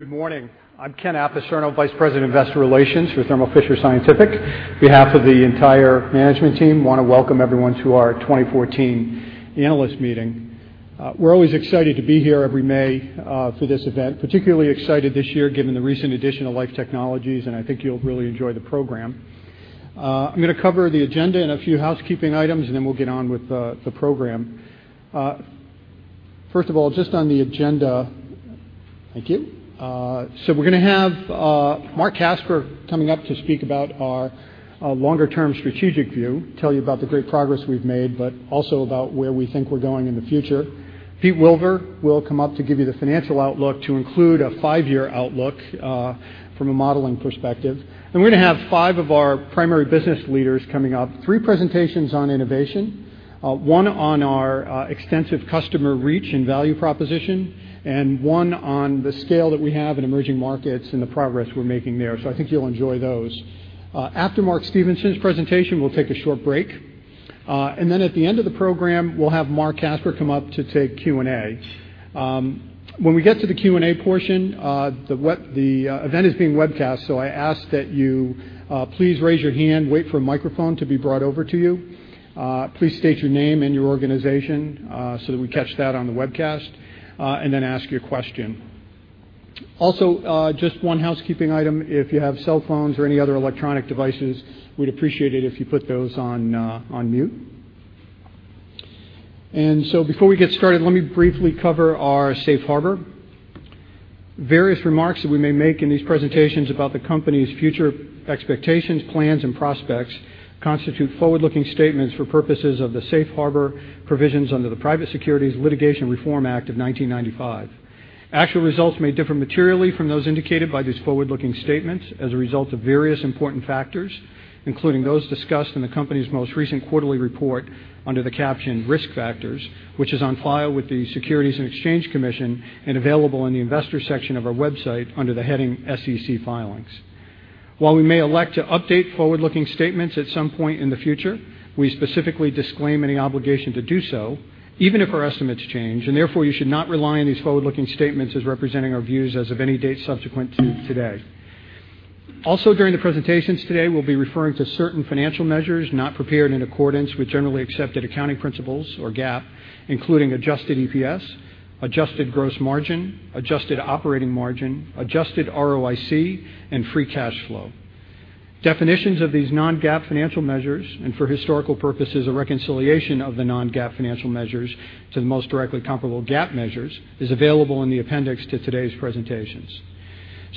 Good morning. I'm Ken Apicerno, Vice President of Investor Relations for Thermo Fisher Scientific. On behalf of the entire management team, want to welcome everyone to our 2014 Analyst Meeting. We're always excited to be here every May for this event, particularly excited this year given the recent addition of Life Technologies, and I think you'll really enjoy the program. I'm going to cover the agenda and a few housekeeping items, and then we'll get on with the program. First of all, just on the agenda. Thank you. We're going to have Marc Casper coming up to speak about our longer term strategic view, tell you about the great progress we've made, but also about where we think we're going in the future. Peter Wilver will come up to give you the financial outlook to include a five-year outlook from a modeling perspective. We're going to have five of our primary business leaders coming up, three presentations on innovation, one on our extensive customer reach and value proposition, and one on the scale that we have in emerging markets and the progress we're making there. I think you'll enjoy those. After Mark Stevenson's presentation, we'll take a short break. Then at the end of the program, we'll have Marc Casper come up to take Q&A. When we get to the Q&A portion, the event is being webcast, so I ask that you please raise your hand, wait for a microphone to be brought over to you. Please state your name and your organization so that we catch that on the webcast, and then ask your question. Also, just one housekeeping item, if you have cell phones or any other electronic devices, we'd appreciate it if you put those on mute. Before we get started, let me briefly cover our safe harbor. Various remarks that we may make in these presentations about the company's future expectations, plans, and prospects constitute forward-looking statements for purposes of the safe harbor provisions under the Private Securities Litigation Reform Act of 1995. Actual results may differ materially from those indicated by these forward-looking statements as a result of various important factors, including those discussed in the company's most recent quarterly report under the caption Risk Factors, which is on file with the Securities and Exchange Commission and available in the investor section of our website under the heading SEC Filings. While we may elect to update forward-looking statements at some point in the future, we specifically disclaim any obligation to do so, even if our estimates change, and therefore, you should not rely on these forward-looking statements as representing our views as of any date subsequent to today. Also, during the presentations today, we'll be referring to certain financial measures not prepared in accordance with generally accepted accounting principles or GAAP, including adjusted EPS, adjusted gross margin, adjusted operating margin, adjusted ROIC, and free cash flow. Definitions of these non-GAAP financial measures, and for historical purposes, a reconciliation of the non-GAAP financial measures to the most directly comparable GAAP measures, is available in the appendix to today's presentations.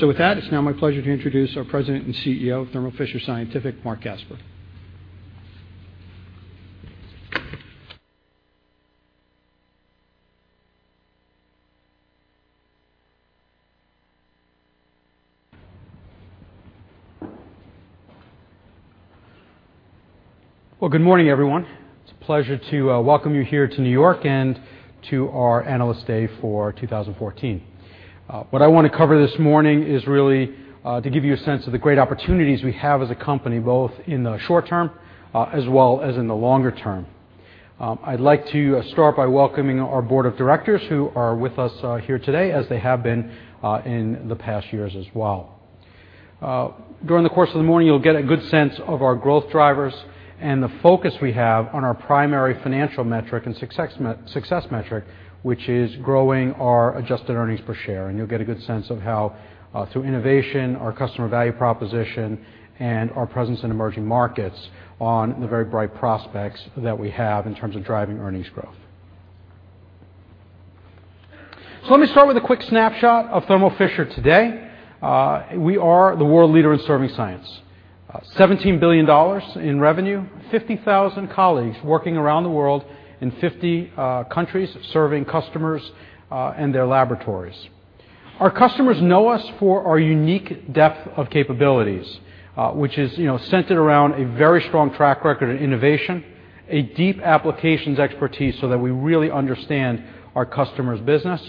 With that, it's now my pleasure to introduce our President and CEO of Thermo Fisher Scientific, Marc Casper. Well, good morning, everyone. It's a pleasure to welcome you here to New York and to our Analyst Day for 2014. What I want to cover this morning is really to give you a sense of the great opportunities we have as a company, both in the short term as well as in the longer term. I'd like to start by welcoming our board of directors who are with us here today, as they have been in the past years as well. During the course of the morning, you'll get a good sense of our growth drivers and the focus we have on our primary financial metric and success metric, which is growing our adjusted earnings per share. You'll get a good sense of how through innovation, our customer value proposition, and our presence in emerging markets on the very bright prospects that we have in terms of driving earnings growth. Let me start with a quick snapshot of Thermo Fisher today. We are the world leader in serving science. $17 billion in revenue, 50,000 colleagues working around the world in 50 countries, serving customers and their laboratories. Our customers know us for our unique depth of capabilities, which is centered around a very strong track record in innovation, a deep applications expertise so that we really understand our customers' business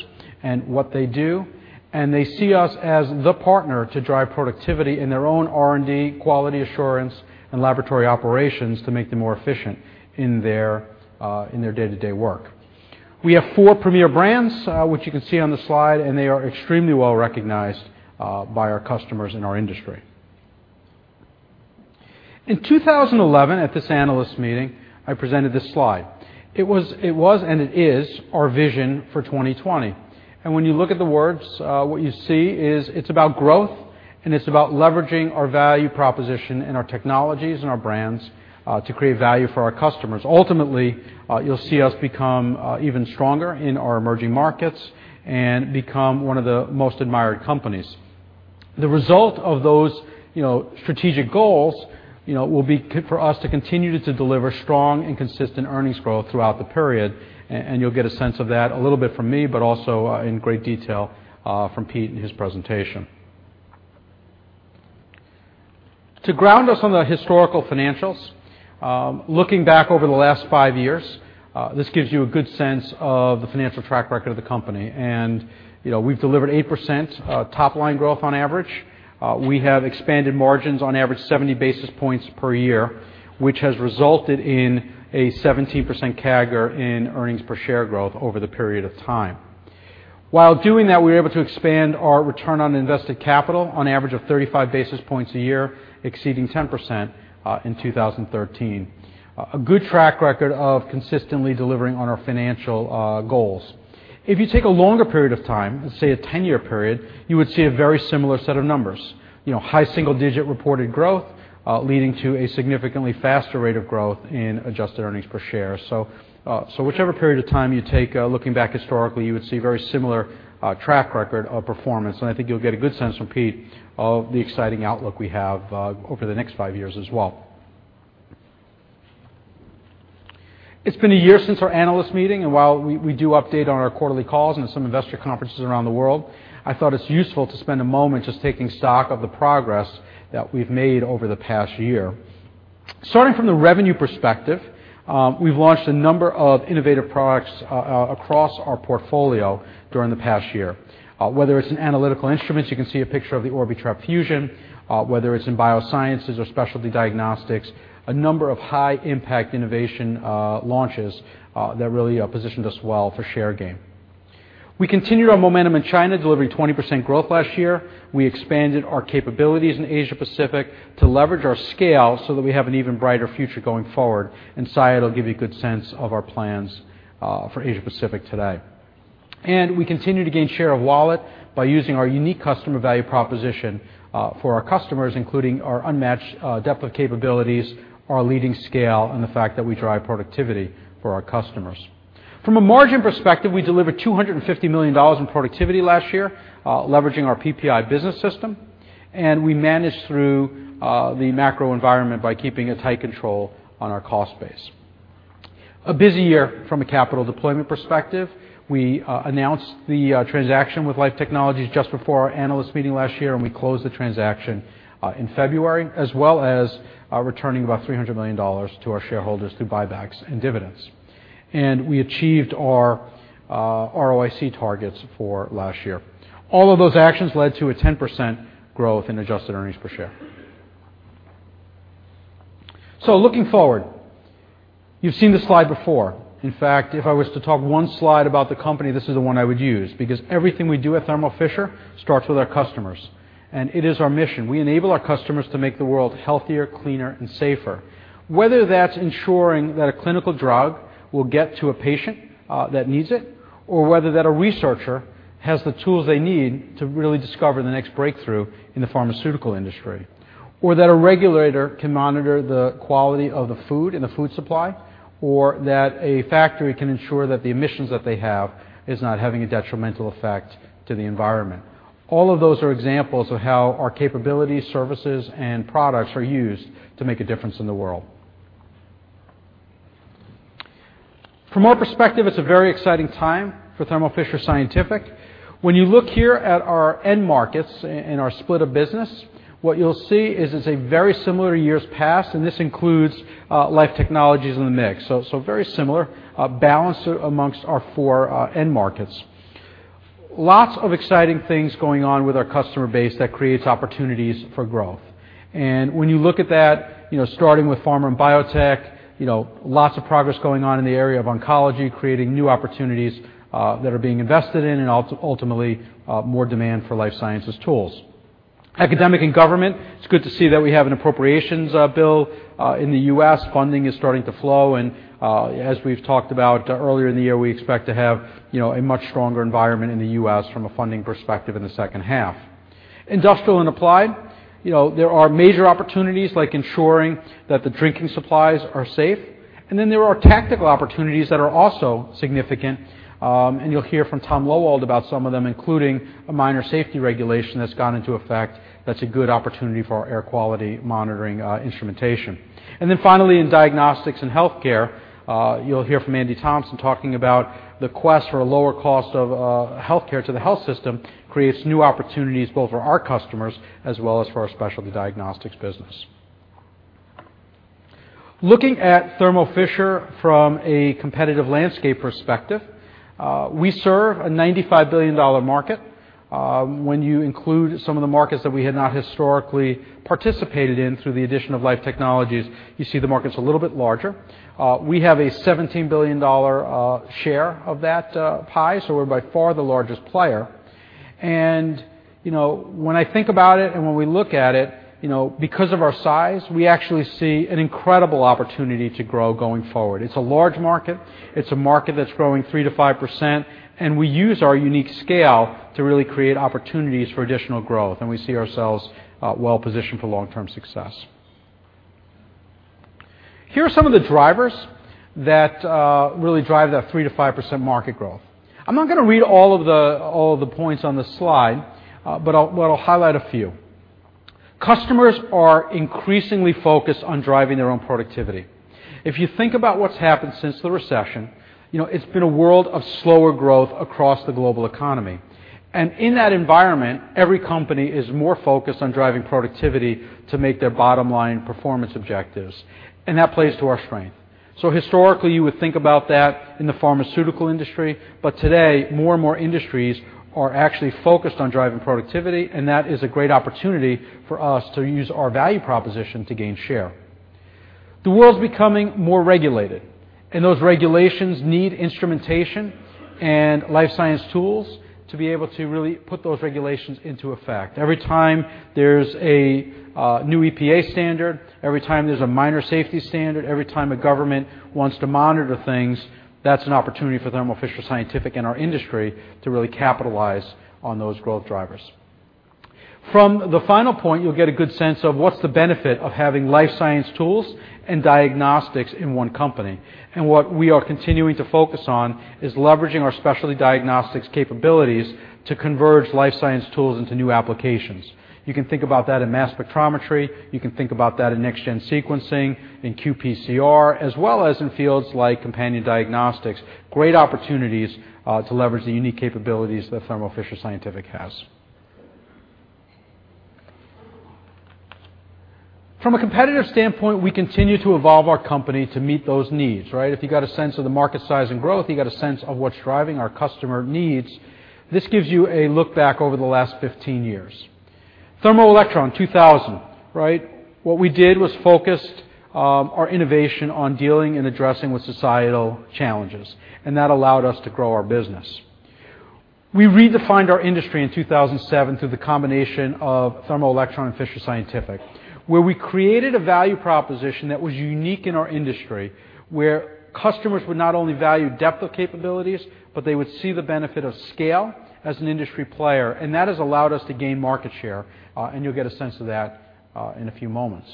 and what they do. They see us as the partner to drive productivity in their own R&D, quality assurance, and laboratory operations to make them more efficient in their day-to-day work. We have four premier brands, which you can see on the slide, and they are extremely well-recognized by our customers in our industry. In 2011, at this analyst meeting, I presented this slide. It was and it is our vision for 2020. When you look at the words, what you see is it's about growth, and it's about leveraging our value proposition and our technologies and our brands to create value for our customers. Ultimately, you'll see us become even stronger in our emerging markets and become one of the most admired companies. The result of those strategic goals will be for us to continue to deliver strong and consistent earnings growth throughout the period. You'll get a sense of that a little bit from me, but also in great detail from Pete in his presentation. To ground us on the historical financials, looking back over the last five years, this gives you a good sense of the financial track record of the company. We've delivered 8% top-line growth on average. We have expanded margins on average 70 basis points per year, which has resulted in a 17% CAGR in earnings per share growth over the period of time. While doing that, we were able to expand our return on invested capital on average of 35 basis points a year, exceeding 10% in 2013. A good track record of consistently delivering on our financial goals. If you take a longer period of time, let's say a 10-year period, you would see a very similar set of numbers. High single-digit reported growth, leading to a significantly faster rate of growth in adjusted earnings per share. Whichever period of time you take, looking back historically, you would see very similar track record of performance, and I think you will get a good sense from Pete of the exciting outlook we have over the next 5 years as well. It's been a year since our analyst meeting, and while we do update on our quarterly calls and some investor conferences around the world, I thought it's useful to spend a moment just taking stock of the progress that we've made over the past year. Starting from the revenue perspective, we've launched a number of innovative products across our portfolio during the past year. Whether it's in Analytical Instruments, you can see a picture of the Orbitrap Fusion, whether it's in biosciences or Specialty Diagnostics, a number of high impact innovation launches that really positioned us well for share gain. We continued our momentum in China, delivering 20% growth last year. We expanded our capabilities in Asia-Pacific to leverage our scale so that we have an even brighter future going forward, and Syed will give you a good sense of our plans for Asia-Pacific today. We continue to gain share of wallet by using our unique customer value proposition for our customers, including our unmatched depth of capabilities, our leading scale, and the fact that we drive productivity for our customers. From a margin perspective, we delivered $250 million in productivity last year, leveraging our PPI business system, and we managed through the macro environment by keeping a tight control on our cost base. A busy year from a capital deployment perspective. We announced the transaction with Life Technologies just before our analyst meeting last year, and we closed the transaction in February, as well as returning about $300 million to our shareholders through buybacks and dividends. We achieved our ROIC targets for last year. All of those actions led to a 10% growth in adjusted earnings per share. Looking forward, you've seen this slide before. In fact, if I was to talk one slide about the company, this is the one I would use, because everything we do at Thermo Fisher starts with our customers, and it is our mission. We enable our customers to make the world healthier, cleaner, and safer. Whether that's ensuring that a clinical drug will get to a patient that needs it, or whether that a researcher has the tools they need to really discover the next breakthrough in the pharmaceutical industry, or that a regulator can monitor the quality of the food in the food supply, or that a factory can ensure that the emissions that they have is not having a detrimental effect to the environment. All of those are examples of how our capabilities, services, and products are used to make a difference in the world. From our perspective, it's a very exciting time for Thermo Fisher Scientific. When you look here at our end markets and our split of business, what you will see is it's a very similar year's past, and this includes Life Technologies in the mix. Very similar balance amongst our four end markets. Lots of exciting things going on with our customer base that creates opportunities for growth. When you look at that, starting with pharma and biotech, lots of progress going on in the area of oncology, creating new opportunities that are being invested in and ultimately more demand for life sciences tools. Academic and government, it's good to see that we have an appropriations bill in the U.S. Funding is starting to flow, as we've talked about earlier in the year, we expect to have a much stronger environment in the U.S. from a funding perspective in the second half. Industrial and applied, there are major opportunities like ensuring that the drinking supplies are safe. Then there are tactical opportunities that are also significant, you'll hear from Tom Loewald about some of them, including a minor safety regulation that's gone into effect that's a good opportunity for our air quality monitoring instrumentation. Then finally, in diagnostics and healthcare, you'll hear from Andy Thomson talking about the quest for a lower cost of healthcare to the health system creates new opportunities both for our customers as well as for our Specialty Diagnostics business. Looking at Thermo Fisher from a competitive landscape perspective, we serve a $95 billion market. When you include some of the markets that we had not historically participated in through the addition of Life Technologies, you see the market's a little bit larger. We have a $17 billion share of that pie, so we're by far the largest player. When I think about it and when we look at it, because of our size, we actually see an incredible opportunity to grow going forward. It's a large market. It's a market that's growing 3%-5%, and we use our unique scale to really create opportunities for additional growth, and we see ourselves well-positioned for long-term success. Here are some of the drivers that really drive that 3%-5% market growth. I'm not going to read all of the points on this slide, but I'll highlight a few. Customers are increasingly focused on driving their own productivity. If you think about what's happened since the recession, it's been a world of slower growth across the global economy. In that environment, every company is more focused on driving productivity to meet their bottom line performance objectives, and that plays to our strength. Historically, you would think about that in the pharmaceutical industry, but today more and more industries are actually focused on driving productivity, and that is a great opportunity for us to use our value proposition to gain share. The world's becoming more regulated, and those regulations need instrumentation and life science tools to be able to really put those regulations into effect. Every time there's a new EPA standard, every time there's a minor safety standard, every time a government wants to monitor things, that's an opportunity for Thermo Fisher Scientific and our industry to really capitalize on those growth drivers. From the final point, you'll get a good sense of what's the benefit of having life science tools and diagnostics in one company. What we are continuing to focus on is leveraging our Specialty Diagnostics capabilities to converge life science tools into new applications. You can think about that in mass spectrometry, you can think about that in next-gen sequencing, in qPCR, as well as in fields like companion diagnostics. Great opportunities to leverage the unique capabilities that Thermo Fisher Scientific has. From a competitive standpoint, we continue to evolve our company to meet those needs. If you got a sense of the market size and growth, you got a sense of what's driving our customer needs. This gives you a look back over the last 15 years. Thermo Electron 2000. What we did was focused our innovation on dealing and addressing with societal challenges. That allowed us to grow our business. We redefined our industry in 2007 through the combination of Thermo Electron and Fisher Scientific, where we created a value proposition that was unique in our industry, where customers would not only value depth of capabilities, but they would see the benefit of scale as an industry player. That has allowed us to gain market share, and you'll get a sense of that in a few moments.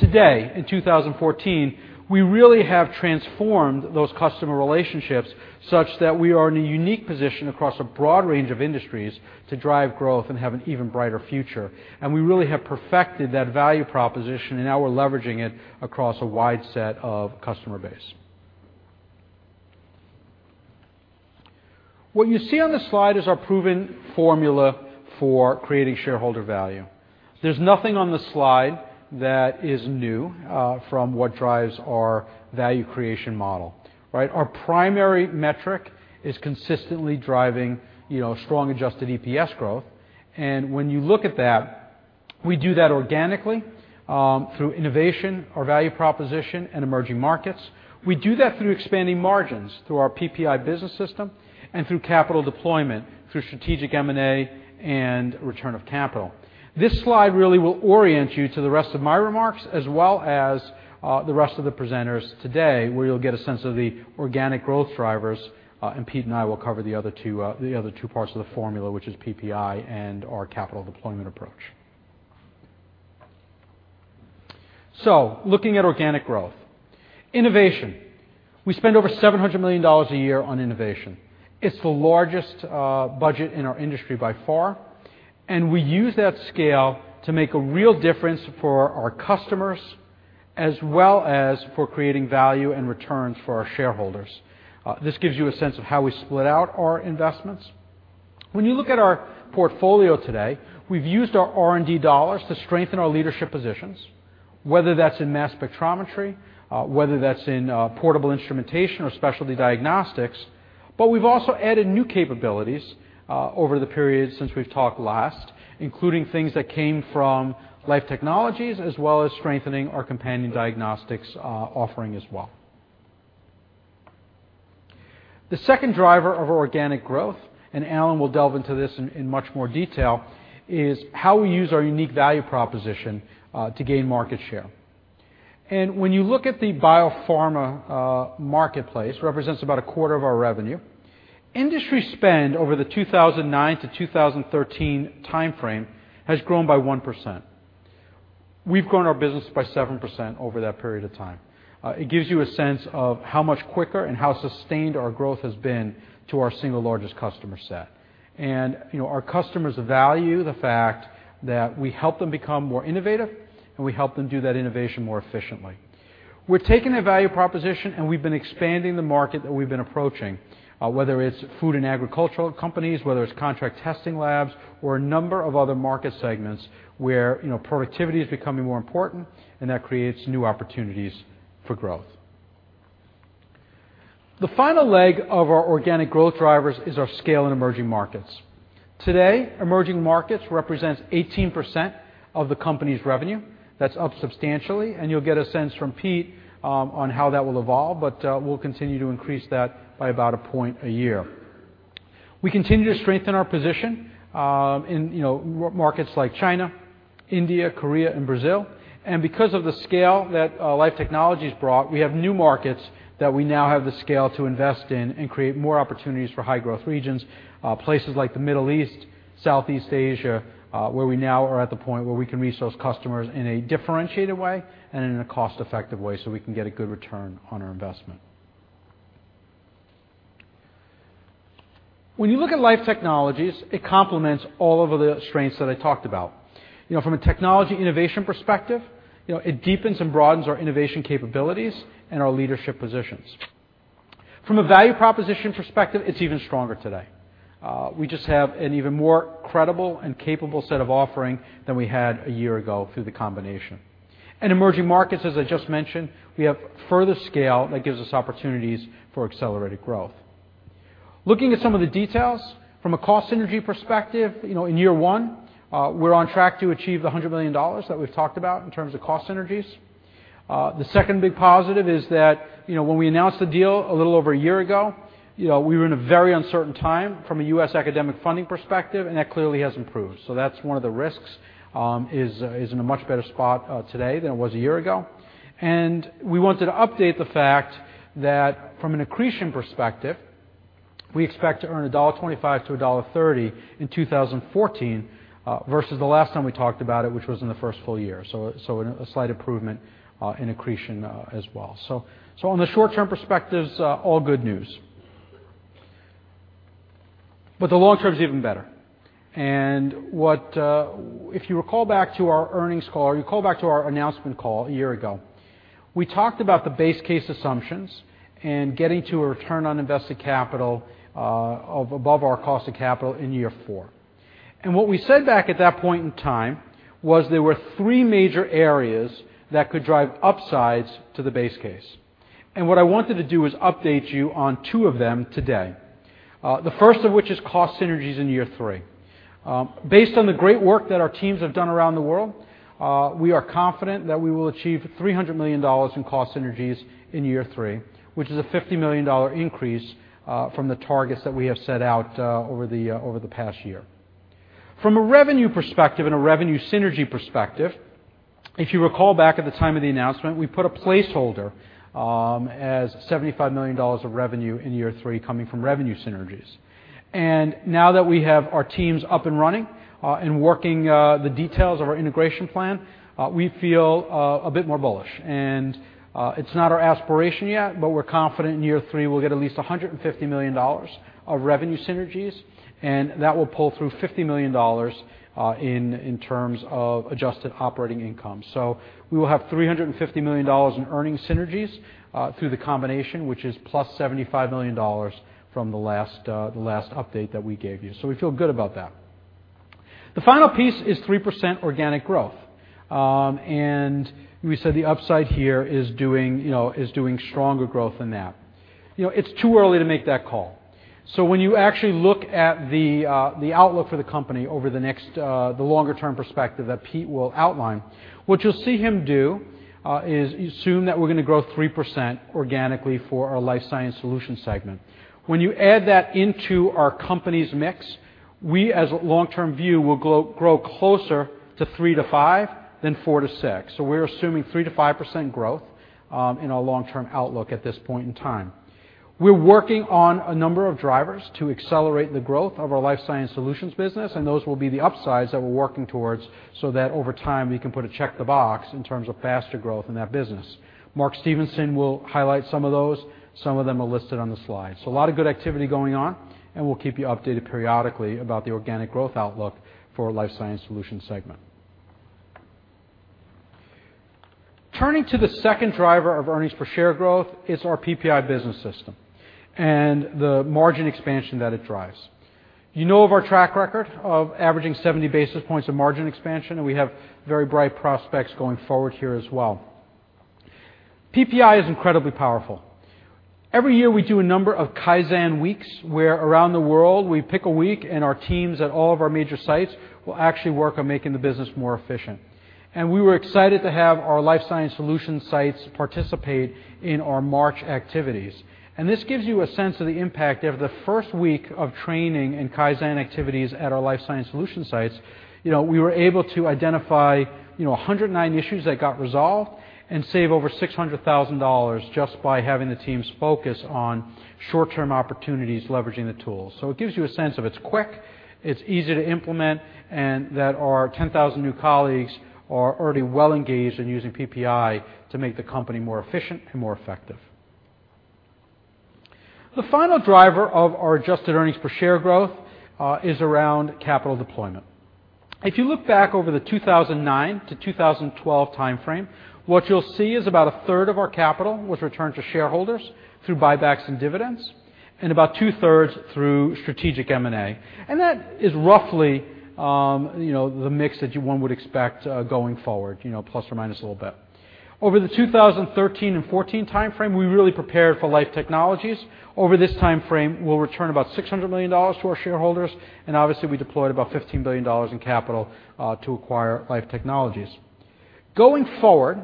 Today, in 2014, we really have transformed those customer relationships such that we are in a unique position across a broad range of industries to drive growth and have an even brighter future. We really have perfected that value proposition and now we're leveraging it across a wide set of customer base. What you see on this slide is our proven formula for creating shareholder value. There's nothing on this slide that is new from what drives our value creation model. Our primary metric is consistently driving strong adjusted EPS growth, and when you look at that, we do that organically through innovation, our value proposition, and emerging markets. We do that through expanding margins, through our PPI business system, and through capital deployment, through strategic M&A and return of capital. This slide really will orient you to the rest of my remarks as well as the rest of the presenters today, where you'll get a sense of the organic growth drivers. Pete and I will cover the other two parts of the formula, which is PPI and our capital deployment approach. Looking at organic growth. Innovation. We spend over $700 million a year on innovation. It's the largest budget in our industry by far. We use that scale to make a real difference for our customers as well as for creating value and returns for our shareholders. This gives you a sense of how we split out our investments. When you look at our portfolio today, we've used our R&D dollars to strengthen our leadership positions, whether that's in mass spectrometry, whether that's in portable instrumentation or Specialty Diagnostics, but we've also added new capabilities over the period since we've talked last, including things that came from Life Technologies as well as strengthening our companion diagnostics offering as well. The second driver of organic growth, Alan will delve into this in much more detail, is how we use our unique value proposition to gain market share. When you look at the biopharma marketplace, represents about a quarter of our revenue, industry spend over the 2009 to 2013 timeframe has grown by 1%. We've grown our business by 7% over that period of time. It gives you a sense of how much quicker and how sustained our growth has been to our single largest customer set. Our customers value the fact that we help them become more innovative, and we help them do that innovation more efficiently. We've been expanding the market that we've been approaching, whether it's food and agricultural companies, whether it's contract testing labs, or a number of other market segments where productivity is becoming more important and that creates new opportunities for growth. The final leg of our organic growth drivers is our scale in emerging markets. Today, emerging markets represents 18% of the company's revenue. That's up substantially, and you'll get a sense from Pete on how that will evolve, but we'll continue to increase that by about a point a year. We continue to strengthen our position in markets like China, India, Korea, and Brazil. Because of the scale that Life Technologies brought, we have new markets that we now have the scale to invest in and create more opportunities for high growth regions, places like the Middle East, Southeast Asia, where we now are at the point where we can reach those customers in a differentiated way and in a cost-effective way so we can get a good return on our investment. When you look at Life Technologies, it complements all of the strengths that I talked about. From a technology innovation perspective, it deepens and broadens our innovation capabilities and our leadership positions. From a value proposition perspective, it's even stronger today. We just have an even more credible and capable set of offering than we had a year ago through the combination. In emerging markets, as I just mentioned, we have further scale that gives us opportunities for accelerated growth. Looking at some of the details from a cost synergy perspective, in year one, we're on track to achieve the $100 million that we've talked about in terms of cost synergies. The second big positive is that, when we announced the deal a little over a year ago, we were in a very uncertain time from a U.S. academic funding perspective, and that clearly has improved. That's one of the risks, is in a much better spot today than it was a year ago. We wanted to update the fact that from an accretion perspective, we expect to earn $1.25 to $1.30 in 2014 versus the last time we talked about it, which was in the first full year. A slight improvement in accretion as well. On the short-term perspectives, all good news. The long term is even better. If you recall back to our earnings call, or you recall back to our announcement call a year ago, we talked about the base case assumptions and getting to a return on invested capital above our cost of capital in year four. What we said back at that point in time was there were three major areas that could drive upsides to the base case. What I wanted to do is update you on two of them today. The first of which is cost synergies in year three. Based on the great work that our teams have done around the world, we are confident that we will achieve $300 million in cost synergies in year three, which is a $50 million increase from the targets that we have set out over the past year. From a revenue perspective and a revenue synergy perspective, if you recall back at the time of the announcement, we put a placeholder as $75 million of revenue in year three coming from revenue synergies. Now that we have our teams up and running and working the details of our integration plan, we feel a bit more bullish. It's not our aspiration yet, but we're confident in year three we'll get at least $150 million of revenue synergies, and that will pull through $50 million in terms of adjusted operating income. We will have $350 million in earnings synergies through the combination, which is plus $75 million from the last update that we gave you. We feel good about that. The final piece is 3% organic growth. We said the upside here is doing stronger growth than that. It's too early to make that call. When you actually look at the outlook for the company over the longer-term perspective that Pete will outline, what you'll see him do is assume that we're going to grow 3% organically for our Life Sciences Solutions segment. When you add that into our company's mix, we, as a long-term view, will grow closer to 3 to 5 than 4 to 6. We're assuming 3 to 5% growth in our long-term outlook at this point in time. We're working on a number of drivers to accelerate the growth of our Life Sciences Solutions business, and those will be the upsides that we're working towards so that over time, we can put a check the box in terms of faster growth in that business. Mark Stevenson will highlight some of those. Some of them are listed on the slide. A lot of good activity going on, and we'll keep you updated periodically about the organic growth outlook for our Life Sciences Solutions segment. Turning to the second driver of earnings per share growth is our PPI business system and the margin expansion that it drives. You know of our track record of averaging 70 basis points of margin expansion, and we have very bright prospects going forward here as well. PPI is incredibly powerful. Every year, we do a number of Kaizen weeks where around the world, we pick a week and our teams at all of our major sites will actually work on making the business more efficient. We were excited to have our Life Sciences Solutions sites participate in our March activities. This gives you a sense of the impact of the first week of training and Kaizen activities at our Life Sciences Solutions sites. We were able to identify 109 issues that got resolved and save over $600,000 just by having the teams focus on short-term opportunities leveraging the tool. It gives you a sense of it's quick, it's easy to implement, and that our 10,000 new colleagues are already well engaged in using PPI to make the company more efficient and more effective. The final driver of our adjusted earnings per share growth is around capital deployment. If you look back over the 2009-2012 timeframe, what you'll see is about a third of our capital was returned to shareholders through buybacks and dividends, and about two-thirds through strategic M&A. That is roughly the mix that one would expect going forward, plus or minus a little bit. Over the 2013 and 2014 timeframe, we really prepared for Life Technologies. Over this timeframe, we'll return about $600 million to our shareholders, and obviously, we deployed about $15 billion in capital to acquire Life Technologies. Going forward,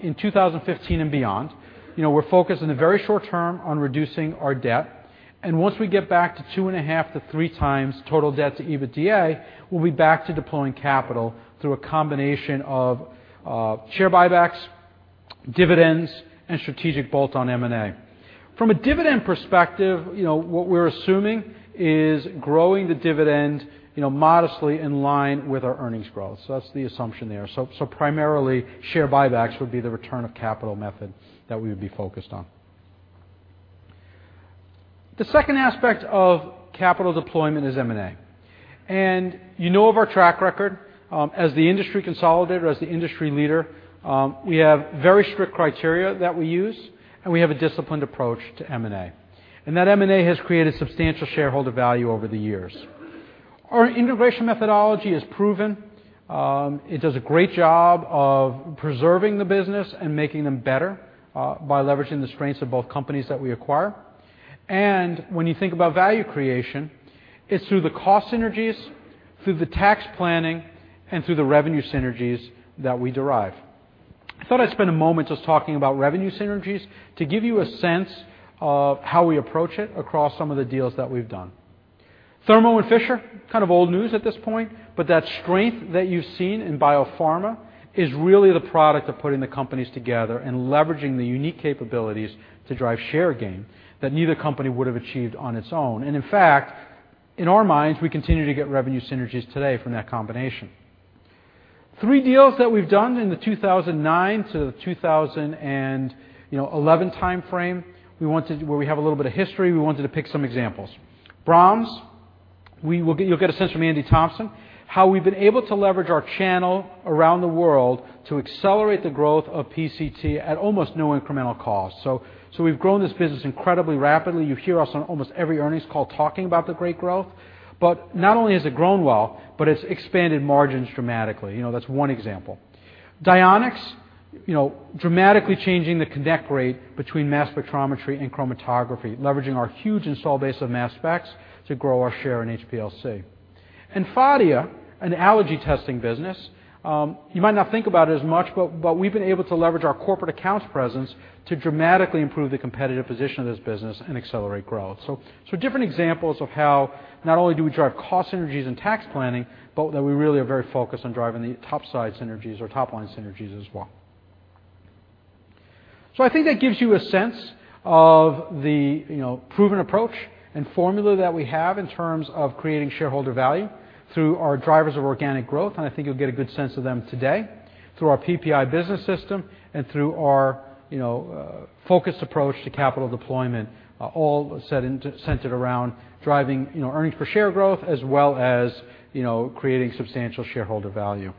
in 2015 and beyond, we're focused in the very short term on reducing our debt, and once we get back to two and a half to three times total debt to EBITDA, we'll be back to deploying capital through a combination of share buybacks, dividends, and strategic bolt-on M&A. From a dividend perspective, what we're assuming is growing the dividend modestly in line with our earnings growth. So that's the assumption there. Primarily, share buybacks would be the return of capital method that we would be focused on. The second aspect of capital deployment is M&A. You know of our track record as the industry consolidator, as the industry leader, we have very strict criteria that we use, and we have a disciplined approach to M&A. That M&A has created substantial shareholder value over the years. Our integration methodology is proven. It does a great job of preserving the business and making them better by leveraging the strengths of both companies that we acquire. When you think about value creation, it's through the cost synergies, through the tax planning, and through the revenue synergies that we derive. I thought I'd spend a moment just talking about revenue synergies to give you a sense of how we approach it across some of the deals that we've done. Thermo and Fisher, kind of old news at this point, but that strength that you've seen in biopharma is really the product of putting the companies together and leveraging the unique capabilities to drive share gain that neither company would have achieved on its own. In fact, in our minds, we continue to get revenue synergies today from that combination. Three deals that we've done in the 2009-2011 timeframe, where we have a little bit of history, we wanted to pick some examples. B·R·A·H·M·S, you'll get a sense from Andy Thomson how we've been able to leverage our channel around the world to accelerate the growth of PCT at almost no incremental cost. We've grown this business incredibly rapidly. You hear us on almost every earnings call talking about the great growth. But not only has it grown well, but it's expanded margins dramatically. That's one example. Dionex, dramatically changing the connect rate between mass spectrometry and chromatography, leveraging our huge install base of mass specs to grow our share in HPLC. Phadia, an allergy testing business, you might not think about it as much, but we've been able to leverage our corporate accounts presence to dramatically improve the competitive position of this business and accelerate growth. So different examples of how not only do we drive cost synergies and tax planning, but that we really are very focused on driving the top side synergies or top line synergies as well. I think that gives you a sense of the proven approach and formula that we have in terms of creating shareholder value through our drivers of organic growth, and I think you'll get a good sense of them today, through our PPI business system and through our focused approach to capital deployment, all centered around driving earnings per share growth as well as creating substantial shareholder value.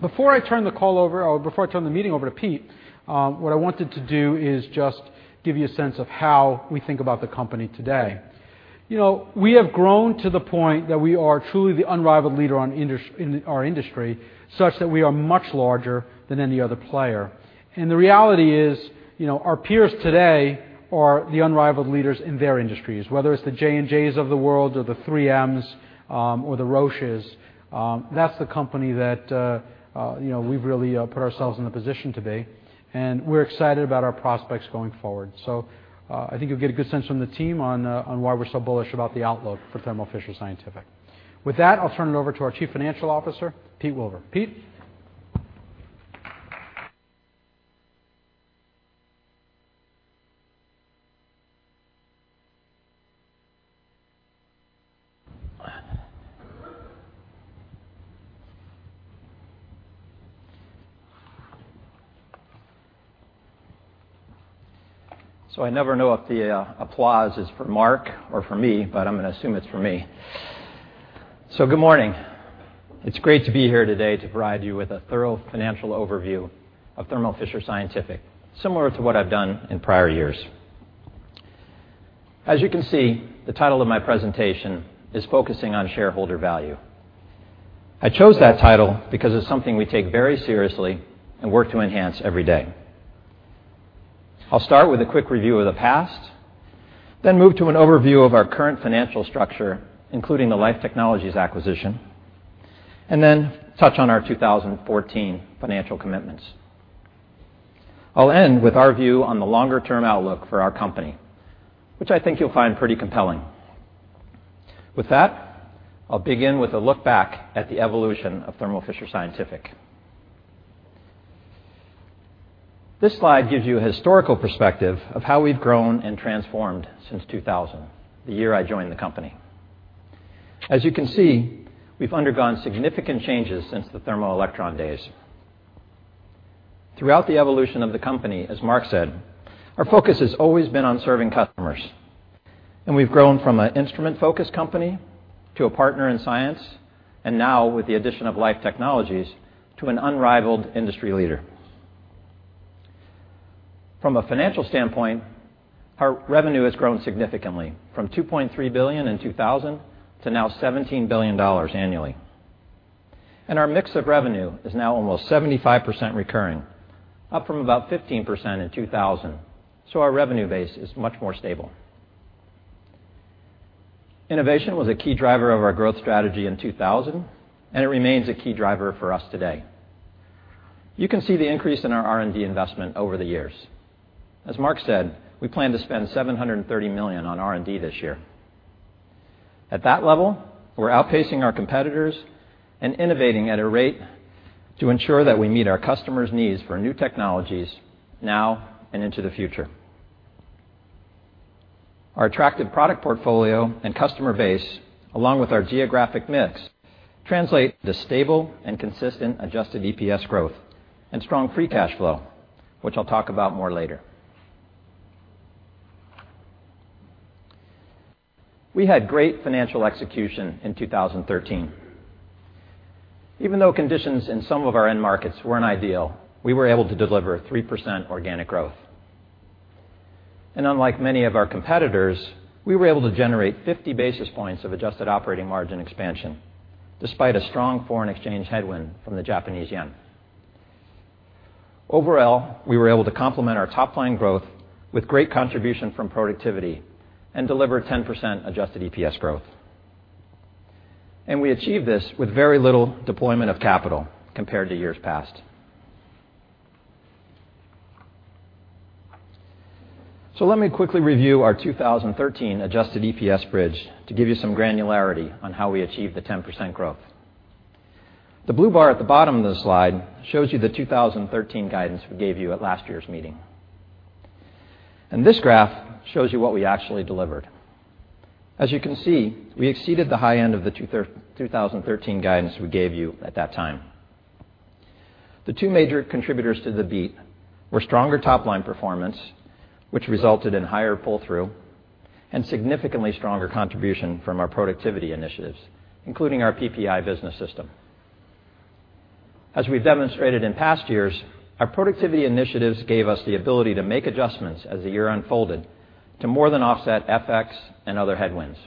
Before I turn the meeting over to Pete, what I wanted to do is just give you a sense of how we think about the company today. We have grown to the point that we are truly the unrivaled leader in our industry, such that we are much larger than any other player. The reality is, our peers today are the unrivaled leaders in their industries, whether it's the J&Js of the world or the 3Ms, or the Roches, that's the company that we've really put ourselves in the position to be. We're excited about our prospects going forward. I think you'll get a good sense from the team on why we're so bullish about the outlook for Thermo Fisher Scientific. With that, I'll turn it over to our Chief Financial Officer, Pete Wilver. Pete? I never know if the applause is for Marc or for me, but I'm going to assume it's for me. Good morning. It's great to be here today to provide you with a thorough financial overview of Thermo Fisher Scientific, similar to what I've done in prior years. As you can see, the title of my presentation is focusing on shareholder value. I chose that title because it's something we take very seriously and work to enhance every day. I'll start with a quick review of the past, then move to an overview of our current financial structure, including the Life Technologies acquisition, and then touch on our 2014 financial commitments. I'll end with our view on the longer-term outlook for our company, which I think you'll find pretty compelling. With that, I'll begin with a look back at the evolution of Thermo Fisher Scientific. This slide gives you a historical perspective of how we've grown and transformed since 2000, the year I joined the company. As you can see, we've undergone significant changes since the Thermo Electron days. Throughout the evolution of the company, as Mark said, our focus has always been on serving customers. We've grown from an instrument-focused company to a partner in science, and now with the addition of Life Technologies, to an unrivaled industry leader. From a financial standpoint, our revenue has grown significantly from $2.3 billion in 2000 to now $17 billion annually. Our mix of revenue is now almost 75% recurring, up from about 15% in 2000. Our revenue base is much more stable. Innovation was a key driver of our growth strategy in 2000, and it remains a key driver for us today. You can see the increase in our R&D investment over the years. As Mark said, we plan to spend $730 million on R&D this year. At that level, we're outpacing our competitors and innovating at a rate to ensure that we meet our customers' needs for new technologies now and into the future. Our attractive product portfolio and customer base, along with our geographic mix, translate to stable and consistent adjusted EPS growth and strong free cash flow. Which I'll talk about more later. We had great financial execution in 2013. Even though conditions in some of our end markets weren't ideal, we were able to deliver 3% organic growth. Unlike many of our competitors, we were able to generate 50 basis points of adjusted operating margin expansion, despite a strong foreign exchange headwind from the Japanese yen. Overall, we were able to complement our top-line growth with great contribution from productivity and deliver 10% adjusted EPS growth. We achieved this with very little deployment of capital compared to years past. Let me quickly review our 2013 adjusted EPS bridge to give you some granularity on how we achieved the 10% growth. The blue bar at the bottom of the slide shows you the 2013 guidance we gave you at last year's meeting. This graph shows you what we actually delivered. As you can see, we exceeded the high end of the 2013 guidance we gave you at that time. The two major contributors to the beat were stronger top-line performance, which resulted in higher pull-through, and significantly stronger contribution from our productivity initiatives, including our PPI business system. As we've demonstrated in past years, our productivity initiatives gave us the ability to make adjustments as the year unfolded to more than offset FX and other headwinds.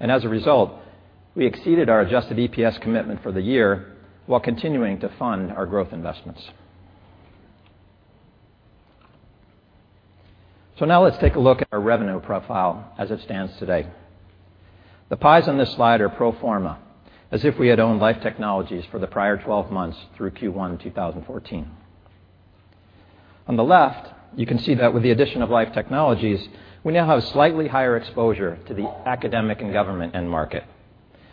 As a result, we exceeded our adjusted EPS commitment for the year while continuing to fund our growth investments. Now let's take a look at our revenue profile as it stands today. The pies on this slide are pro forma, as if we had owned Life Technologies for the prior 12 months through Q1 2014. On the left, you can see that with the addition of Life Technologies, we now have slightly higher exposure to the academic and government end market,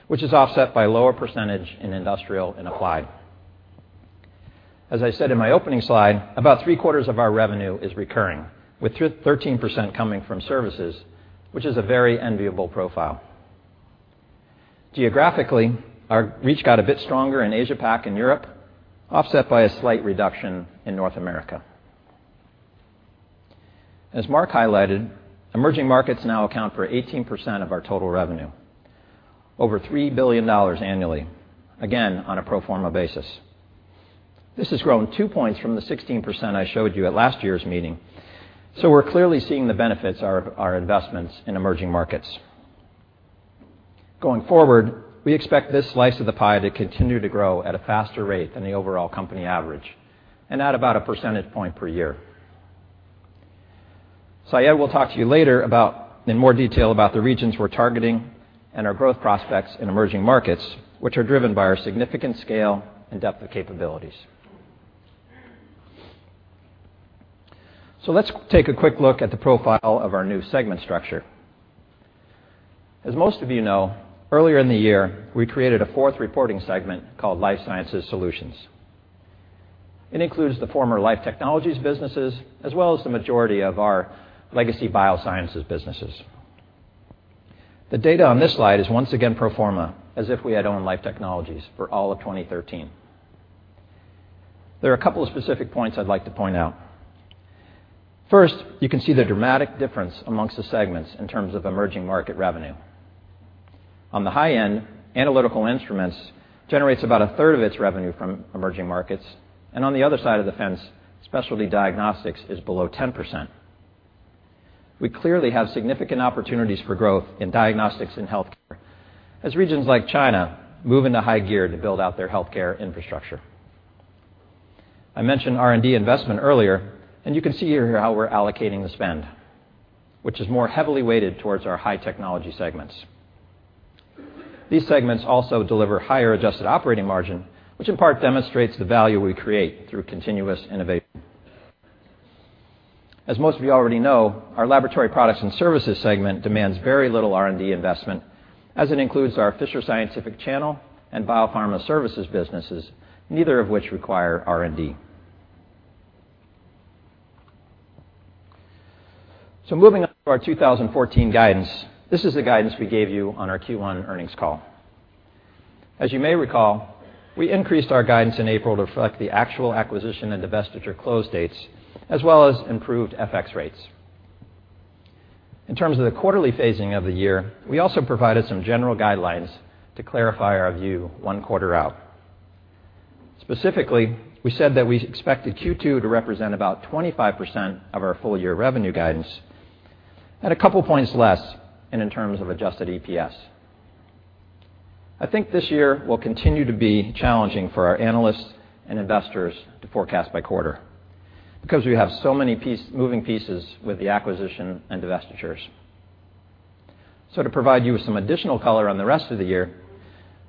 which is offset by a lower percentage in industrial and applied. As I said in my opening slide, about three-quarters of our revenue is recurring, with 13% coming from services, which is a very enviable profile. Geographically, our reach got a bit stronger in Asia-Pac and Europe, offset by a slight reduction in North America. As Mark highlighted, emerging markets now account for 18% of our total revenue, over $3 billion annually, again, on a pro forma basis. This has grown two points from the 16% I showed you at last year's meeting. We're clearly seeing the benefits of our investments in emerging markets. Going forward, we expect this slice of the pie to continue to grow at a faster rate than the overall company average and at about a percentage point per year. Syed will talk to you later in more detail about the regions we're targeting and our growth prospects in emerging markets, which are driven by our significant scale and depth of capabilities. Let's take a quick look at the profile of our new segment structure. As most of you know, earlier in the year, we created a fourth reporting segment called Life Sciences Solutions. It includes the former Life Technologies businesses as well as the majority of our legacy Biosciences businesses. The data on this slide is once again pro forma, as if we had owned Life Technologies for all of 2013. There are a couple of specific points I'd like to point out. First, you can see the dramatic difference amongst the segments in terms of emerging market revenue. On the high end, Analytical Instruments generates about a third of its revenue from emerging markets, and on the other side of the fence, Specialty Diagnostics is below 10%. We clearly have significant opportunities for growth in diagnostics and healthcare as regions like China move into high gear to build out their healthcare infrastructure. I mentioned R&D investment earlier, and you can see here how we're allocating the spend, which is more heavily weighted towards our high technology segments. These segments also deliver higher adjusted operating margin, which in part demonstrates the value we create through continuous innovation. As most of you already know, our Laboratory Products and Services segment demands very little R&D investment as it includes our Fisher Scientific channel and Biopharma Services businesses, neither of which require R&D. Moving on to our 2014 guidance, this is the guidance we gave you on our Q1 earnings call. As you may recall, we increased our guidance in April to reflect the actual acquisition and divestiture close dates, as well as improved FX rates. In terms of the quarterly phasing of the year, we also provided some general guidelines to clarify our view one quarter out. Specifically, we said that we expected Q2 to represent about 25% of our full-year revenue guidance and a couple points less in terms of adjusted EPS. I think this year will continue to be challenging for our analysts and investors to forecast by quarter because we have so many moving pieces with the acquisition and divestitures. To provide you with some additional color on the rest of the year,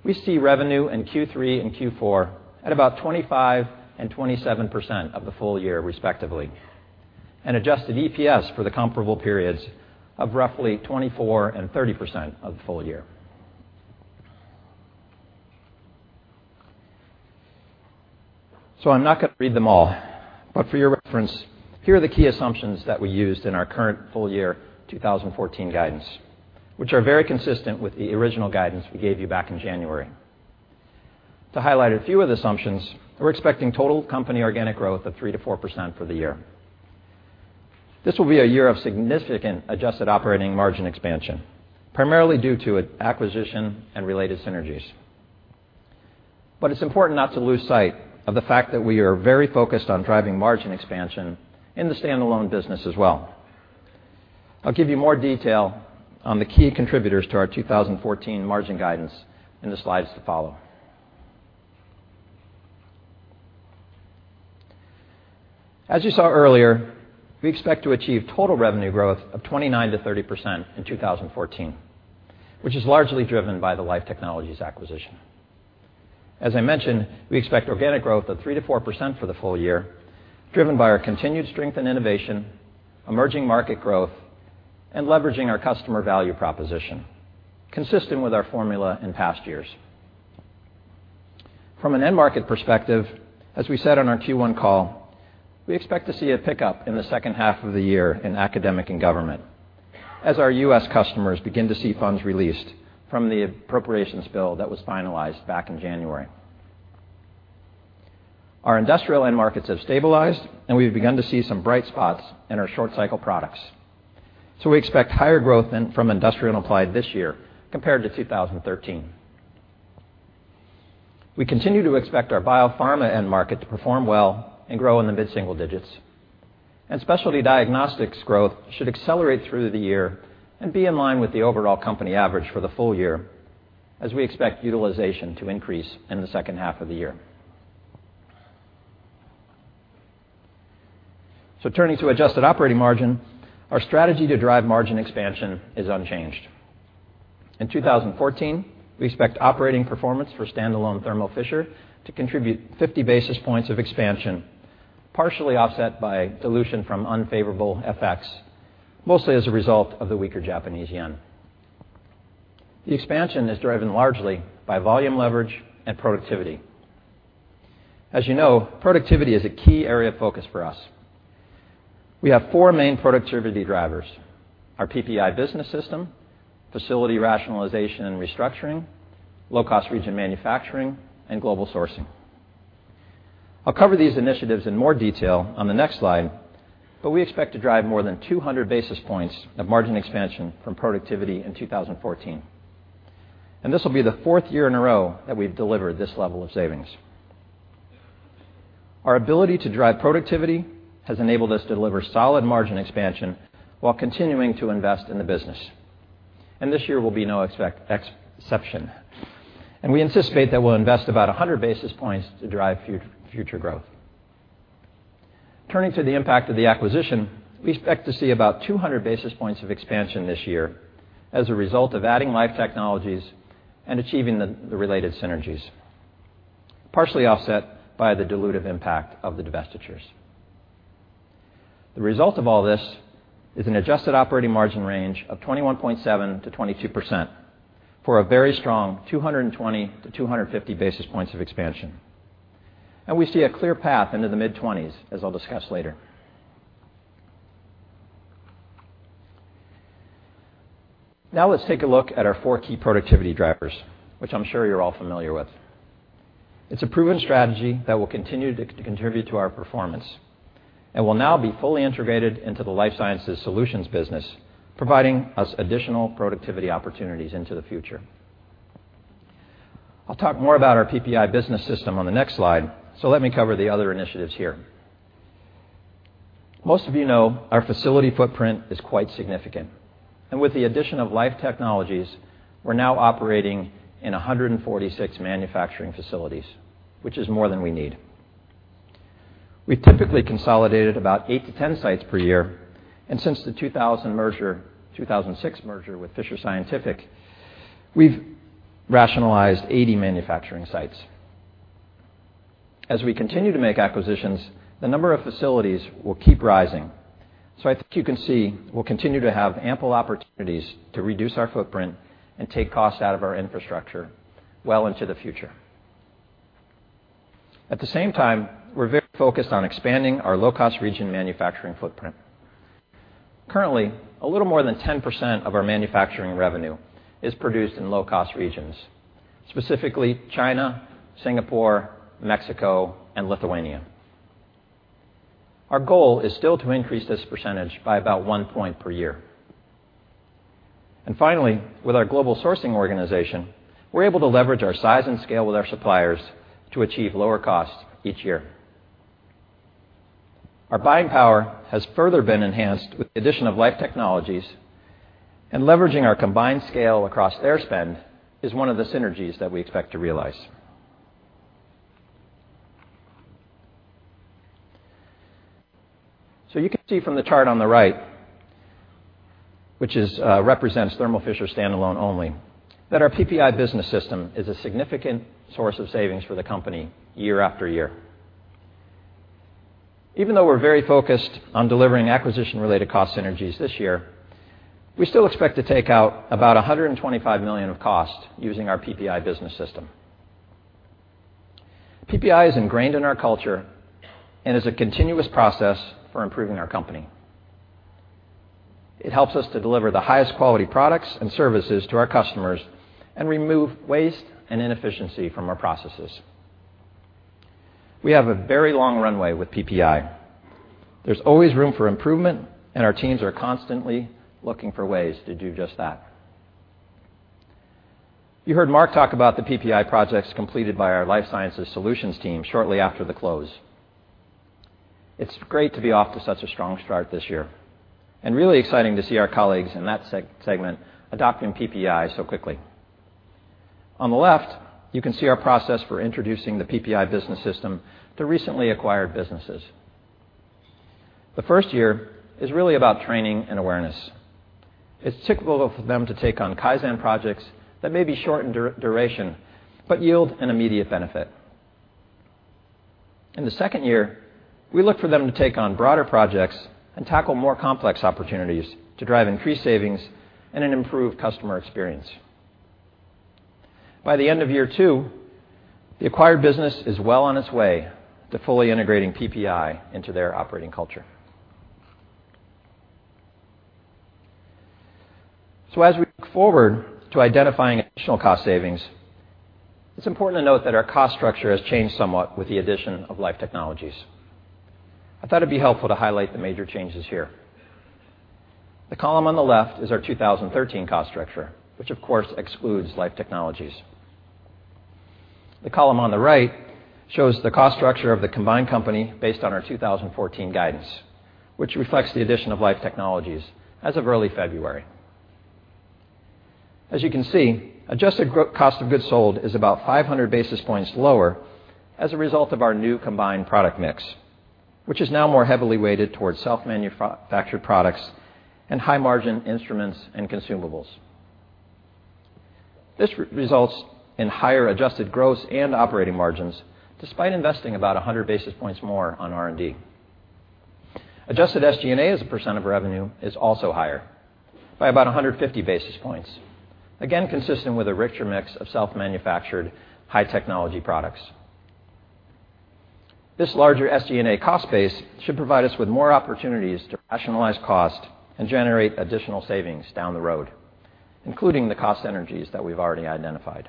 we see revenue in Q3 and Q4 at about 25% and 27% of the full year, respectively, and adjusted EPS for the comparable periods of roughly 24% and 30% of the full year. I'm not going to read them all, but for your reference, here are the key assumptions that we used in our current full-year 2014 guidance, which are very consistent with the original guidance we gave you back in January. To highlight a few of the assumptions, we're expecting total company organic growth of 3%-4% for the year. This will be a year of significant adjusted operating margin expansion, primarily due to acquisition and related synergies. It's important not to lose sight of the fact that we are very focused on driving margin expansion in the standalone business as well. I'll give you more detail on the key contributors to our 2014 margin guidance in the slides to follow. As you saw earlier, we expect to achieve total revenue growth of 29%-30% in 2014, which is largely driven by the Life Technologies acquisition. As I mentioned, we expect organic growth of 3%-4% for the full year, driven by our continued strength in innovation, emerging market growth, and leveraging our customer value proposition, consistent with our formula in past years. From an end market perspective, as we said on our Q1 call, we expect to see a pickup in the second half of the year in academic and government as our U.S. customers begin to see funds released from the appropriations bill that was finalized back in January. Our industrial end markets have stabilized, and we've begun to see some bright spots in our short cycle products. We expect higher growth from industrial and applied this year compared to 2013. We continue to expect our biopharma end market to perform well and grow in the mid-single digits. Specialty Diagnostics growth should accelerate through the year and be in line with the overall company average for the full year, as we expect utilization to increase in the second half of the year. Turning to adjusted operating margin, our strategy to drive margin expansion is unchanged. In 2014, we expect operating performance for standalone Thermo Fisher to contribute 50 basis points of expansion, partially offset by dilution from unfavorable FX, mostly as a result of the weaker Japanese yen. The expansion is driven largely by volume leverage and productivity. As you know, productivity is a key area of focus for us. We have four main productivity drivers: our PPI business system, facility rationalization and restructuring, low-cost region manufacturing, and global sourcing. I'll cover these initiatives in more detail on the next slide, but we expect to drive more than 200 basis points of margin expansion from productivity in 2014. This will be the fourth year in a row that we've delivered this level of savings. Our ability to drive productivity has enabled us to deliver solid margin expansion while continuing to invest in the business. This year will be no exception. We anticipate that we'll invest about 100 basis points to drive future growth. Turning to the impact of the acquisition, we expect to see about 200 basis points of expansion this year as a result of adding Life Technologies and achieving the related synergies, partially offset by the dilutive impact of the divestitures. The result of all this is an adjusted operating margin range of 21.7%-22%, for a very strong 220 to 250 basis points of expansion. We see a clear path into the mid-20s, as I'll discuss later. Let's take a look at our four key productivity drivers, which I'm sure you're all familiar with. It's a proven strategy that will continue to contribute to our performance and will now be fully integrated into the Life Sciences Solutions business, providing us additional productivity opportunities into the future. I'll talk more about our PPI business system on the next slide, let me cover the other initiatives here. Most of you know our facility footprint is quite significant. With the addition of Life Technologies, we're now operating in 146 manufacturing facilities, which is more than we need. We typically consolidated about eight to 10 sites per year, and since the 2006 merger with Fisher Scientific, we've rationalized 80 manufacturing sites. As we continue to make acquisitions, the number of facilities will keep rising. I think you can see we'll continue to have ample opportunities to reduce our footprint and take costs out of our infrastructure well into the future. At the same time, we're very focused on expanding our low-cost region manufacturing footprint. Currently, a little more than 10% of our manufacturing revenue is produced in low-cost regions, specifically China, Singapore, Mexico, and Lithuania. Our goal is still to increase this percentage by about 1 point per year. Finally, with our global sourcing organization, we're able to leverage our size and scale with our suppliers to achieve lower costs each year. Our buying power has further been enhanced with the addition of Life Technologies, and leveraging our combined scale across their spend is one of the synergies that we expect to realize. You can see from the chart on the right, which represents Thermo Fisher standalone only, that our PPI business system is a significant source of savings for the company year after year. Even though we're very focused on delivering acquisition-related cost synergies this year, we still expect to take out about $125 million of cost using our PPI business system. PPI is ingrained in our culture and is a continuous process for improving our company. It helps us to deliver the highest quality products and services to our customers and remove waste and inefficiency from our processes. We have a very long runway with PPI. There's always room for improvement, and our teams are constantly looking for ways to do just that. You heard Mark talk about the PPI projects completed by our Life Sciences Solutions team shortly after the close. It's great to be off to such a strong start this year, and really exciting to see our colleagues in that segment adopting PPI so quickly. On the left, you can see our process for introducing the PPI business system to recently acquired businesses. The first year is really about training and awareness. It's typical of them to take on Kaizen projects that may be short in duration but yield an immediate benefit. In the second year, we look for them to take on broader projects and tackle more complex opportunities to drive increased savings and an improved customer experience. By the end of year 2, the acquired business is well on its way to fully integrating PPI into their operating culture. As we look forward to identifying additional cost savings, it's important to note that our cost structure has changed somewhat with the addition of Life Technologies. I thought it'd be helpful to highlight the major changes here. The column on the left is our 2013 cost structure, which of course excludes Life Technologies. The column on the right shows the cost structure of the combined company based on our 2014 guidance, which reflects the addition of Life Technologies as of early February. As you can see, adjusted cost of goods sold is about 500 basis points lower as a result of our new combined product mix, which is now more heavily weighted towards self-manufactured products and high-margin instruments and consumables. This results in higher adjusted gross and operating margins, despite investing about 100 basis points more on R&D. Adjusted SG&A as a percent of revenue is also higher by about 150 basis points. Again, consistent with a richer mix of self-manufactured high-technology products. This larger SG&A cost base should provide us with more opportunities to rationalize cost and generate additional savings down the road, including the cost synergies that we've already identified.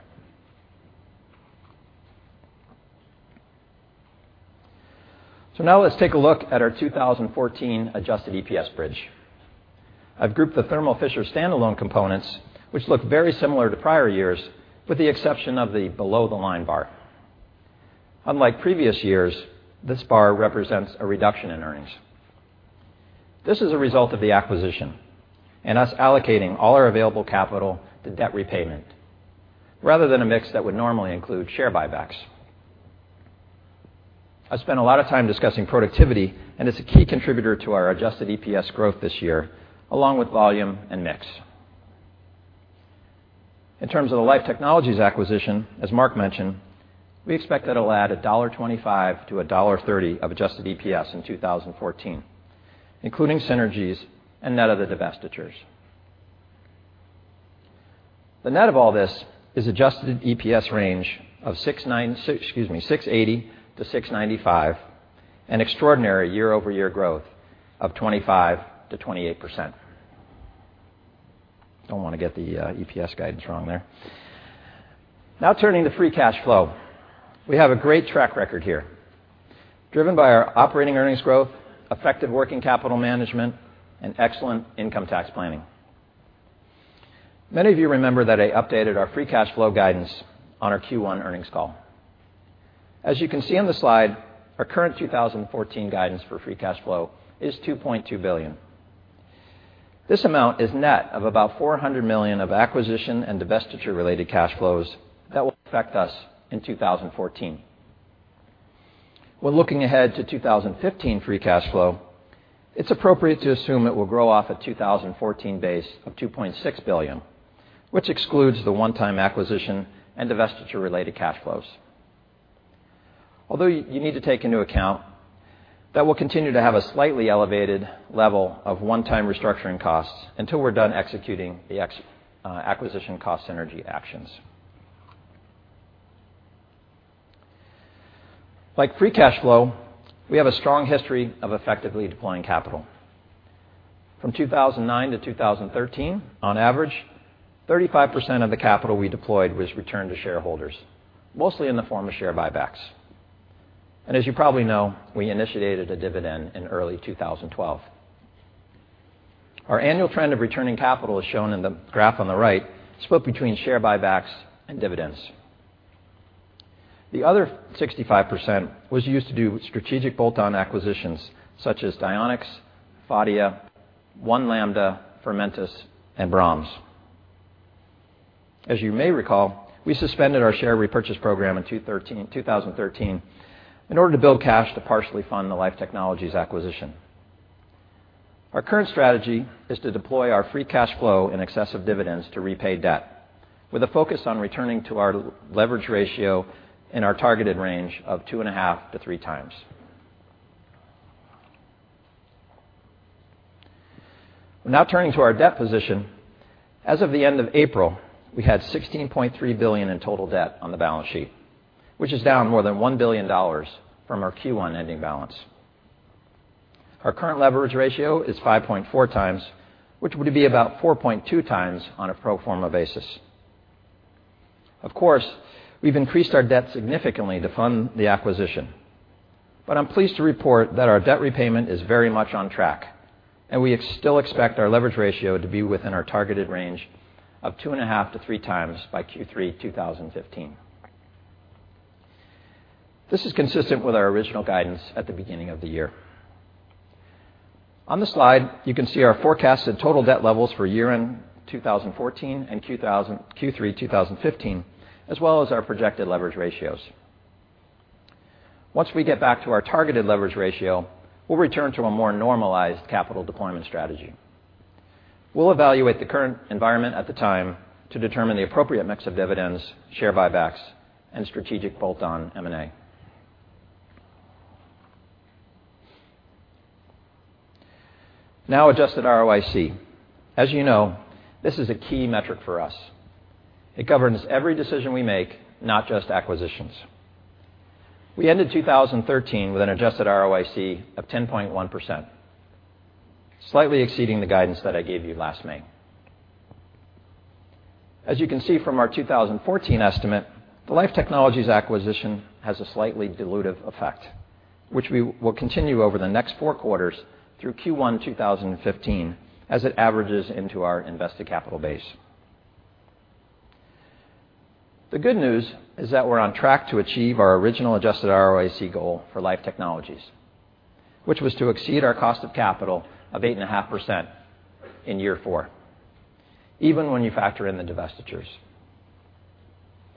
Now let's take a look at our 2014 adjusted EPS bridge. I've grouped the Thermo Fisher standalone components, which look very similar to prior years, with the exception of the below-the-line bar. Unlike previous years, this bar represents a reduction in earnings. This is a result of the acquisition and us allocating all our available capital to debt repayment rather than a mix that would normally include share buybacks. I spent a lot of time discussing productivity, and it's a key contributor to our adjusted EPS growth this year, along with volume and mix. In terms of the Life Technologies acquisition, as Marc mentioned, we expect that it'll add $1.25 to $1.30 of adjusted EPS in 2014, including synergies and net of the divestitures. The net of all this is adjusted EPS range of $6.80 to $6.95, an extraordinary year-over-year growth of 25%-28%. Don't want to get the EPS guidance wrong there. Turning to free cash flow. We have a great track record here, driven by our operating earnings growth, effective working capital management, and excellent income tax planning. Many of you remember that I updated our free cash flow guidance on our Q1 earnings call. As you can see on the slide, our current 2014 guidance for free cash flow is $2.2 billion. This amount is net of about $400 million of acquisition and divestiture-related cash flows that will affect us in 2014. When looking ahead to 2015 free cash flow, it's appropriate to assume it will grow off a 2014 base of $2.6 billion, which excludes the one-time acquisition and divestiture-related cash flows. Although, you need to take into account that we'll continue to have a slightly elevated level of one-time restructuring costs until we're done executing the acquisition cost synergy actions. Like free cash flow, we have a strong history of effectively deploying capital. From 2009 to 2013, on average, 35% of the capital we deployed was returned to shareholders, mostly in the form of share buybacks. As you probably know, we initiated a dividend in early 2012. Our annual trend of returning capital is shown in the graph on the right, split between share buybacks and dividends. The other 65% was used to do strategic bolt-on acquisitions such as Dionex, Phadia, One Lambda, Fermentas, and B.R.A.H.M.S. As you may recall, we suspended our share repurchase program in 2013 in order to build cash to partially fund the Life Technologies acquisition. Our current strategy is to deploy our free cash flow in excess of dividends to repay debt, with a focus on returning to our leverage ratio in our targeted range of two and a half to three times. We're now turning to our debt position. As of the end of April, we had $16.3 billion in total debt on the balance sheet, which is down more than $1 billion from our Q1 ending balance. Our current leverage ratio is 5.4 times, which would be about 4.2 times on a pro forma basis. Of course, we've increased our debt significantly to fund the acquisition, but I'm pleased to report that our debt repayment is very much on track, and we still expect our leverage ratio to be within our targeted range of two and a half to three times by Q3 2015. This is consistent with our original guidance at the beginning of the year. On the slide, you can see our forecasted total debt levels for year-end 2014 and Q3 2015, as well as our projected leverage ratios. Once we get back to our targeted leverage ratio, we'll return to a more normalized capital deployment strategy. We'll evaluate the current environment at the time to determine the appropriate mix of dividends, share buybacks, and strategic bolt-on M&A. Now, adjusted ROIC. As you know, this is a key metric for us. It governs every decision we make, not just acquisitions. We ended 2013 with an adjusted ROIC of 10.1%, slightly exceeding the guidance that I gave you last May. As you can see from our 2014 estimate, the Life Technologies acquisition has a slightly dilutive effect, which will continue over the next four quarters through Q1 2015 as it averages into our invested capital base. The good news is that we're on track to achieve our original adjusted ROIC goal for Life Technologies, which was to exceed our cost of capital of 8.5% in year four, even when you factor in the divestitures.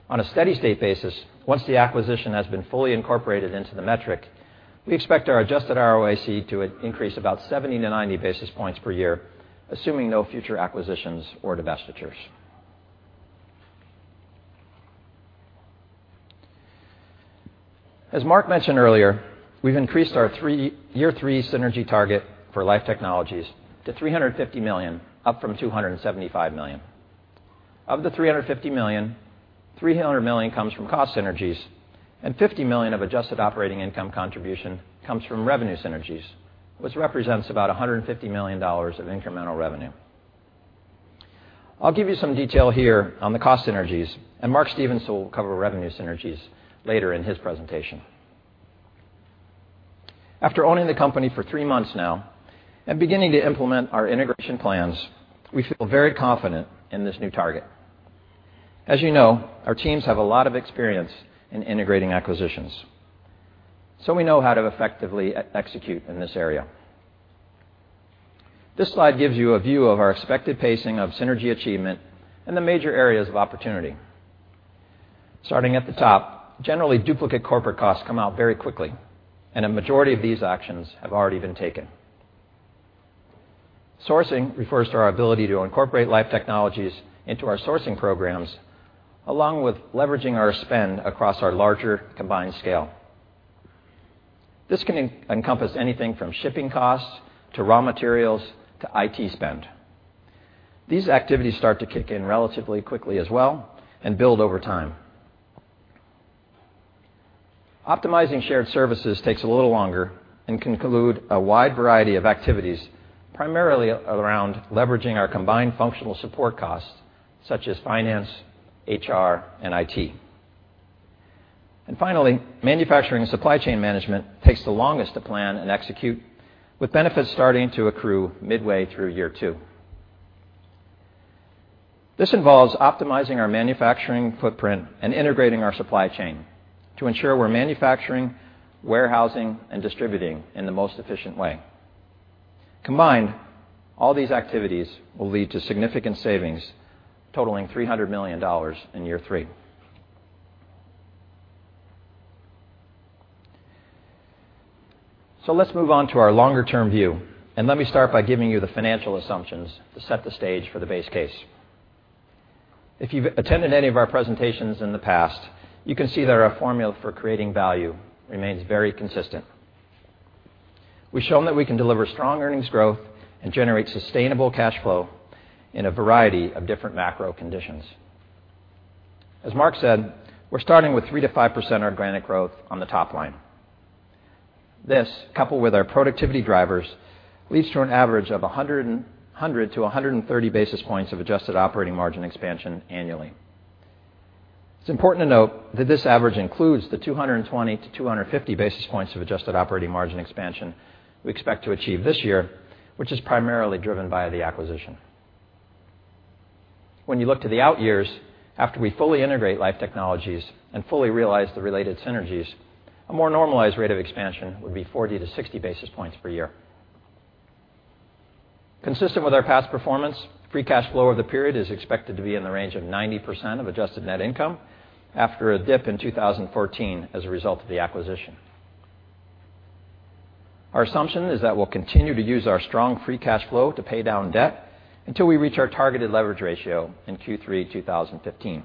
On a steady-state basis, once the acquisition has been fully incorporated into the metric, we expect our adjusted ROIC to increase about 70 to 90 basis points per year, assuming no future acquisitions or divestitures. As Marc mentioned earlier, we've increased our year three synergy target for Life Technologies to $350 million, up from $275 million. Of the $350 million, $300 million comes from cost synergies and $50 million of adjusted operating income contribution comes from revenue synergies, which represents about $150 million of incremental revenue. I'll give you some detail here on the cost synergies, and Mark Stevenson will cover revenue synergies later in his presentation. After owning the company for three months now and beginning to implement our integration plans, we feel very confident in this new target. As you know, our teams have a lot of experience in integrating acquisitions, so we know how to effectively execute in this area. This slide gives you a view of our expected pacing of synergy achievement and the major areas of opportunity. Starting at the top, generally duplicate corporate costs come out very quickly, and a majority of these actions have already been taken. Sourcing refers to our ability to incorporate Life Technologies into our sourcing programs, along with leveraging our spend across our larger combined scale. This can encompass anything from shipping costs to raw materials to IT spend. These activities start to kick in relatively quickly as well and build over time. Optimizing shared services takes a little longer and can include a wide variety of activities, primarily around leveraging our combined functional support costs, such as finance, HR, and IT. Finally, manufacturing and supply chain management takes the longest to plan and execute, with benefits starting to accrue midway through year two. This involves optimizing our manufacturing footprint and integrating our supply chain to ensure we're manufacturing, warehousing, and distributing in the most efficient way. Combined, all these activities will lead to significant savings totaling $300 million in year three. Let's move on to our longer-term view, and let me start by giving you the financial assumptions to set the stage for the base case. If you've attended any of our presentations in the past, you can see that our formula for creating value remains very consistent. We've shown that we can deliver strong earnings growth and generate sustainable cash flow in a variety of different macro conditions. As Marc said, we're starting with 3%-5% organic growth on the top line. This, coupled with our productivity drivers, leads to an average of 100-130 basis points of adjusted operating margin expansion annually. It's important to note that this average includes the 220-250 basis points of adjusted operating margin expansion we expect to achieve this year, which is primarily driven by the acquisition. When you look to the out years, after we fully integrate Life Technologies and fully realize the related synergies, a more normalized rate of expansion would be 40-60 basis points per year. Consistent with our past performance, free cash flow over the period is expected to be in the range of 90% of adjusted net income after a dip in 2014 as a result of the acquisition. Our assumption is that we'll continue to use our strong free cash flow to pay down debt until we reach our targeted leverage ratio in Q3 2015.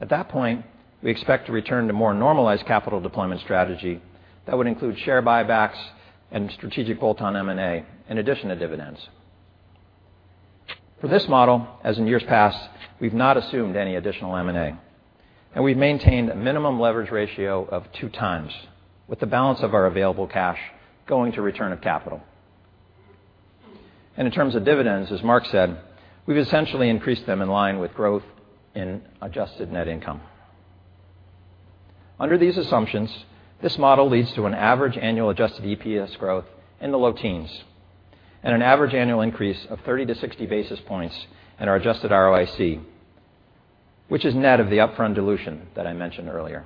At that point, we expect to return to more normalized capital deployment strategy that would include share buybacks and strategic bolt-on M&A in addition to dividends. For this model, as in years past, we've not assumed any additional M&A, and we've maintained a minimum leverage ratio of 2 times, with the balance of our available cash going to return of capital. In terms of dividends, as Marc said, we've essentially increased them in line with growth in adjusted net income. Under these assumptions, this model leads to an average annual adjusted EPS growth in the low teens and an average annual increase of 30-60 basis points in our adjusted ROIC, which is net of the upfront dilution that I mentioned earlier.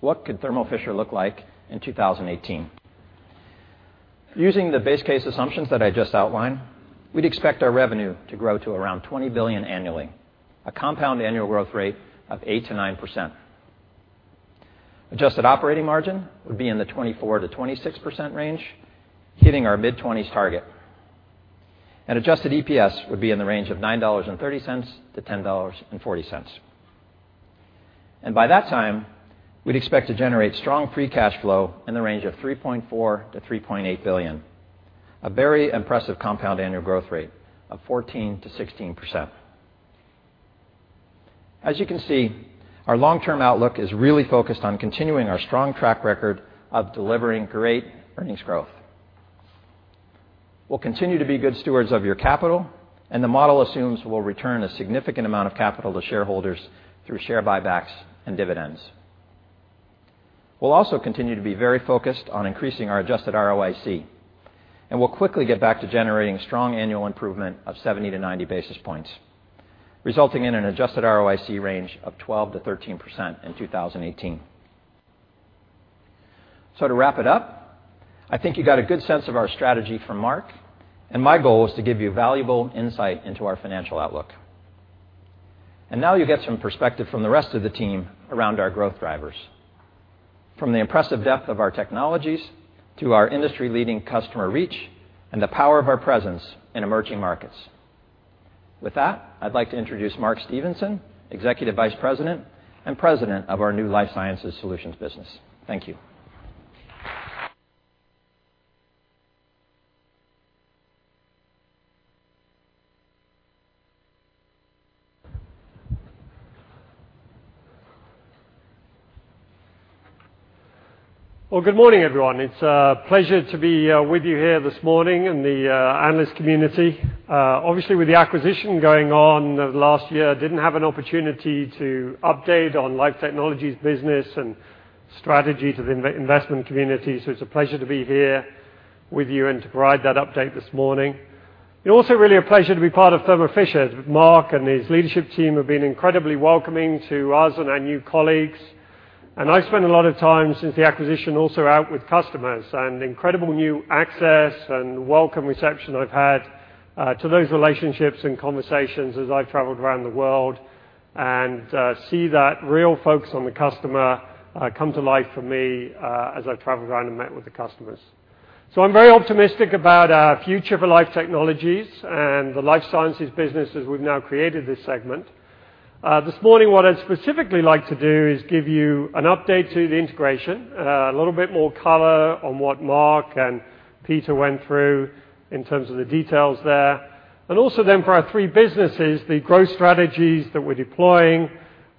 What could Thermo Fisher look like in 2018? Using the base case assumptions that I just outlined, we'd expect our revenue to grow to around $20 billion annually, a compound annual growth rate of 8%-9%. Adjusted operating margin would be in the 24%-26% range, hitting our mid-20s target. Adjusted EPS would be in the range of $9.30-$10.40. By that time, we'd expect to generate strong free cash flow in the range of $3.4 billion-$3.8 billion, a very impressive compound annual growth rate of 14%-16%. As you can see, our long-term outlook is really focused on continuing our strong track record of delivering great earnings growth. We'll continue to be good stewards of your capital, the model assumes we'll return a significant amount of capital to shareholders through share buybacks and dividends. We'll also continue to be very focused on increasing our adjusted ROIC, we'll quickly get back to generating strong annual improvement of 70-90 basis points, resulting in an adjusted ROIC range of 12%-13% in 2018. To wrap it up, I think you got a good sense of our strategy from Marc, my goal is to give you valuable insight into our financial outlook. Now you'll get some perspective from the rest of the team around our growth drivers. From the impressive depth of our technologies, to our industry-leading customer reach, and the power of our presence in emerging markets. With that, I'd like to introduce Mark Stevenson, Executive Vice President and President of our new Life Sciences Solutions business. Thank you. Well, good morning, everyone. It's a pleasure to be with you here this morning in the analyst community. Obviously, with the acquisition going on last year, didn't have an opportunity to update on Life Technologies business and strategy to the investment community. It's a pleasure to be here with you and to provide that update this morning. Also, really a pleasure to be part of Thermo Fisher. Marc and his leadership team have been incredibly welcoming to us and our new colleagues. I've spent a lot of time since the acquisition also out with customers and incredible new access and welcome reception I've had to those relationships and conversations as I've traveled around the world and see that real focus on the customer come to life for me as I've traveled around and met with the customers. I'm very optimistic about our future for Life Technologies and the Life Sciences business as we've now created this segment. This morning, what I'd specifically like to do is give you an update to the integration, a little bit more color on what Marc and Peter went through in terms of the details there. Also then for our three businesses, the growth strategies that we're deploying,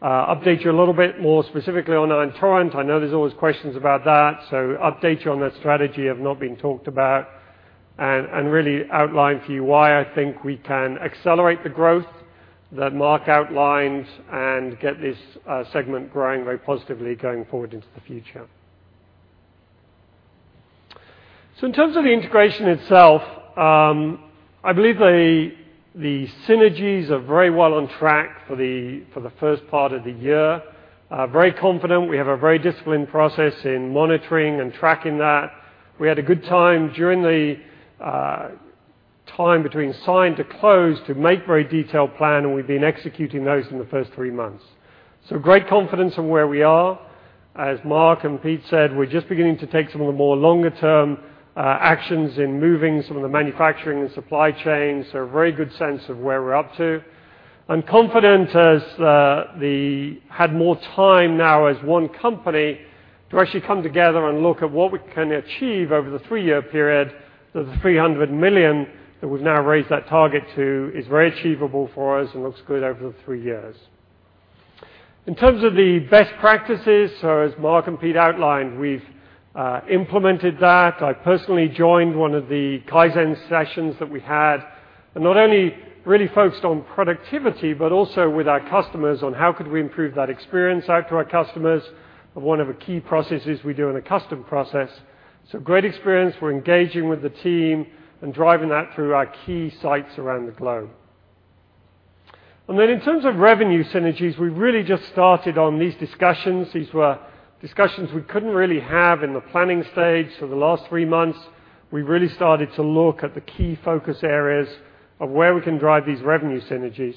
update you a little bit more specifically on our environment. I know there's always questions about that, so update you on that strategy of not being talked about and really outline for you why I think we can accelerate the growth that Marc outlined and get this segment growing very positively going forward into the future. In terms of the integration itself, I believe the synergies are very well on track for the first part of the year. Very confident. We have a very disciplined process in monitoring and tracking that. We had a good time during the time between sign to close to make very detailed plan, and we've been executing those in the first three months. Great confidence in where we are. As Marc and Peter said, we're just beginning to take some of the more longer term actions in moving some of the manufacturing and supply chains, so a very good sense of where we're up to. I'm confident as the had more time now as one company to actually come together and look at what we can achieve over the three-year period, the $300 million that we've now raised that target to is very achievable for us and looks good over the three years. In terms of the best practices, as Marc and Peter outlined, we've implemented that. I personally joined one of the Kaizen sessions that we had. Not only really focused on productivity, but also with our customers on how could we improve that experience out to our customers of one of the key processes we do in a custom process. Great experience. We're engaging with the team and driving that through our key sites around the globe. In terms of revenue synergies, we've really just started on these discussions. These were discussions we couldn't really have in the planning stage. The last three months, we've really started to look at the key focus areas of where we can drive these revenue synergies.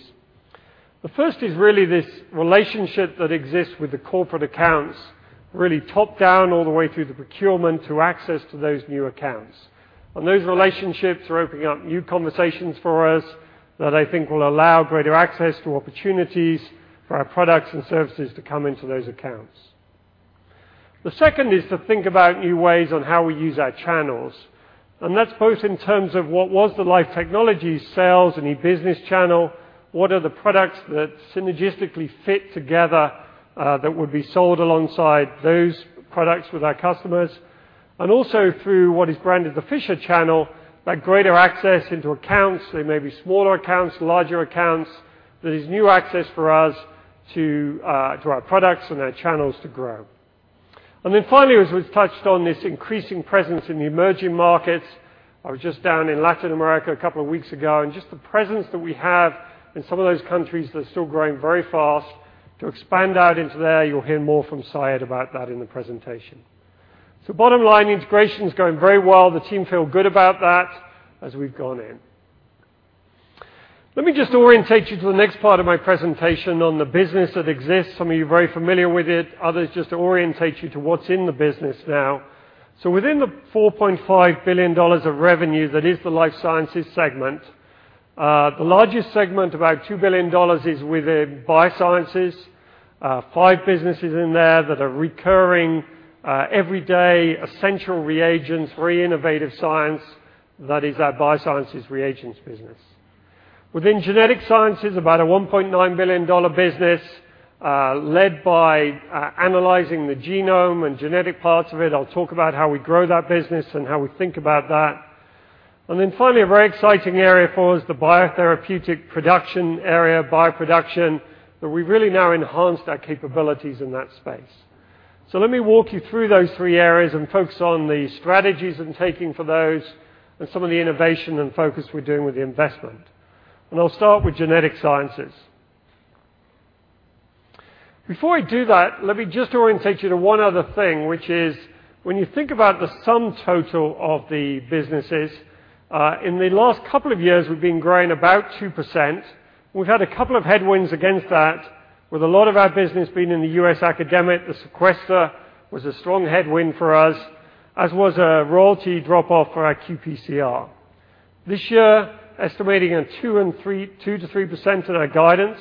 The first is really this relationship that exists with the corporate accounts, really top-down all the way through the procurement to access to those new accounts. Those relationships are opening up new conversations for us that I think will allow greater access to opportunities for our products and services to come into those accounts. The second is to think about new ways on how we use our channels, and that's both in terms of what was the Life Technologies sales and e-business channel, what are the products that synergistically fit together that would be sold alongside those products with our customers. Through what is branded the Fisher channel, that greater access into accounts. They may be smaller accounts, larger accounts. That is new access for us to our products and our channels to grow. Finally, as we've touched on this increasing presence in the emerging markets. I was just down in Latin America a couple of weeks ago, and just the presence that we have in some of those countries that are still growing very fast to expand out into there. You'll hear more from Syed about that in the presentation. Bottom line, the integration is going very well. The team feel good about that as we've gone in. Let me just orientate you to the next part of my presentation on the business that exists. Some of you are very familiar with it, others, just to orientate you to what's in the business now. Within the $4.5 billion of revenue that is the Life Sciences segment, the largest segment, about $2 billion, is within Biosciences. Five businesses in there that are recurring, everyday, essential reagents, very innovative science. That is our Biosciences reagents business. Within Genetic Sciences, about a $1.9 billion business, led by analyzing the genome and genetic parts of it. I'll talk about how we grow that business and how we think about that. Finally, a very exciting area for us, the biotherapeutic production area, bioproduction, that we've really now enhanced our capabilities in that space. Let me walk you through those three areas and focus on the strategies I'm taking for those and some of the innovation and focus we're doing with the investment. I'll start with Genetic Sciences. Before I do that, let me just orientate you to one other thing, which is when you think about the sum total of the businesses, in the last couple of years, we've been growing about 2%. We've had a couple of headwinds against that with a lot of our business being in the U.S. academic, the sequester was a strong headwind for us, as was a royalty drop-off for our qPCR. This year, estimating a 2%-3% in our guidance.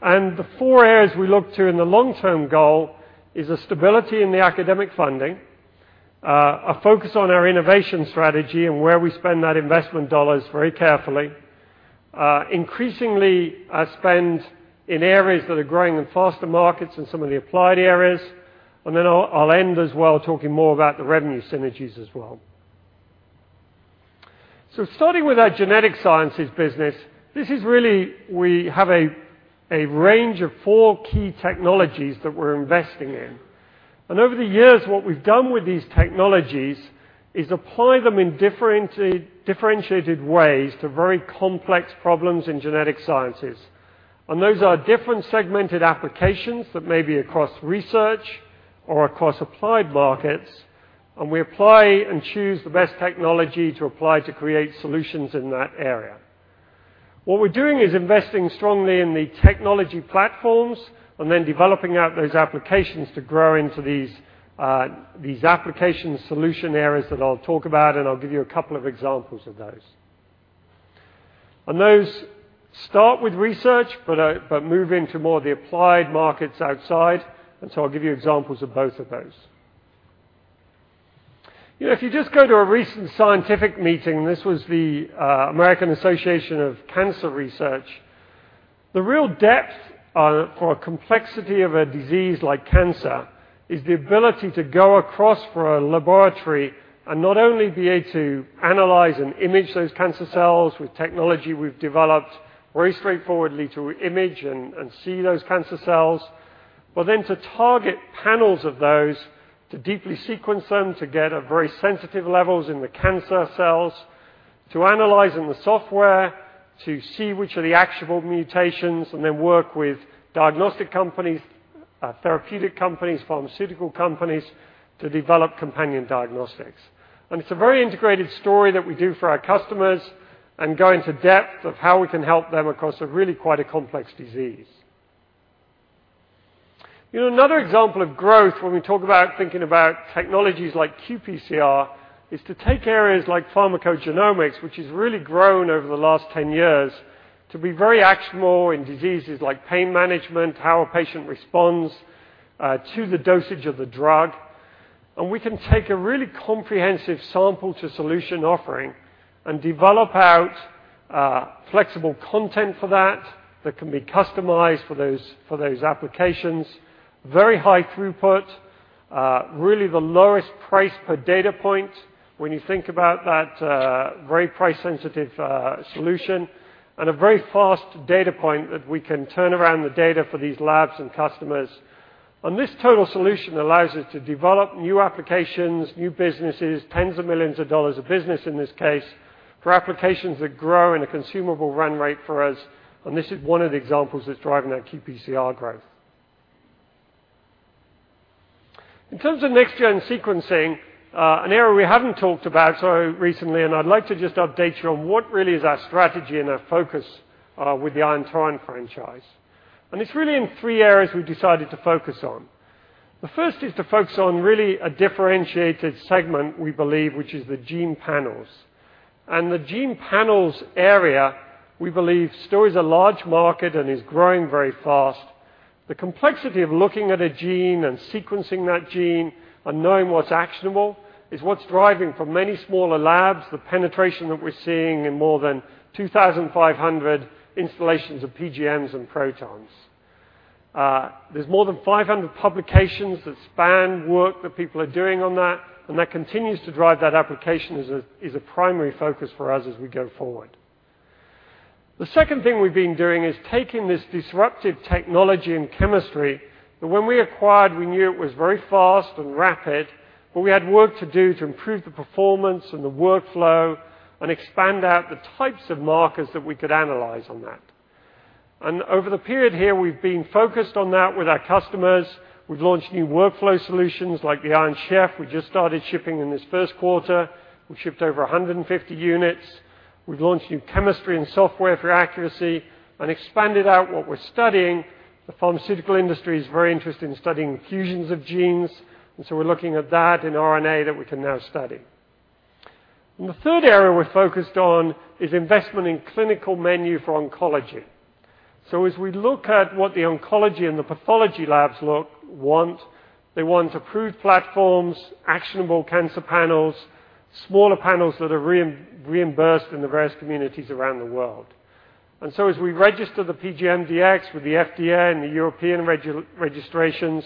The four areas we look to in the long-term goal is a stability in the academic funding, a focus on our innovation strategy and where we spend that investment dollars very carefully. Increasingly, spend in areas that are growing in faster markets in some of the applied areas. I'll end as well talking more about the revenue synergies as well. Starting with our Genetic Sciences business, this is really we have a range of four key technologies that we're investing in. Over the years, what we've done with these technologies is apply them in differentiated ways to very complex problems in genetic sciences. Those are different segmented applications that may be across research or across applied markets, and we apply and choose the best technology to apply to create solutions in that area. What we're doing is investing strongly in the technology platforms and then developing out those applications to grow into these application solution areas that I'll talk about, and I'll give you a couple of examples of those. Those start with research but move into more of the applied markets outside, I'll give you examples of both of those. If you just go to a recent scientific meeting, this was the American Association for Cancer Research. The real depth for a complexity of a disease like cancer is the ability to go across for a laboratory and not only be able to analyze and image those cancer cells with technology we've developed very straightforwardly to image and see those cancer cells, to target panels of those, to deeply sequence them, to get at very sensitive levels in the cancer cells, to analyze in the software, to see which are the actionable mutations, and then work with diagnostic companies, therapeutic companies, pharmaceutical companies to develop companion diagnostics. It's a very integrated story that we do for our customers and go into depth of how we can help them across a really quite a complex disease. Another example of growth when we talk about thinking about technologies like qPCR is to take areas like pharmacogenomics, which has really grown over the last 10 years to be very actionable in diseases like pain management, how a patient responds to the dosage of the drug. We can take a really comprehensive sample to solution offering and develop out flexible content for that that can be customized for those applications. Very high throughput. Really the lowest price per data point when you think about that very price sensitive solution. A very fast data point that we can turn around the data for these labs and customers. This total solution allows us to develop new applications, new businesses, tens of millions of dollars of business in this case, for applications that grow in a consumable run rate for us. This is one of the examples that's driving that qPCR growth. In terms of next-gen sequencing, an area we haven't talked about so recently, I'd like to just update you on what really is our strategy and our focus with the Ion Torrent franchise. It's really in three areas we've decided to focus on. The first is to focus on really a differentiated segment, we believe, which is the gene panels. The gene panels area, we believe, still is a large market and is growing very fast. The complexity of looking at a gene and sequencing that gene and knowing what's actionable is what's driving, for many smaller labs, the penetration that we're seeing in more than 2,500 installations of PGMs and Protons. There's more than 500 publications that span work that people are doing on that, and that continues to drive that application as a primary focus for us as we go forward. The second thing we've been doing is taking this disruptive technology and chemistry that when we acquired, we knew it was very fast and rapid, but we had work to do to improve the performance and the workflow and expand out the types of markers that we could analyze on that. Over the period here, we've been focused on that with our customers. We've launched new workflow solutions like the Ion Chef. We just started shipping in this first quarter. We've shipped over 150 units. We've launched new chemistry and software for accuracy and expanded out what we're studying. The pharmaceutical industry is very interested in studying fusions of genes, we're looking at that and RNA that we can now study. The third area we're focused on is investment in clinical menu for oncology. As we look at what the oncology and the pathology labs want, they want approved platforms, actionable cancer panels, smaller panels that are reimbursed in the various communities around the world. As we register the PGMDX with the FDA and the European registrations,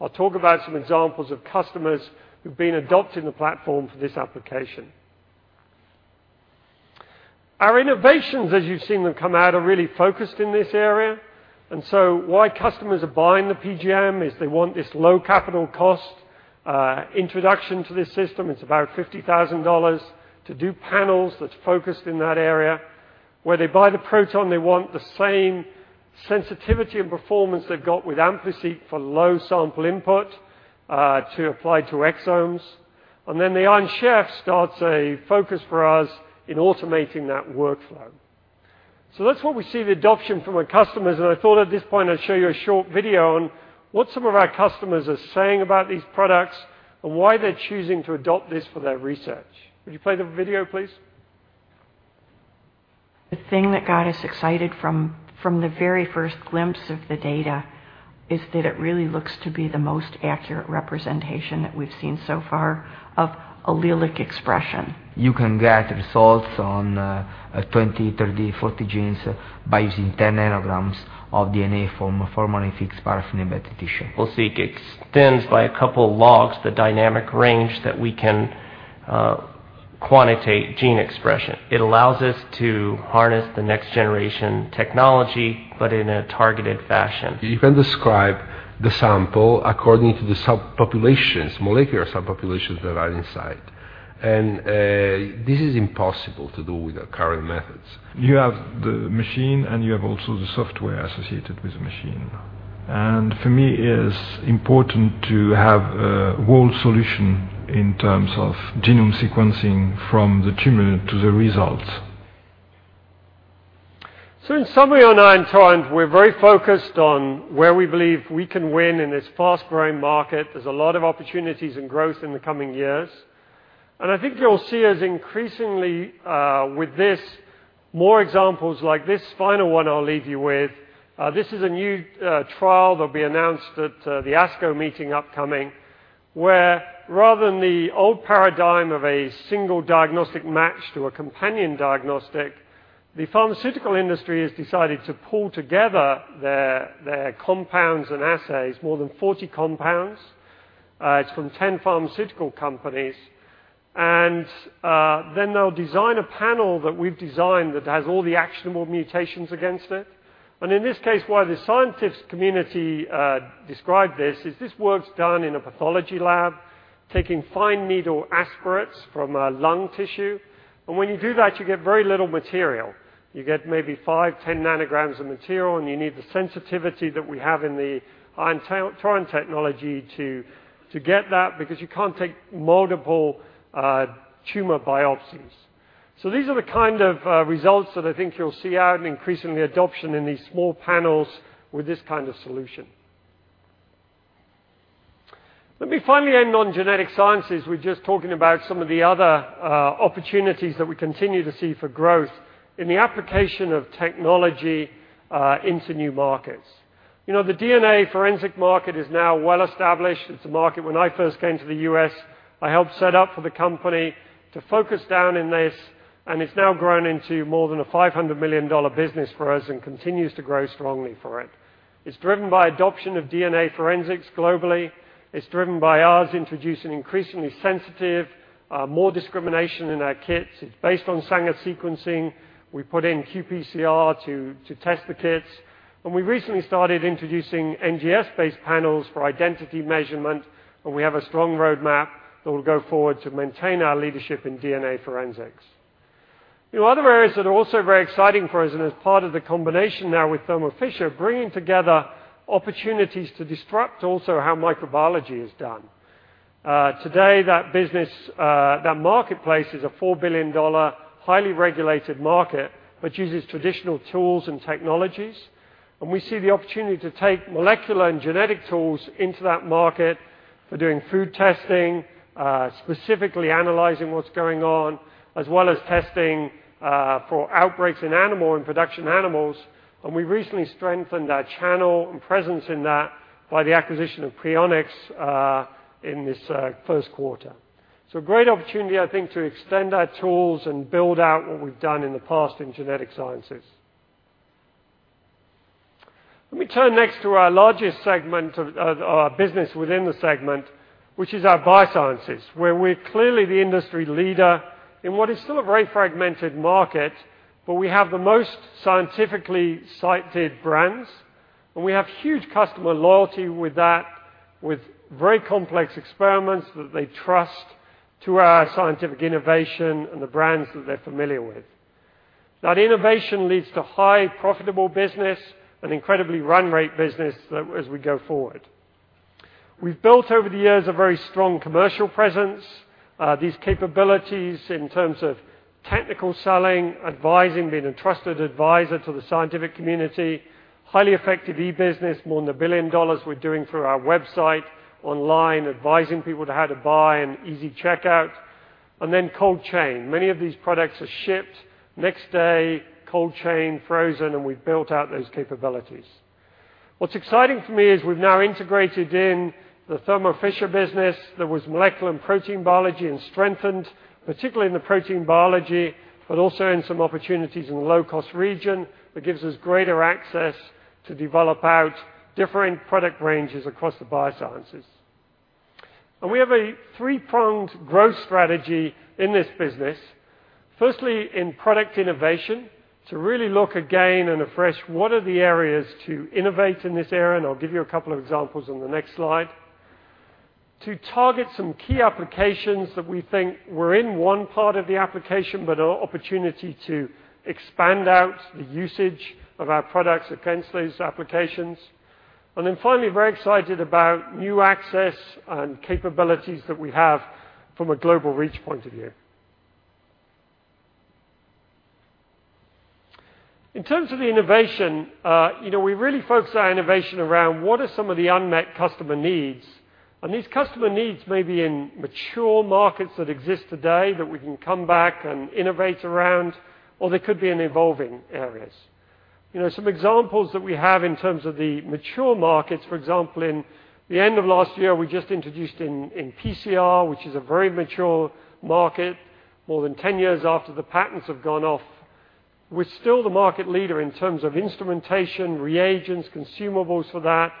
I'll talk about some examples of customers who've been adopting the platform for this application. Our innovations, as you've seen them come out, are really focused in this area. Why customers are buying the PGM is they want this low capital cost, introduction to this system, it's about $50,000, to do panels that's focused in that area. Where they buy the Proton, they want the same sensitivity and performance they've got with AmpliSeq for low sample input, to apply to exomes. The Ion Chef starts a focus for us in automating that workflow. That's what we see the adoption from our customers, and I thought at this point I'd show you a short video on what some of our customers are saying about these products and why they're choosing to adopt this for their research. Would you play the video, please? The thing that got us excited from the very first glimpse of the data is that it really looks to be the most accurate representation that we've seen so far of allelic expression. You can get results on 20, 30, 40 genes by using 10 nanograms of DNA from a formalin-fixed paraffin-embedded tissue. Well, Seq extends by a couple logs the dynamic range that we can quantitate gene expression. It allows us to harness the next-generation technology, in a targeted fashion. You can describe the sample according to the subpopulations, molecular subpopulations that are inside. This is impossible to do with the current methods. You have the machine, and you have also the software associated with the machine. For me, it is important to have a whole solution in terms of genome sequencing from the tumor to the results. In summary on Ion Torrent, we're very focused on where we believe we can win in this fast-growing market. There's a lot of opportunities and growth in the coming years. I think you'll see us increasingly, with this, more examples like this final one I'll leave you with. This is a new trial that will be announced at the ASCO meeting upcoming, where rather than the old paradigm of a single diagnostic match to a companion diagnostic, the pharmaceutical industry has decided to pool together their compounds and assays, more than 40 compounds. It's from 10 pharmaceutical companies. Then they'll design a panel that we've designed that has all the actionable mutations against it. In this case, why the scientist community described this is this work's done in a pathology lab, taking fine needle aspirates from a lung tissue. When you do that, you get very little material. You get maybe five, 10 nanograms of material, and you need the sensitivity that we have in the Ion Torrent technology to get that because you can't take multiple tumor biopsies. These are the kind of results that I think you'll see out an increase in the adoption in these small panels with this kind of solution. Let me finally end on genetic sciences. We're just talking about some of the other opportunities that we continue to see for growth in the application of technology into new markets. The DNA forensic market is now well established. It's a market when I first came to the U.S., I helped set up for the company to focus down in this, and it's now grown into more than a $500 million business for us and continues to grow strongly for it. It's driven by adoption of DNA forensics globally. It's driven by us introducing increasingly sensitive, more discrimination in our kits. It's based on Sanger sequencing. We put in qPCR to test the kits. We recently started introducing NGS-based panels for identity measurement, and we have a strong roadmap that will go forward to maintain our leadership in DNA forensics. Other areas that are also very exciting for us and as part of the combination now with Thermo Fisher, bringing together opportunities to disrupt also how microbiology is done. Today, that business, that marketplace is a $4 billion, highly regulated market, which uses traditional tools and technologies. We see the opportunity to take molecular and genetic tools into that market for doing food testing, specifically analyzing what's going on, as well as testing for outbreaks in animal and production animals. We recently strengthened our channel and presence in that by the acquisition of Prionics in this first quarter. A great opportunity, I think, to extend our tools and build out what we've done in the past in genetic sciences. Let me turn next to our largest segment of our business within the segment, which is our biosciences, where we're clearly the industry leader in what is still a very fragmented market, we have the most scientifically cited brands, we have huge customer loyalty with that, with very complex experiments that they trust to our scientific innovation and the brands that they're familiar with. That innovation leads to high profitable business and incredibly run rate business as we go forward. We've built over the years a very strong commercial presence. These capabilities in terms of technical selling, advising, being a trusted advisor to the scientific community, highly effective e-business, more than $1 billion we're doing through our website online, advising people to how to buy and easy checkout, and then cold chain. Many of these products are shipped next day, cold chain, frozen, and we've built out those capabilities. What's exciting for me is we've now integrated in the Thermo Fisher business. There was molecular and protein biology and strengthened, particularly in the protein biology, but also in some opportunities in low-cost region that gives us greater access to develop out different product ranges across the biosciences. We have a three-pronged growth strategy in this business. Firstly, in product innovation, to really look again and afresh what are the areas to innovate in this area, and I'll give you a couple of examples on the next slide. To target some key applications that we think were in one part of the application, but are opportunity to expand out the usage of our products against those applications. Finally, very excited about new access and capabilities that we have from a global reach point of view. In terms of the innovation, we really focus our innovation around what are some of the unmet customer needs, and these customer needs may be in mature markets that exist today that we can come back and innovate around, or they could be in evolving areas. Some examples that we have in terms of the mature markets, for example, in the end of last year, we just introduced in PCR, which is a very mature market, more than 10 years after the patents have gone off. We're still the market leader in terms of instrumentation, reagents, consumables for that,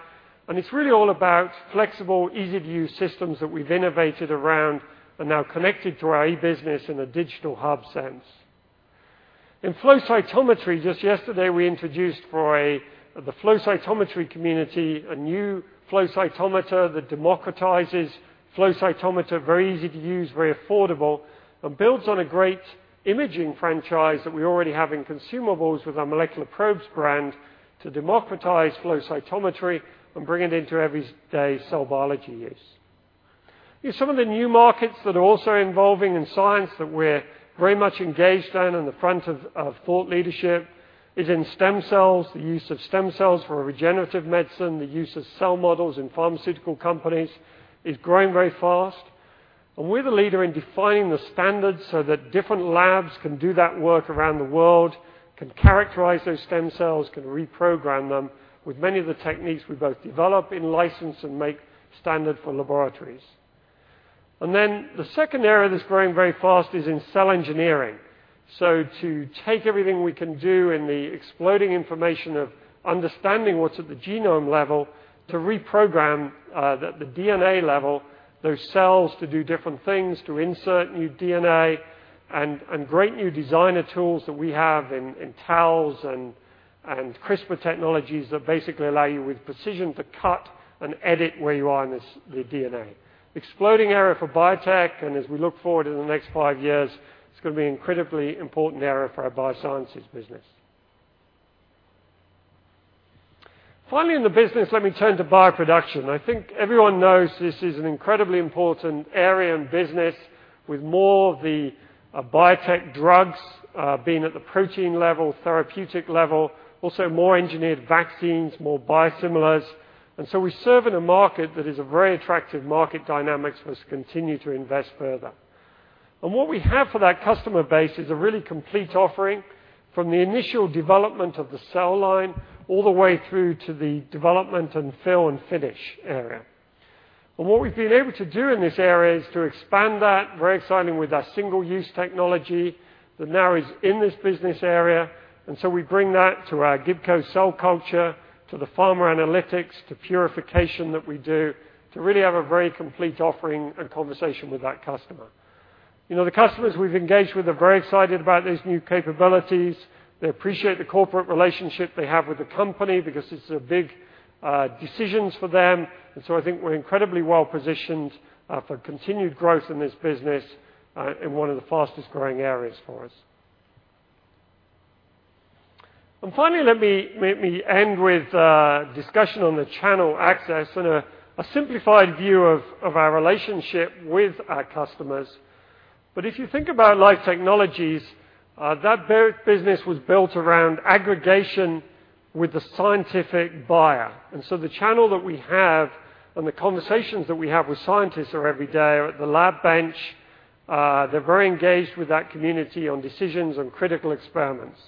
it's really all about flexible, easy-to-use systems that we've innovated around and now connected to our e-business in a digital hub sense. In flow cytometry, just yesterday, we introduced for the flow cytometry community a new flow cytometer that democratizes flow cytometer, very easy to use, very affordable, and builds on a great imaging franchise that we already have in consumables with our Molecular Probes brand to democratize flow cytometry and bring it into everyday cell biology use. Some of the new markets that are also evolving in science that we're very much engaged in on the front of thought leadership is in stem cells, the use of stem cells for regenerative medicine, the use of cell models in pharmaceutical companies is growing very fast. We're the leader in defining the standards so that different labs can do that work around the world, can characterize those stem cells, can reprogram them with many of the techniques we both develop, license, and make standard for laboratories. The second area that's growing very fast is in cell engineering. To take everything we can do in the exploding information of understanding what's at the genome level to reprogram the DNA level, those cells to do different things, to insert new DNA and great new designer tools that we have in TALEs and CRISPR technologies that basically allow you with precision to cut and edit where you are in the DNA. Exploding area for biotech, as we look forward in the next five years, it's going to be incredibly important area for our biosciences business. Finally, in the business, let me turn to bioproduction. I think everyone knows this is an incredibly important area and business with more of the biotech drugs being at the protein level, therapeutic level, also more engineered vaccines, more biosimilars. We serve in a market that is a very attractive market dynamics for us to continue to invest further. What we have for that customer base is a really complete offering from the initial development of the cell line all the way through to the development and fill and finish area. What we've been able to do in this area is to expand that, very exciting with our single-use technology that now is in this business area. We bring that to our Gibco cell culture, to the pharma analytics, to purification that we do to really have a very complete offering and conversation with that customer. The customers we've engaged with are very excited about these new capabilities. They appreciate the corporate relationship they have with the company because it's big decisions for them. I think we're incredibly well-positioned for continued growth in this business in one of the fastest-growing areas for us. Finally, let me end with a discussion on the channel access and a simplified view of our relationship with our customers. If you think about Life Technologies, that business was built around aggregation with the scientific buyer. The channel that we have and the conversations that we have with scientists are every day are at the lab bench. They're very engaged with that community on decisions on critical experiments.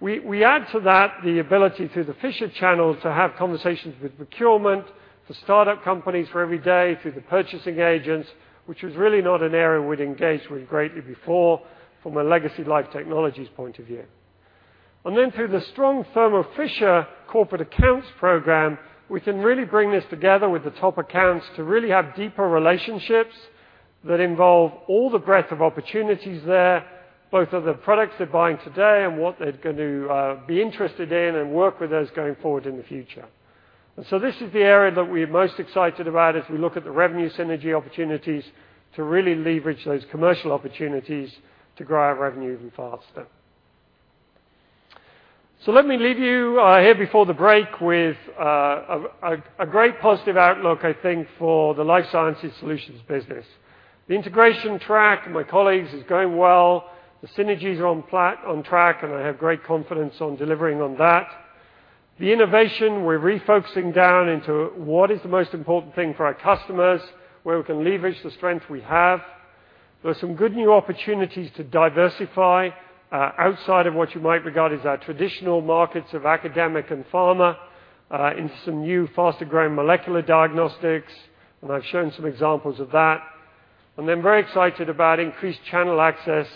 We add to that the ability through the Fisher channels to have conversations with procurement, for start-up companies who are every day, through the purchasing agents, which was really not an area we'd engaged with greatly before from a legacy Life Technologies point of view. Then through the strong Thermo Fisher corporate accounts program, we can really bring this together with the top accounts to really have deeper relationships that involve all the breadth of opportunities there, both of the products they're buying today and what they're going to be interested in and work with us going forward in the future. This is the area that we're most excited about as we look at the revenue synergy opportunities to really leverage those commercial opportunities to grow our revenue even faster. Let me leave you here before the break with a great positive outlook, I think, for the Life Sciences Solutions business. The integration track, my colleagues, is going well. The synergies are on track, and I have great confidence on delivering on that. The innovation, we're refocusing down into what is the most important thing for our customers, where we can leverage the strength we have. There are some good new opportunities to diversify outside of what you might regard as our traditional markets of academic and pharma into some new faster-growing molecular diagnostics, and I've shown some examples of that. Then very excited about increased channel access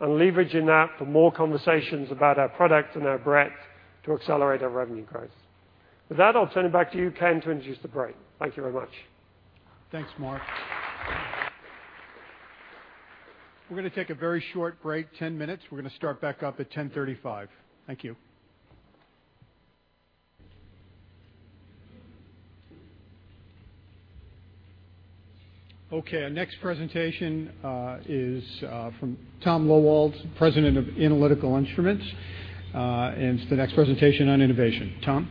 and leveraging that for more conversations about our product and our breadth to accelerate our revenue growth. With that, I'll turn it back to you, Ken, to introduce the break. Thank you very much. Thanks, Ken. We're going to take a very short break, 10 minutes. We're going to start back up at 10:35 A.M. Thank you. Okay, our next presentation is from Thomas Loewald, President of Analytical Instruments, and it's the next presentation on innovation. Tom?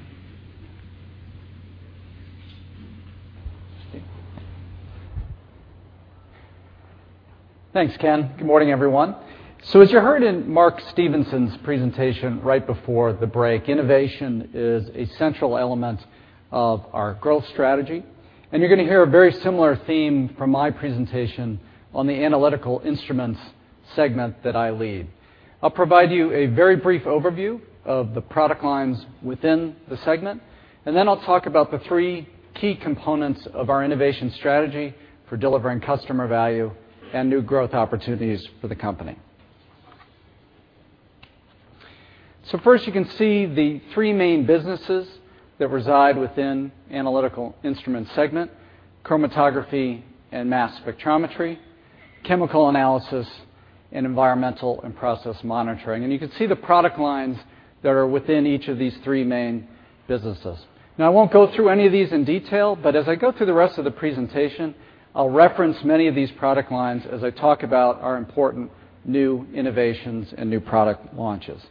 Thanks, Ken. Good morning, everyone. As you heard in Mark Stevenson's presentation right before the break, innovation is a central element of our growth strategy, and you're going to hear a very similar theme from my presentation on the Analytical Instruments segment that I lead. I'll provide you a very brief overview of the product lines within the segment, then I'll talk about the three key components of our innovation strategy for delivering customer value and new growth opportunities for the company. First, you can see the three main businesses that reside within Analytical Instruments segment: chromatography and mass spectrometry, chemical analysis, and environmental and process monitoring. You can see the product lines that are within each of these three main businesses. Now, I won't go through any of these in detail, but as I go through the rest of the presentation, I'll reference many of these product lines as I talk about our important new innovations and new product launches.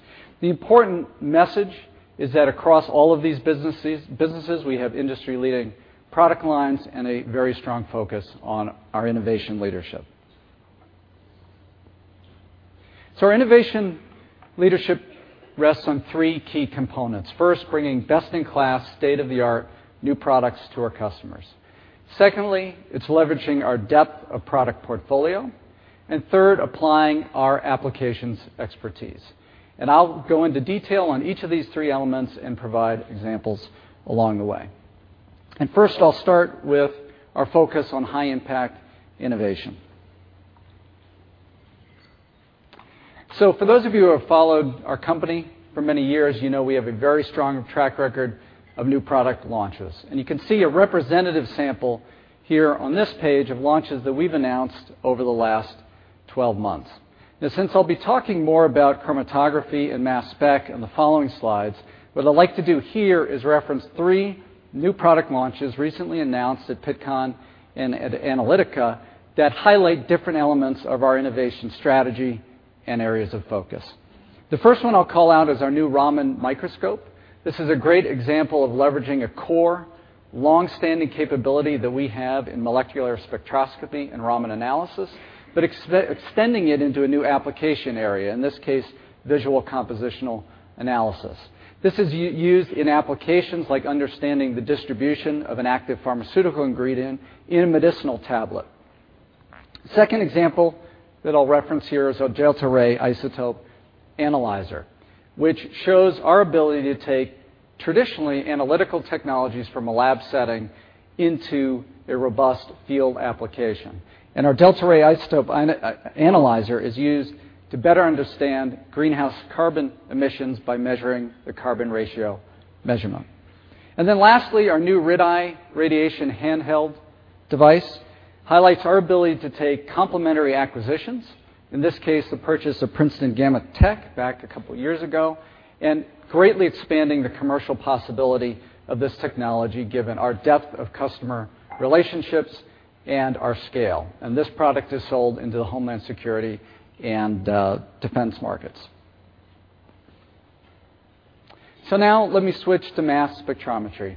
The important message is that across all of these businesses, we have industry-leading product lines and a very strong focus on our innovation leadership. Our innovation leadership rests on three key components. First, bringing best-in-class, state-of-the-art new products to our customers. Secondly, it's leveraging our depth of product portfolio. Third, applying our applications expertise. I'll go into detail on each of these three elements and provide examples along the way. First, I'll start with our focus on high-impact innovation. For those of you who have followed our company for many years, you know we have a very strong track record of new product launches. You can see a representative sample here on this page of launches that we've announced over the last 12 months. Now, since I'll be talking more about chromatography and mass spec in the following slides, what I'd like to do here is reference three new product launches recently announced at Pittcon and at Analytica that highlight different elements of our innovation strategy and areas of focus. The first one I'll call out is our new Raman microscope. This is a great example of leveraging a core long-standing capability that we have in molecular spectroscopy and Raman analysis, but extending it into a new application area, in this case, visual compositional analysis. This is used in applications like understanding the distribution of an active pharmaceutical ingredient in a medicinal tablet. Second example that I'll reference here is our Delta Ray isotope analyzer, which shows our ability to take traditionally analytical technologies from a lab setting into a robust field application. Our Delta Ray isotope analyzer is used to better understand greenhouse carbon emissions by measuring the carbon ratio measurement. Lastly, our new RadEye radiation handheld device highlights our ability to take complementary acquisitions, in this case, the purchase of Princeton Gamma-Tech back a couple of years ago, and greatly expanding the commercial possibility of this technology given our depth of customer relationships and our scale. This product is sold into the homeland security and defense markets. Now let me switch to mass spectrometry.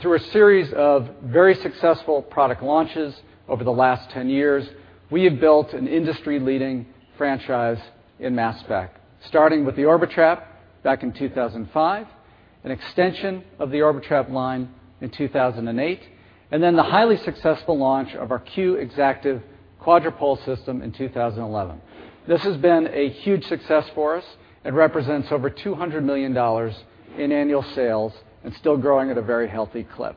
Through a series of very successful product launches over the last 10 years, we have built an industry-leading franchise in mass spec, starting with the Orbitrap back in 2005, an extension of the Orbitrap line in 2008, and then the highly successful launch of our Q Exactive quadrupole system in 2011. This has been a huge success for us and represents over $200 million in annual sales and still growing at a very healthy clip.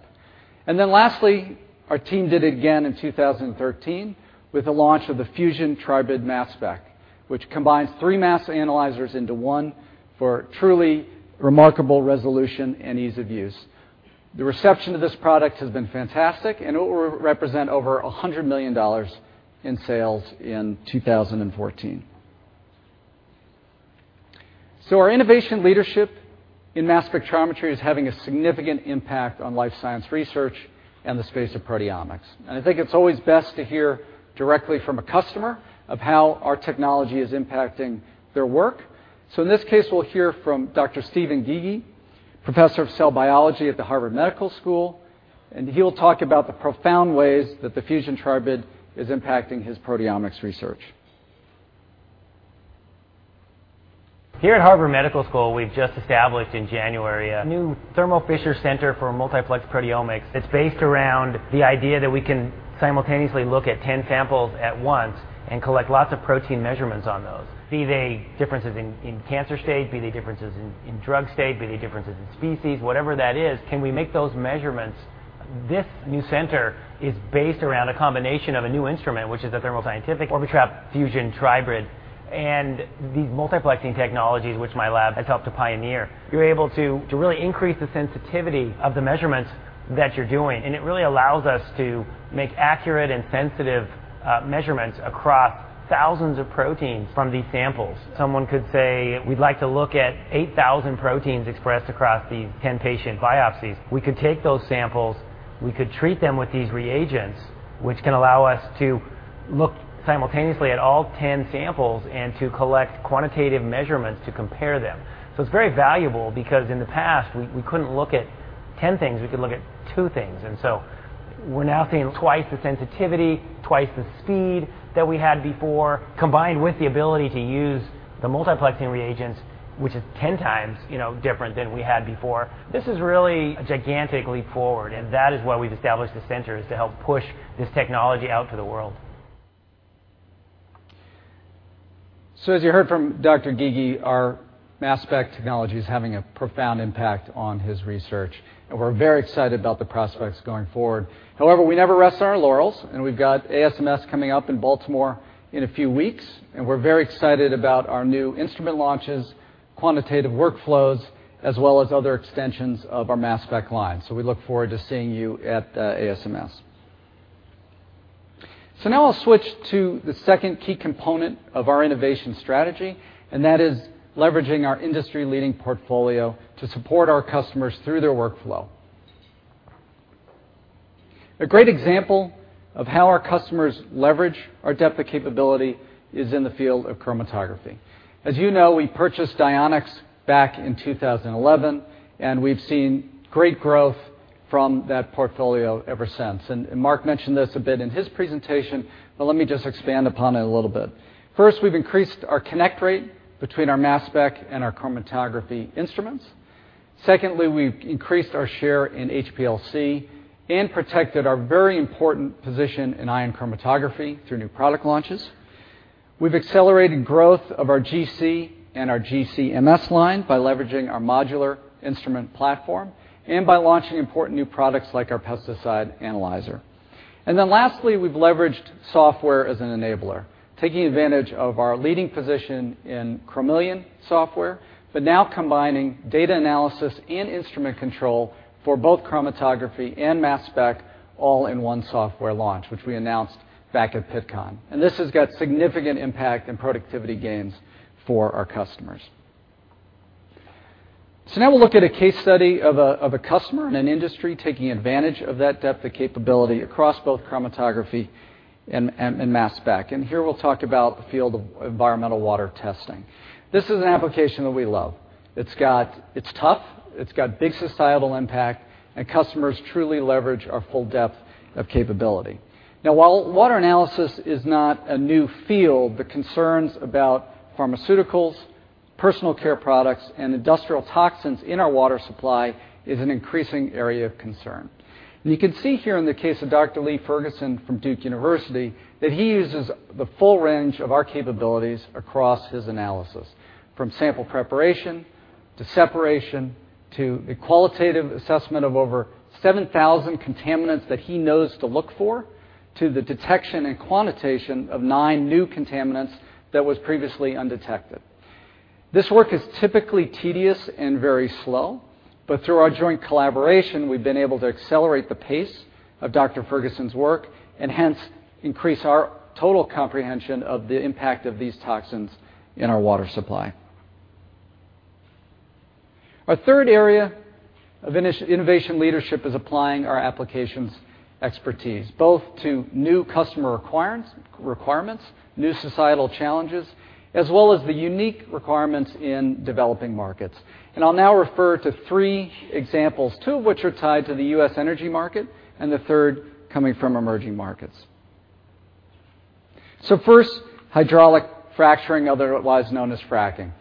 Lastly, our team did it again in 2013 with the launch of the Fusion Tribrid mass spec, which combines three mass analyzers into one for truly remarkable resolution and ease of use. The reception of this product has been fantastic, and it will represent over $100 million in sales in 2014. Our innovation leadership in mass spectrometry is having a significant impact on life science research and the space of proteomics. I think it's always best to hear directly from a customer of how our technology is impacting their work. In this case, we'll hear from Dr. Steven Gygi, Professor of Cell Biology at the Harvard Medical School, and he will talk about the profound ways that the Fusion Tribrid is impacting his proteomics research. Here at Harvard Medical School, we've just established in January a new Thermo Fisher Scientific Center for Multiplexed Proteomics. It's based around the idea that we can simultaneously look at 10 samples at once and collect lots of protein measurements on those, be they differences in cancer state, be they differences in drug state, be they differences in species, whatever that is. Can we make those measurements? This new center is based around a combination of a new instrument, which is the Thermo Scientific Orbitrap Fusion Tribrid, and these multiplexing technologies which my lab has helped to pioneer. You're able to really increase the sensitivity of the measurements that you're doing, and it really allows us to make accurate and sensitive measurements across thousands of proteins from these samples. Someone could say, "We'd like to look at 8,000 proteins expressed across these 10 patient biopsies." We could take those samples, we could treat them with these reagents, which can allow us to look simultaneously at all 10 samples and to collect quantitative measurements to compare them. It's very valuable because in the past, we couldn't look at 10 things. We could look at two things. We're now seeing twice the sensitivity, twice the speed that we had before, combined with the ability to use the multiplexing reagents, which is 10 times different than we had before. This is really a gigantic leap forward, and that is why we've established this center, is to help push this technology out to the world. As you heard from Dr. Steven Gygi, our mass spec technology is having a profound impact on his research. We're very excited about the prospects going forward. However, we never rest on our laurels. We've got ASMS coming up in Baltimore in a few weeks. We're very excited about our new instrument launches, quantitative workflows, as well as other extensions of our mass spec line. We look forward to seeing you at ASMS. Now I'll switch to the second key component of our innovation strategy, that is leveraging our industry-leading portfolio to support our customers through their workflow. A great example of how our customers leverage our depth of capability is in the field of chromatography. As you know, we purchased Dionex back in 2011. We've seen great growth from that portfolio ever since. Mark mentioned this a bit in his presentation. Let me just expand upon it a little bit. First, we've increased our connect rate between our mass spec and our chromatography instruments. Secondly, we've increased our share in HPLC and protected our very important position in ion chromatography through new product launches. We've accelerated growth of our GC and our GC-MS line by leveraging our modular instrument platform and by launching important new products like our pesticide analyzer. Lastly, we've leveraged software as an enabler. Taking advantage of our leading position in Chromeleon software, now combining data analysis and instrument control for both chromatography and mass spec all in one software launch, which we announced back at Pittcon. This has got significant impact in productivity gains for our customers. Now we'll look at a case study of a customer in an industry taking advantage of that depth of capability across both chromatography and mass spec. Here we'll talk about the field of environmental water testing. This is an application that we love. It's tough. It's got big societal impact. Customers truly leverage our full depth of capability. Now, while water analysis is not a new field, the concerns about pharmaceuticals, personal care products, and industrial toxins in our water supply is an increasing area of concern. You can see here in the case of Dr. Lee Ferguson from Duke University, that he uses the full range of our capabilities across his analysis, from sample preparation, to separation, to the qualitative assessment of over 7,000 contaminants that he knows to look for. To the detection and quantitation of nine new contaminants that was previously undetected. This work is typically tedious and very slow, but through our joint collaboration, we've been able to accelerate the pace of Dr. Ferguson's work and hence increase our total comprehension of the impact of these toxins in our water supply. Our third area of innovation leadership is applying our applications expertise, both to new customer requirements, new societal challenges, as well as the unique requirements in developing markets. I'll now refer to three examples, two of which are tied to the U.S. energy market, and the third coming from emerging markets. First, hydraulic fracturing, otherwise known as fracking.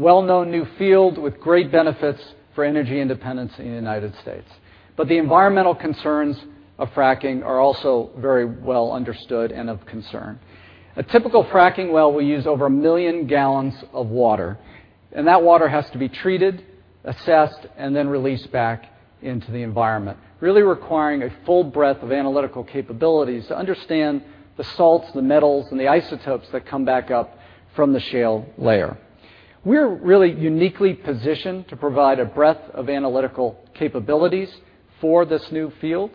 Well-known new field with great benefits for energy independence in the United States. The environmental concerns of fracking are also very well understood and of concern. A typical fracking well will use over 1 million gallons of water, and that water has to be treated, assessed, and then released back into the environment, really requiring a full breadth of analytical capabilities to understand the salts, the metals, and the isotopes that come back up from the shale layer. We're really uniquely positioned to provide a breadth of analytical capabilities for this new field,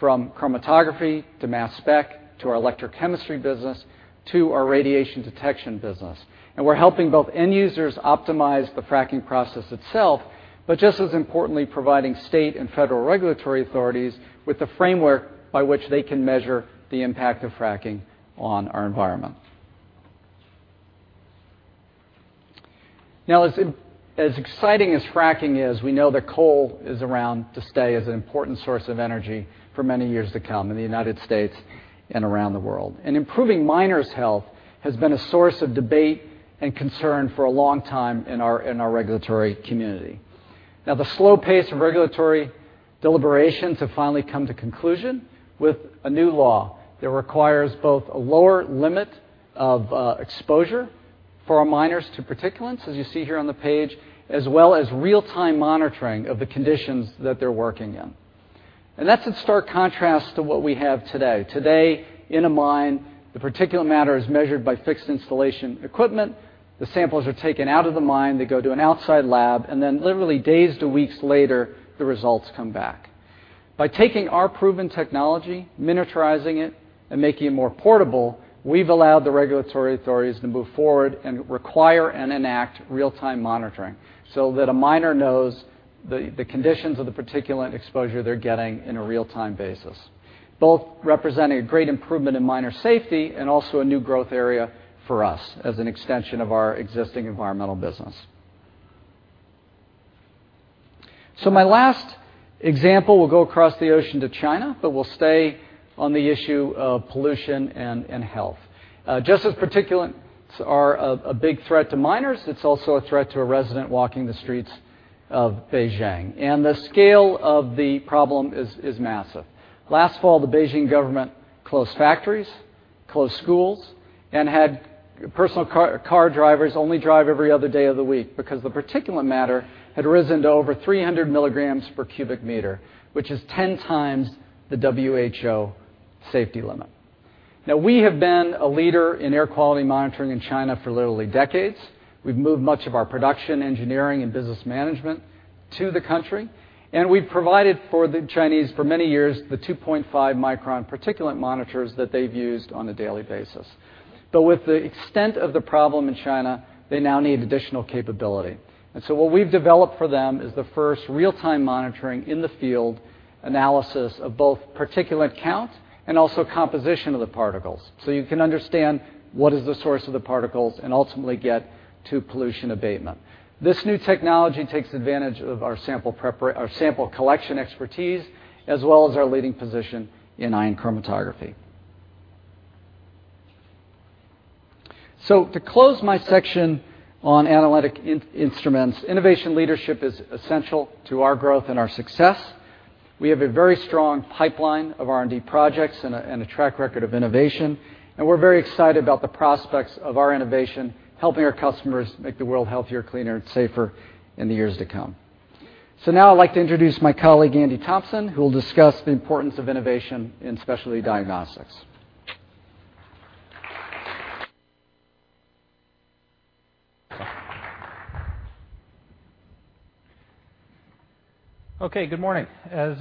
from chromatography, to mass spec, to our electrochemistry business, to our radiation detection business. We're helping both end users optimize the fracking process itself, but just as importantly, providing state and federal regulatory authorities with the framework by which they can measure the impact of fracking on our environment. As exciting as fracking is, we know that coal is around to stay as an important source of energy for many years to come in the United States and around the world. Improving miners' health has been a source of debate and concern for a long time in our regulatory community. The slow pace of regulatory deliberations have finally come to conclusion with a new law that requires both a lower limit of exposure for our miners to particulates, as you see here on the page, as well as real-time monitoring of the conditions that they're working in. That's in stark contrast to what we have today. Today, in a mine, the particulate matter is measured by fixed installation equipment. The samples are taken out of the mine, they go to an outside lab, and then literally days to weeks later, the results come back. By taking our proven technology, miniaturizing it, and making it more portable, we've allowed the regulatory authorities to move forward and require and enact real-time monitoring, so that a miner knows the conditions of the particulate exposure they're getting in a real-time basis, both representing a great improvement in miner safety and also a new growth area for us as an extension of our existing environmental business. My last example will go across the ocean to China, but we'll stay on the issue of pollution and health. Just as particulates are a big threat to miners, it's also a threat to a resident walking the streets of Beijing. The scale of the problem is massive. Last fall, the Beijing government closed factories, closed schools, and had personal car drivers only drive every other day of the week because the particulate matter had risen to over 300 milligrams per cubic meter, which is 10 times the WHO safety limit. We have been a leader in air quality monitoring in China for literally decades. We've moved much of our production, engineering, and business management to the country, and we've provided for the Chinese for many years, the 2.5-micron particulate monitors that they've used on a daily basis. With the extent of the problem in China, they now need additional capability. What we've developed for them is the first real-time monitoring in-the-field analysis of both particulate count and also composition of the particles. You can understand what is the source of the particles and ultimately get to pollution abatement. This new technology takes advantage of our sample collection expertise, as well as our leading position in ion chromatography. To close my section on Analytical Instruments, innovation leadership is essential to our growth and our success. We have a very strong pipeline of R&D projects and a track record of innovation, and we're very excited about the prospects of our innovation, helping our customers make the world healthier, cleaner, and safer in the years to come. Now I'd like to introduce my colleague, Andy Thomson, who will discuss the importance of innovation in Specialty Diagnostics. Okay, good morning. As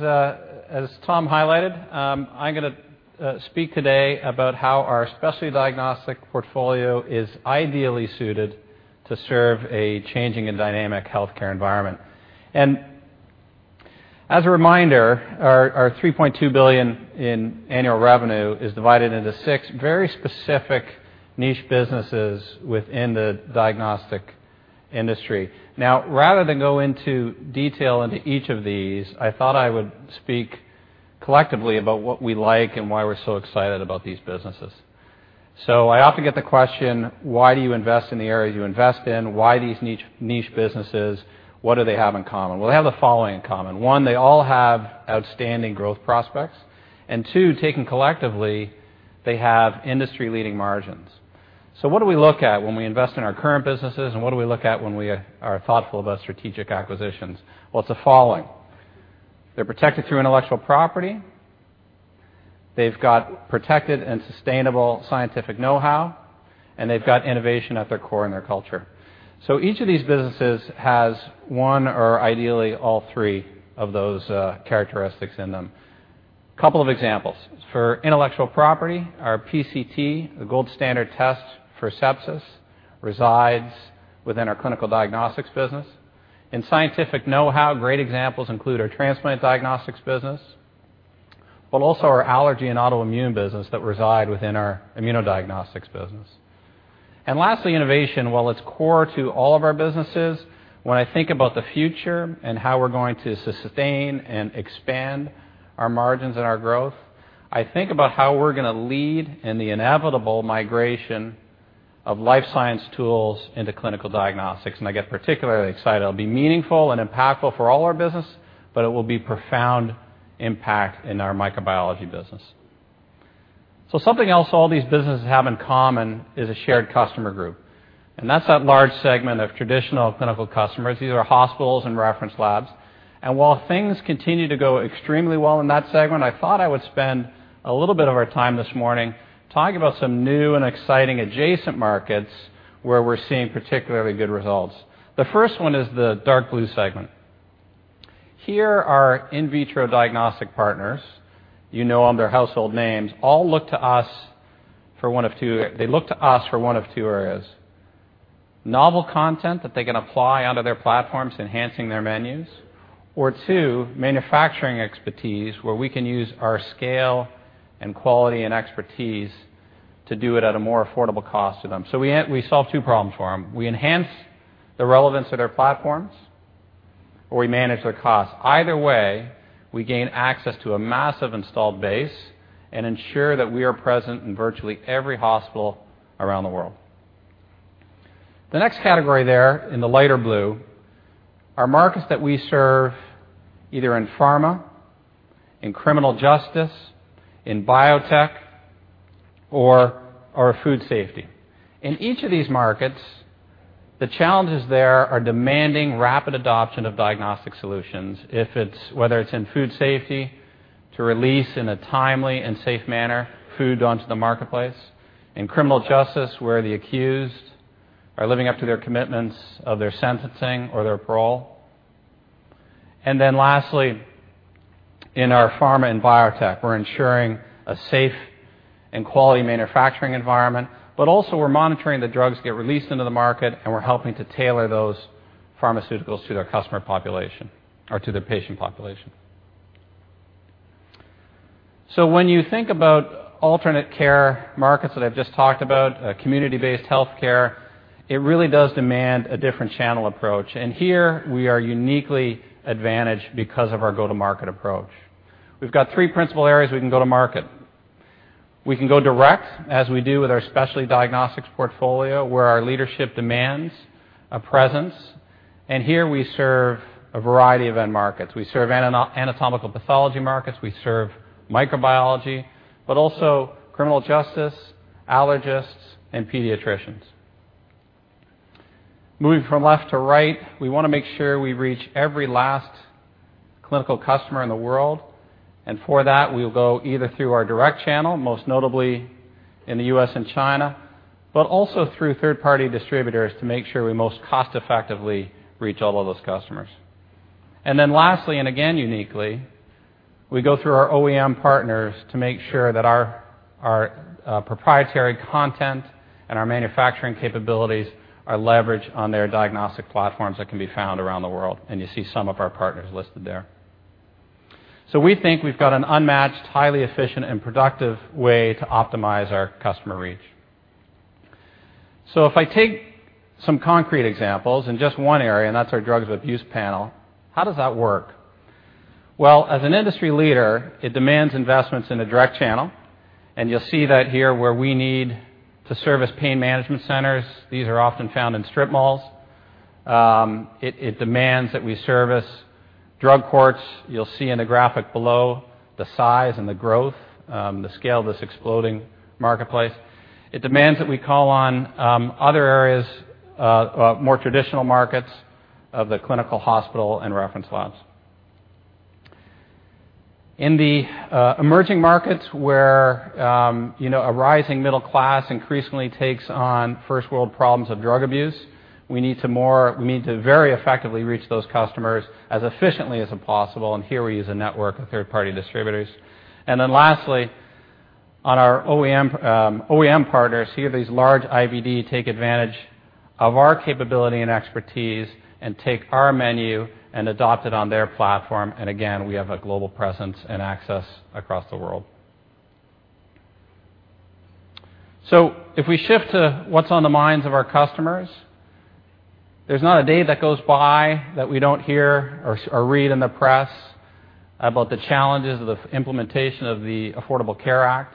Tom highlighted, I'm going to speak today about how our Specialty Diagnostics portfolio is ideally suited to serve a changing and dynamic healthcare environment. As a reminder, our $3.2 billion in annual revenue is divided into six very specific niche businesses within the diagnostic industry. Rather than go into detail into each of these, I thought I would speak collectively about what we like and why we're so excited about these businesses. I often get the question, why do you invest in the areas you invest in? Why these niche businesses? What do they have in common? They have the following in common. One, they all have outstanding growth prospects. Two, taken collectively, they have industry-leading margins. What do we look at when we invest in our current businesses, and what do we look at when we are thoughtful about strategic acquisitions? It's the following: they're protected through intellectual property, they've got protected and sustainable scientific know-how, and they've got innovation at their core in their culture. Each of these businesses has one or ideally all three of those characteristics in them. Couple of examples. For intellectual property, our PCT, the gold standard test for sepsis, resides within our clinical diagnostics business. In scientific know-how, great examples include our transplant diagnostics business, but also our allergy and autoimmune business that reside within our immunodiagnostics business. Lastly, innovation. While it's core to all of our businesses, when I think about the future and how we're going to sustain and expand our margins and our growth, I think about how we're going to lead in the inevitable migration of life science tools into clinical diagnostics, and I get particularly excited. It will be meaningful and impactful for all our business, but it will be profound impact in our microbiology business. Something else all these businesses have in common is a shared customer group, and that's that large segment of traditional clinical customers. These are hospitals and reference labs. While things continue to go extremely well in that segment, I thought I would spend a little bit of our time this morning talking about some new and exciting adjacent markets where we're seeing particularly good results. The first one is the dark blue segment. Here are in vitro diagnostic partners, you know them, they're household names. They look to us for one of two areas: novel content that they can apply onto their platforms, enhancing their menus; or two, manufacturing expertise, where we can use our scale and quality and expertise to do it at a more affordable cost to them. We solve two problems for them. We enhance the relevance of their platforms, or we manage their costs. Either way, we gain access to a massive installed base and ensure that we are present in virtually every hospital around the world. The next category there in the lighter blue are markets that we serve either in pharma, in criminal justice, in biotech, or food safety. In each of these markets, the challenges there are demanding rapid adoption of diagnostic solutions, whether it's in food safety to release in a timely and safe manner food onto the marketplace. In criminal justice, where the accused are living up to their commitments of their sentencing or their parole. Lastly, in our pharma and biotech, we're ensuring a safe and quality manufacturing environment, but also we're monitoring the drugs get released into the market, and we're helping to tailor those pharmaceuticals to their customer population or to their patient population. When you think about alternate care markets that I've just talked about, community-based healthcare, it really does demand a different channel approach, and here we are uniquely advantaged because of our go-to-market approach. We've got three principal areas we can go to market. We can go direct, as we do with our Specialty Diagnostics portfolio, where our leadership demands a presence, and here we serve a variety of end markets. We serve anatomical pathology markets, we serve microbiology, but also criminal justice, allergists, and pediatricians. Moving from left to right, we want to make sure we reach every last clinical customer in the world, and for that, we'll go either through our direct channel, most notably in the U.S. and China, but also through third-party distributors to make sure we most cost-effectively reach all of those customers. Lastly, and again uniquely, we go through our OEM partners to make sure that our proprietary content and our manufacturing capabilities are leveraged on their diagnostic platforms that can be found around the world, and you see some of our partners listed there. We think we've got an unmatched, highly efficient, and productive way to optimize our customer reach. If I take some concrete examples in just one area, and that's our drugs of abuse panel, how does that work? As an industry leader, it demands investments in a direct channel, and you'll see that here where we need to service pain management centers. These are often found in strip malls. It demands that we service drug courts. You'll see in the graphic below the size and the growth, the scale of this exploding marketplace. It demands that we call on other areas, more traditional markets of the clinical hospital and reference labs. In the emerging markets where a rising middle class increasingly takes on first-world problems of drug abuse, we need to very effectively reach those customers as efficiently as possible, and here we use a network of third-party distributors. Lastly, on our OEM partners, here these large IVD take advantage of our capability and expertise and take our menu and adopt it on their platform. Again, we have a global presence and access across the world. If we shift to what's on the minds of our customers, there's not a day that goes by that we don't hear or read in the press about the challenges of the implementation of the Affordable Care Act,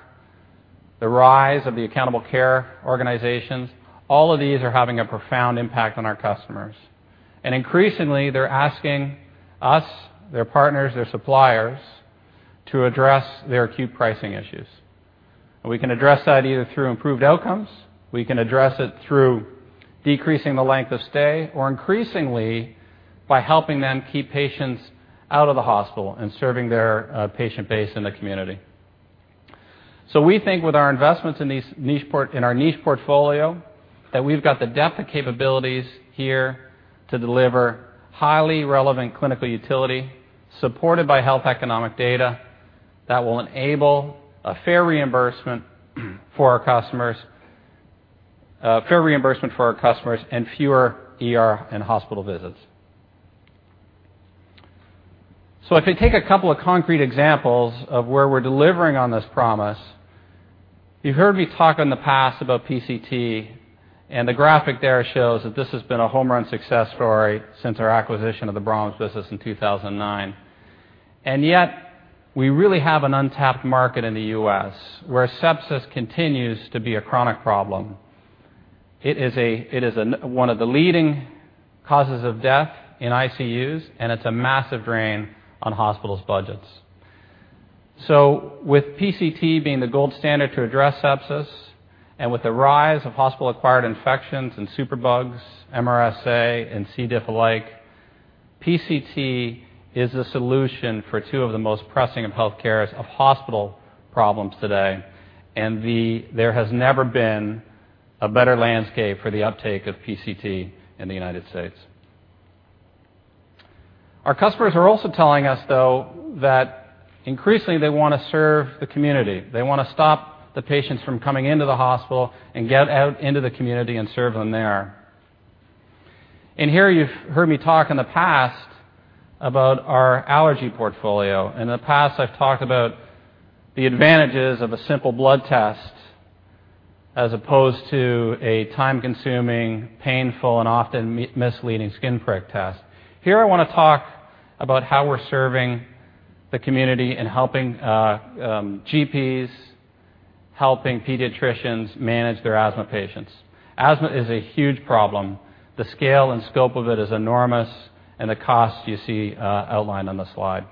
the rise of the accountable care organizations. All of these are having a profound impact on our customers. Increasingly, they're asking us, their partners, their suppliers to address their acute pricing issues. We can address that either through improved outcomes, we can address it through decreasing the length of stay, or increasingly, by helping them keep patients out of the hospital and serving their patient base in the community. We think with our investments in our niche portfolio, that we've got the depth of capabilities here to deliver highly relevant clinical utility supported by health economic data that will enable a fair reimbursement for our customers, and fewer ER and hospital visits. If we take a couple of concrete examples of where we're delivering on this promise, you've heard me talk in the past about PCT, and the graphic there shows that this has been a home run success story since our acquisition of the B·R·A·H·M·S business in 2009. Yet, we really have an untapped market in the U.S. where sepsis continues to be a chronic problem. It is one of the leading causes of death in ICUs, and it's a massive drain on hospitals' budgets. With PCT being the gold standard to address sepsis, with the rise of hospital-acquired infections and superbugs, MRSA and C. diff alike, PCT is a solution for two of the most pressing of hospital problems today, and there has never been a better landscape for the uptake of PCT in the United States. Our customers are also telling us, though, that increasingly they want to serve the community. They want to stop the patients from coming into the hospital and get out into the community and serve them there. Here you've heard me talk in the past about our allergy portfolio. In the past, I've talked about the advantages of a simple blood test as opposed to a time-consuming, painful, and often misleading skin prick test. Here I want to talk about how we're serving the community and helping GPs, helping pediatricians manage their asthma patients. Asthma is a huge problem. The scale and scope of it is enormous, and the cost you see outlined on the slide.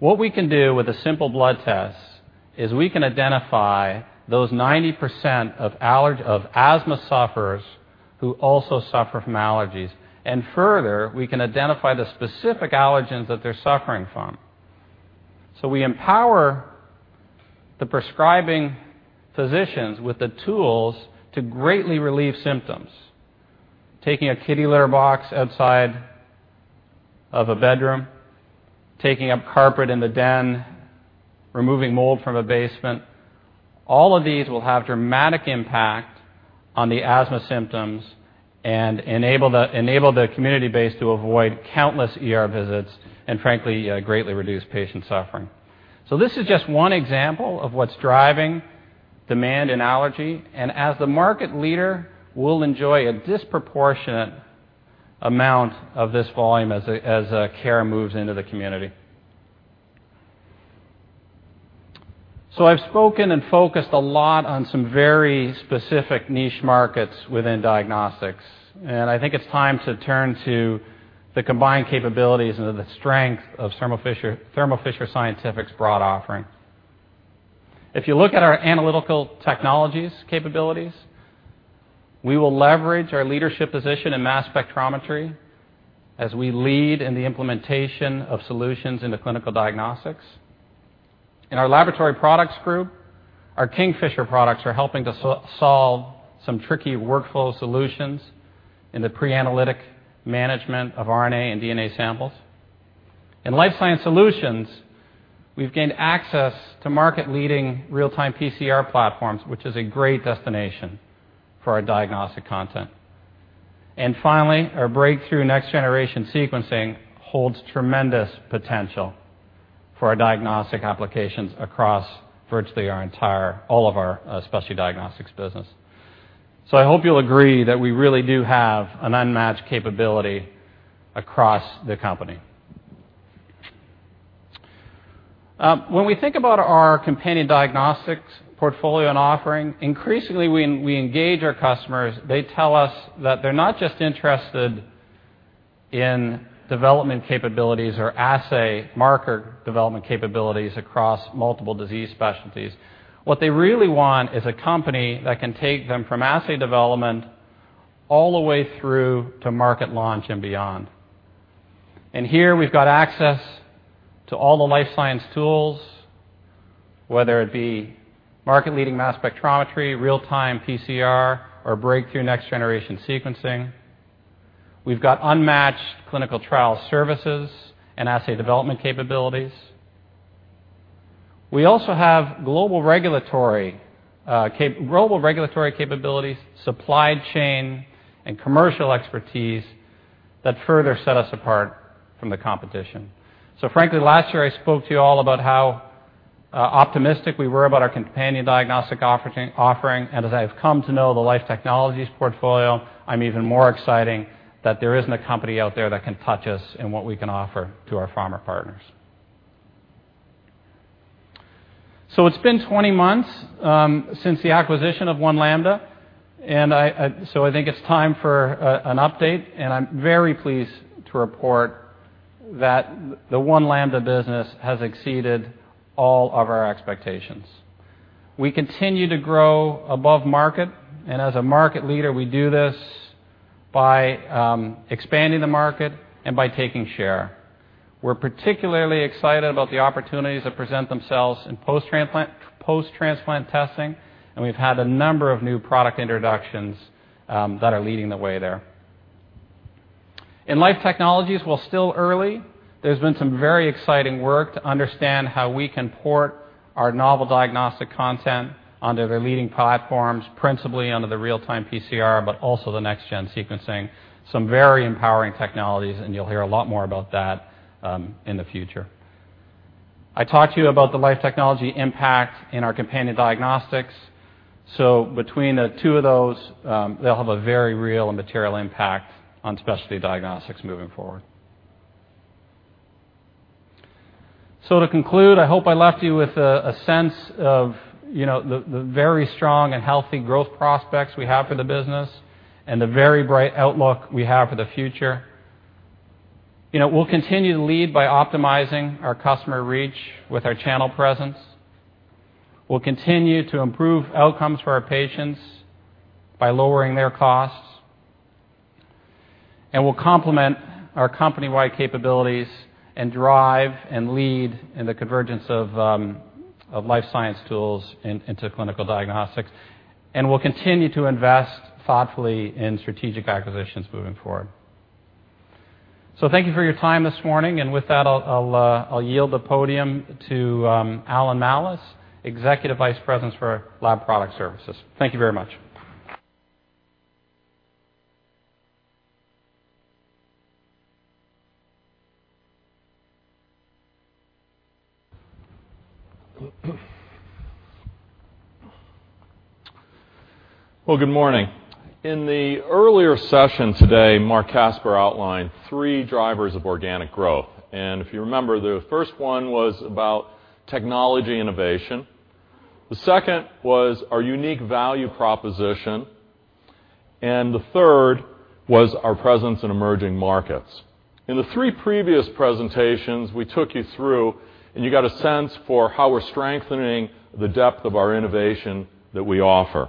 What we can do with a simple blood test is we can identify those 90% of asthma sufferers who also suffer from allergies. Further, we can identify the specific allergens that they're suffering from. We empower the prescribing physicians with the tools to greatly relieve symptoms. Taking a kitty litter box outside of a bedroom, taking up carpet in the den, removing mold from a basement, all of these will have dramatic impact on the asthma symptoms and enable the community base to avoid countless ER visits, and frankly, greatly reduce patient suffering. This is just one example of what's driving demand in allergy, and as the market leader, we'll enjoy a disproportionate amount of this volume as care moves into the community. I've spoken and focused a lot on some very specific niche markets within diagnostics, and I think it's time to turn to the combined capabilities and the strength of Thermo Fisher Scientific's broad offering. If you look at our analytical technologies capabilities, we will leverage our leadership position in mass spectrometry as we lead in the implementation of solutions into clinical diagnostics. In our Laboratory Products group, our KingFisher products are helping to solve some tricky workflow solutions in the pre-analytic management of RNA and DNA samples. In Life Sciences Solutions, we've gained access to market-leading real-time PCR platforms, which is a great destination for our diagnostic content. Finally, our breakthrough next-generation sequencing holds tremendous potential for our diagnostic applications across virtually all of our Specialty Diagnostics business. I hope you'll agree that we really do have an unmatched capability across the company. When we think about our companion diagnostics portfolio and offering, increasingly we engage our customers, they tell us that they're not just interested in development capabilities or assay marker development capabilities across multiple disease specialties. What they really want is a company that can take them from assay development all the way through to market launch and beyond. Here we've got access to all the life science tools, whether it be market-leading mass spectrometry, real-time PCR, or breakthrough next-generation sequencing. We've got unmatched clinical trial services and assay development capabilities. We also have global regulatory capabilities, supply chain, and commercial expertise that further set us apart from the competition. Frankly, last year I spoke to you all about how optimistic we were about our companion diagnostic offering, and as I've come to know the Life Technologies portfolio, I'm even more excited that there isn't a company out there that can touch us in what we can offer to our pharma partners. It's been 20 months since the acquisition of One Lambda, I think it's time for an update, and I'm very pleased to report that the One Lambda business has exceeded all of our expectations. We continue to grow above market, and as a market leader, we do this by expanding the market and by taking share. We're particularly excited about the opportunities that present themselves in post-transplant testing, and we've had a number of new product introductions that are leading the way there. In Life Technologies, while still early, there's been some very exciting work to understand how we can port our novel diagnostic content onto their leading platforms, principally onto the real-time PCR, but also the next-gen sequencing, some very empowering technologies, and you'll hear a lot more about that in the future. I talked to you about the Life Technologies impact in our companion diagnostics. Between the two of those, they'll have a very real and material impact on Specialty Diagnostics moving forward. To conclude, I hope I left you with a sense of the very strong and healthy growth prospects we have for the business and the very bright outlook we have for the future. We'll continue to lead by optimizing our customer reach with our channel presence. We'll continue to improve outcomes for our patients by lowering their costs. We'll complement our company-wide capabilities and drive and lead in the convergence of life science tools into clinical diagnostics. We'll continue to invest thoughtfully in strategic acquisitions moving forward. Thank you for your time this morning. With that, I'll yield the podium to Alan Malus, Executive Vice President for Laboratory Products and Services. Thank you very much. Well, good morning. In the earlier session today, Marc Casper outlined three drivers of organic growth. If you remember, the first one was about technology innovation, the second was our unique value proposition, and the third was our presence in emerging markets. In the three previous presentations we took you through, you got a sense for how we're strengthening the depth of our innovation that we offer.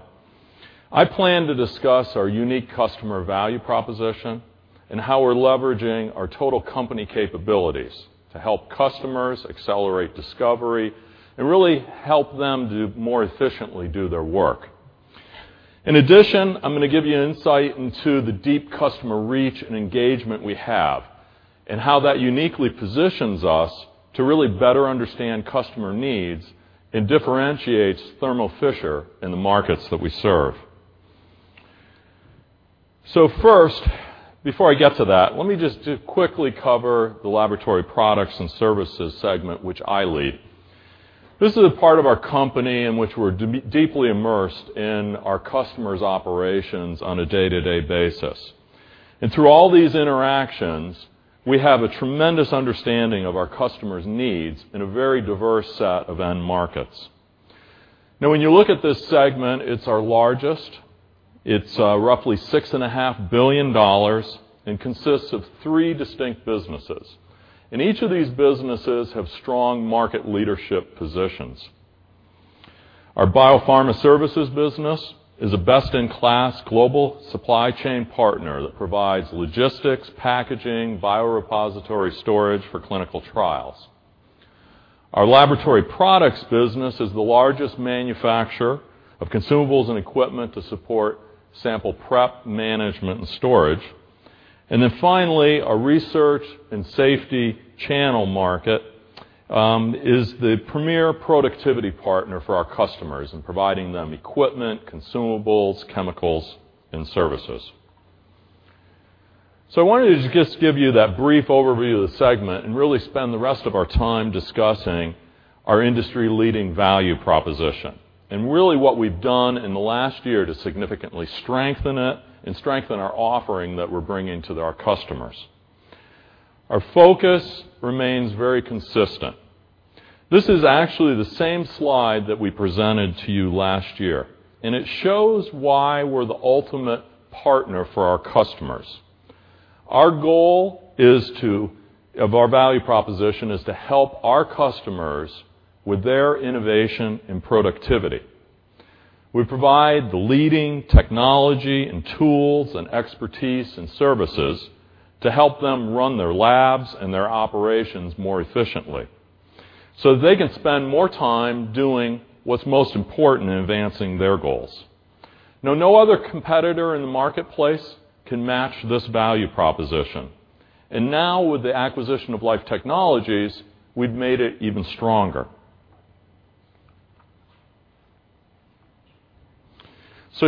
I plan to discuss our unique customer value proposition and how we're leveraging our total company capabilities to help customers accelerate discovery and really help them to more efficiently do their work. In addition, I'm going to give you insight into the deep customer reach and engagement we have and how that uniquely positions us to really better understand customer needs and differentiates Thermo Fisher in the markets that we serve. First, before I get to that, let me just quickly cover the Laboratory Products and Services segment, which I lead. This is a part of our company in which we're deeply immersed in our customers' operations on a day-to-day basis. Through all these interactions, we have a tremendous understanding of our customers' needs in a very diverse set of end markets. When you look at this segment, it's our largest. It's roughly $6.5 billion and consists of three distinct businesses. Each of these businesses have strong market leadership positions. Our biopharma services business is a best-in-class global supply chain partner that provides logistics, packaging, biorepository storage for clinical trials. Our laboratory products business is the largest manufacturer of consumables and equipment to support sample prep, management, and storage. Finally, our research and safety channel market is the premier productivity partner for our customers in providing them equipment, consumables, chemicals, and services. I wanted to just give you that brief overview of the segment and really spend the rest of our time discussing our industry-leading value proposition and really what we've done in the last year to significantly strengthen it and strengthen our offering that we're bringing to our customers. Our focus remains very consistent. This is actually the same slide that we presented to you last year, and it shows why we're the ultimate partner for our customers. Our goal of our value proposition is to help our customers with their innovation and productivity. We provide the leading technology and tools and expertise and services to help them run their labs and their operations more efficiently so they can spend more time doing what's most important in advancing their goals. Now, no other competitor in the marketplace can match this value proposition. Now, with the acquisition of Life Technologies, we've made it even stronger.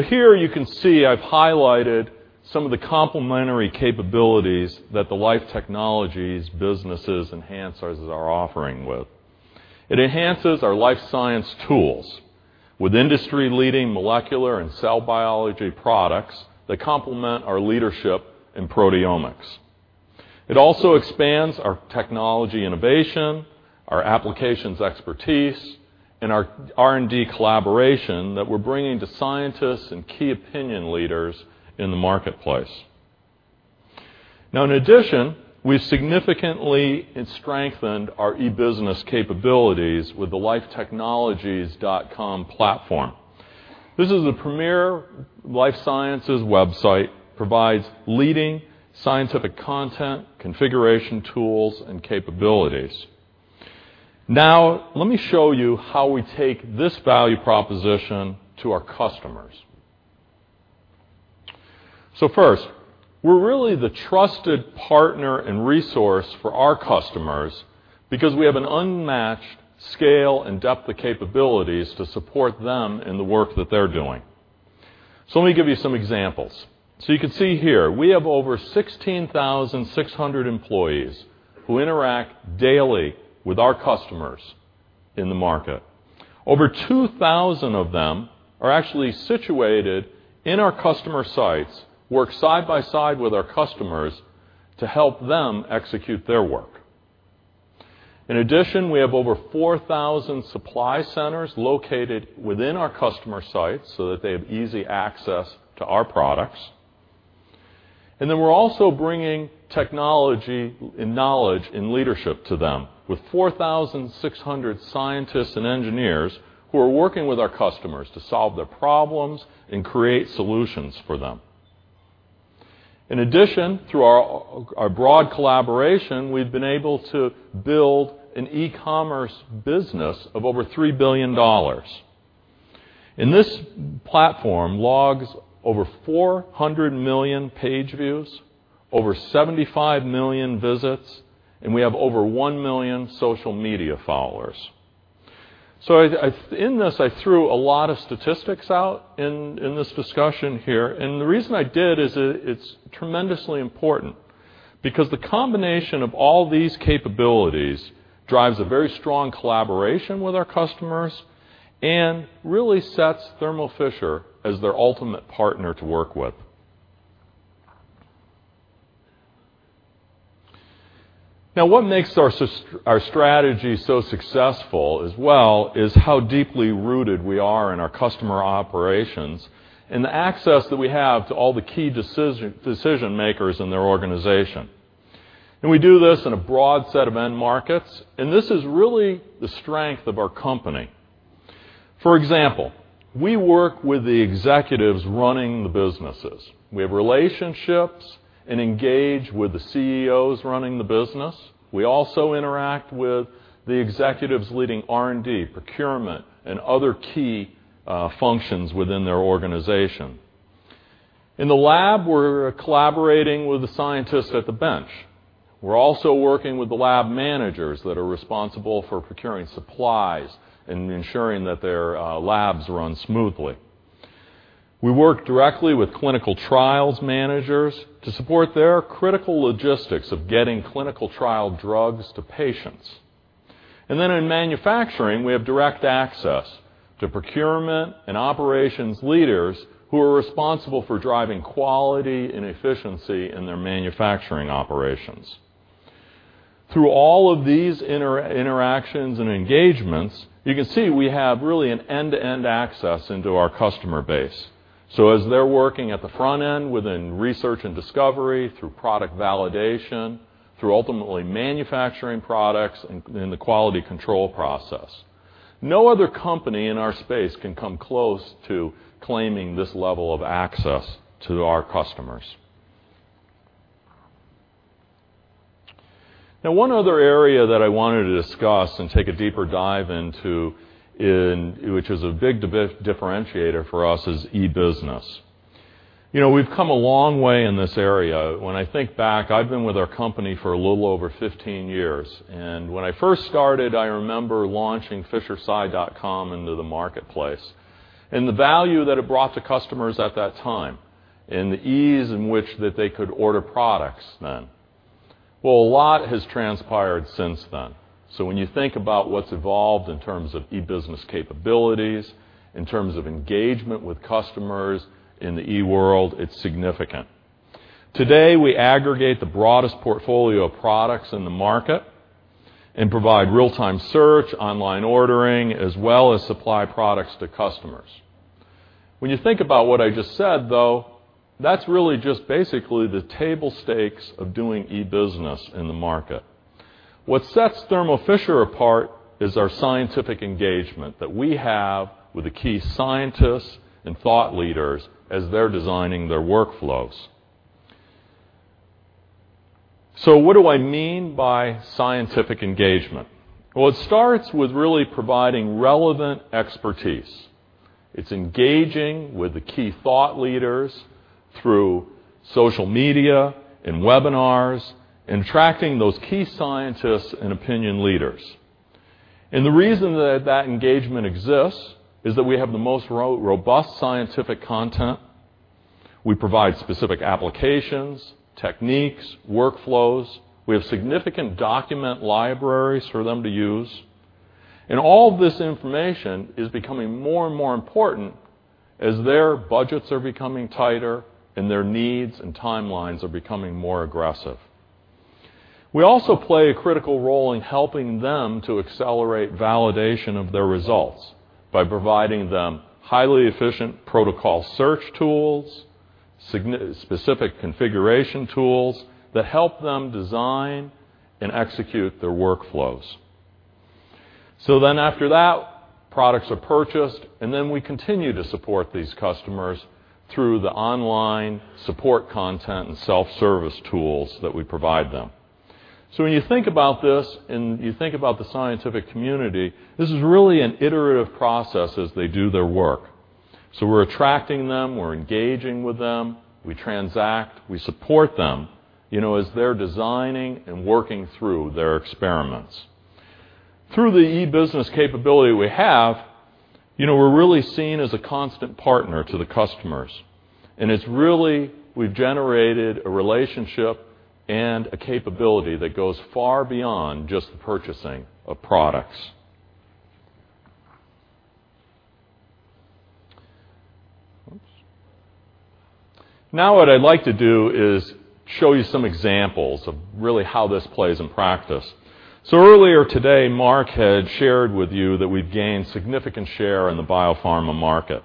Here you can see I've highlighted some of the complementary capabilities that the Life Technologies businesses enhance our offering with. It enhances our life science tools with industry-leading molecular and cell biology products that complement our leadership in proteomics. It also expands our technology innovation, our applications expertise, and our R&D collaboration that we're bringing to scientists and key opinion leaders in the marketplace. In addition, we've significantly strengthened our e-business capabilities with the lifetechnologies.com platform. This is the premier life sciences website, provides leading scientific content, configuration tools, and capabilities. Let me show you how we take this value proposition to our customers. First, we're really the trusted partner and resource for our customers because we have an unmatched scale and depth of capabilities to support them in the work that they're doing. Let me give you some examples. You can see here, we have over 16,600 employees who interact daily with our customers in the market. Over 2,000 of them are actually situated in our customer sites, work side by side with our customers to help them execute their work. In addition, we have over 4,000 supply centers located within our customer sites so that they have easy access to our products. We're also bringing technology and knowledge and leadership to them with 4,600 scientists and engineers who are working with our customers to solve their problems and create solutions for them. In addition, through our broad collaboration, we've been able to build an e-commerce business of over $3 billion. This platform logs over 400 million page views, over 75 million visits, and we have over 1 million social media followers. In this, I threw a lot of statistics out in this discussion here, and the reason I did is it's tremendously important, because the combination of all these capabilities drives a very strong collaboration with our customers and really sets Thermo Fisher as their ultimate partner to work with. What makes our strategy so successful as well is how deeply rooted we are in our customer operations and the access that we have to all the key decision makers in their organization. We do this in a broad set of end markets, and this is really the strength of our company. For example, we work with the executives running the businesses. We have relationships and engage with the CEOs running the business. We also interact with the executives leading R&D, procurement, and other key functions within their organization. In the lab, we're collaborating with the scientists at the bench. We're also working with the lab managers that are responsible for procuring supplies and ensuring that their labs run smoothly. We work directly with clinical trials managers to support their critical logistics of getting clinical trial drugs to patients. In manufacturing, we have direct access to procurement and operations leaders who are responsible for driving quality and efficiency in their manufacturing operations. Through all of these interactions and engagements, you can see we have really an end-to-end access into our customer base. As they're working at the front end within research and discovery, through product validation, through ultimately manufacturing products in the quality control process. No other company in our space can come close to claiming this level of access to our customers. One other area that I wanted to discuss and take a deeper dive into, which is a big differentiator for us, is e-business. We've come a long way in this area. When I think back, I've been with our company for a little over 15 years. When I first started, I remember launching fishersci.com into the marketplace, and the value that it brought to customers at that time, and the ease in which that they could order products then. A lot has transpired since then. When you think about what's evolved in terms of e-business capabilities, in terms of engagement with customers in the e-world, it's significant. Today, we aggregate the broadest portfolio of products in the market and provide real-time search, online ordering, as well as supply products to customers. When you think about what I just said, though, that's really just basically the table stakes of doing e-business in the market. What sets Thermo Fisher apart is our scientific engagement that we have with the key scientists and thought leaders as they're designing their workflows. What do I mean by scientific engagement? It starts with really providing relevant expertise. It's engaging with the key thought leaders through social media and webinars and tracking those key scientists and opinion leaders. The reason that engagement exists is that we have the most robust scientific content. We provide specific applications, techniques, workflows. We have significant document libraries for them to use. All of this information is becoming more and more important as their budgets are becoming tighter and their needs and timelines are becoming more aggressive. We also play a critical role in helping them to accelerate validation of their results by providing them highly efficient protocol search tools, specific configuration tools that help them design and execute their workflows. After that, products are purchased, and then we continue to support these customers through the online support content and self-service tools that we provide them. When you think about this and you think about the scientific community, this is really an iterative process as they do their work. We're attracting them, we're engaging with them, we transact, we support them as they're designing and working through their experiments. Through the e-business capability we have, we're really seen as a constant partner to the customers, and it's really, we've generated a relationship and a capability that goes far beyond just the purchasing of products. Oops. Now, what I'd like to do is show you some examples of really how this plays in practice. Earlier today, Mark had shared with you that we've gained significant share in the biopharma market,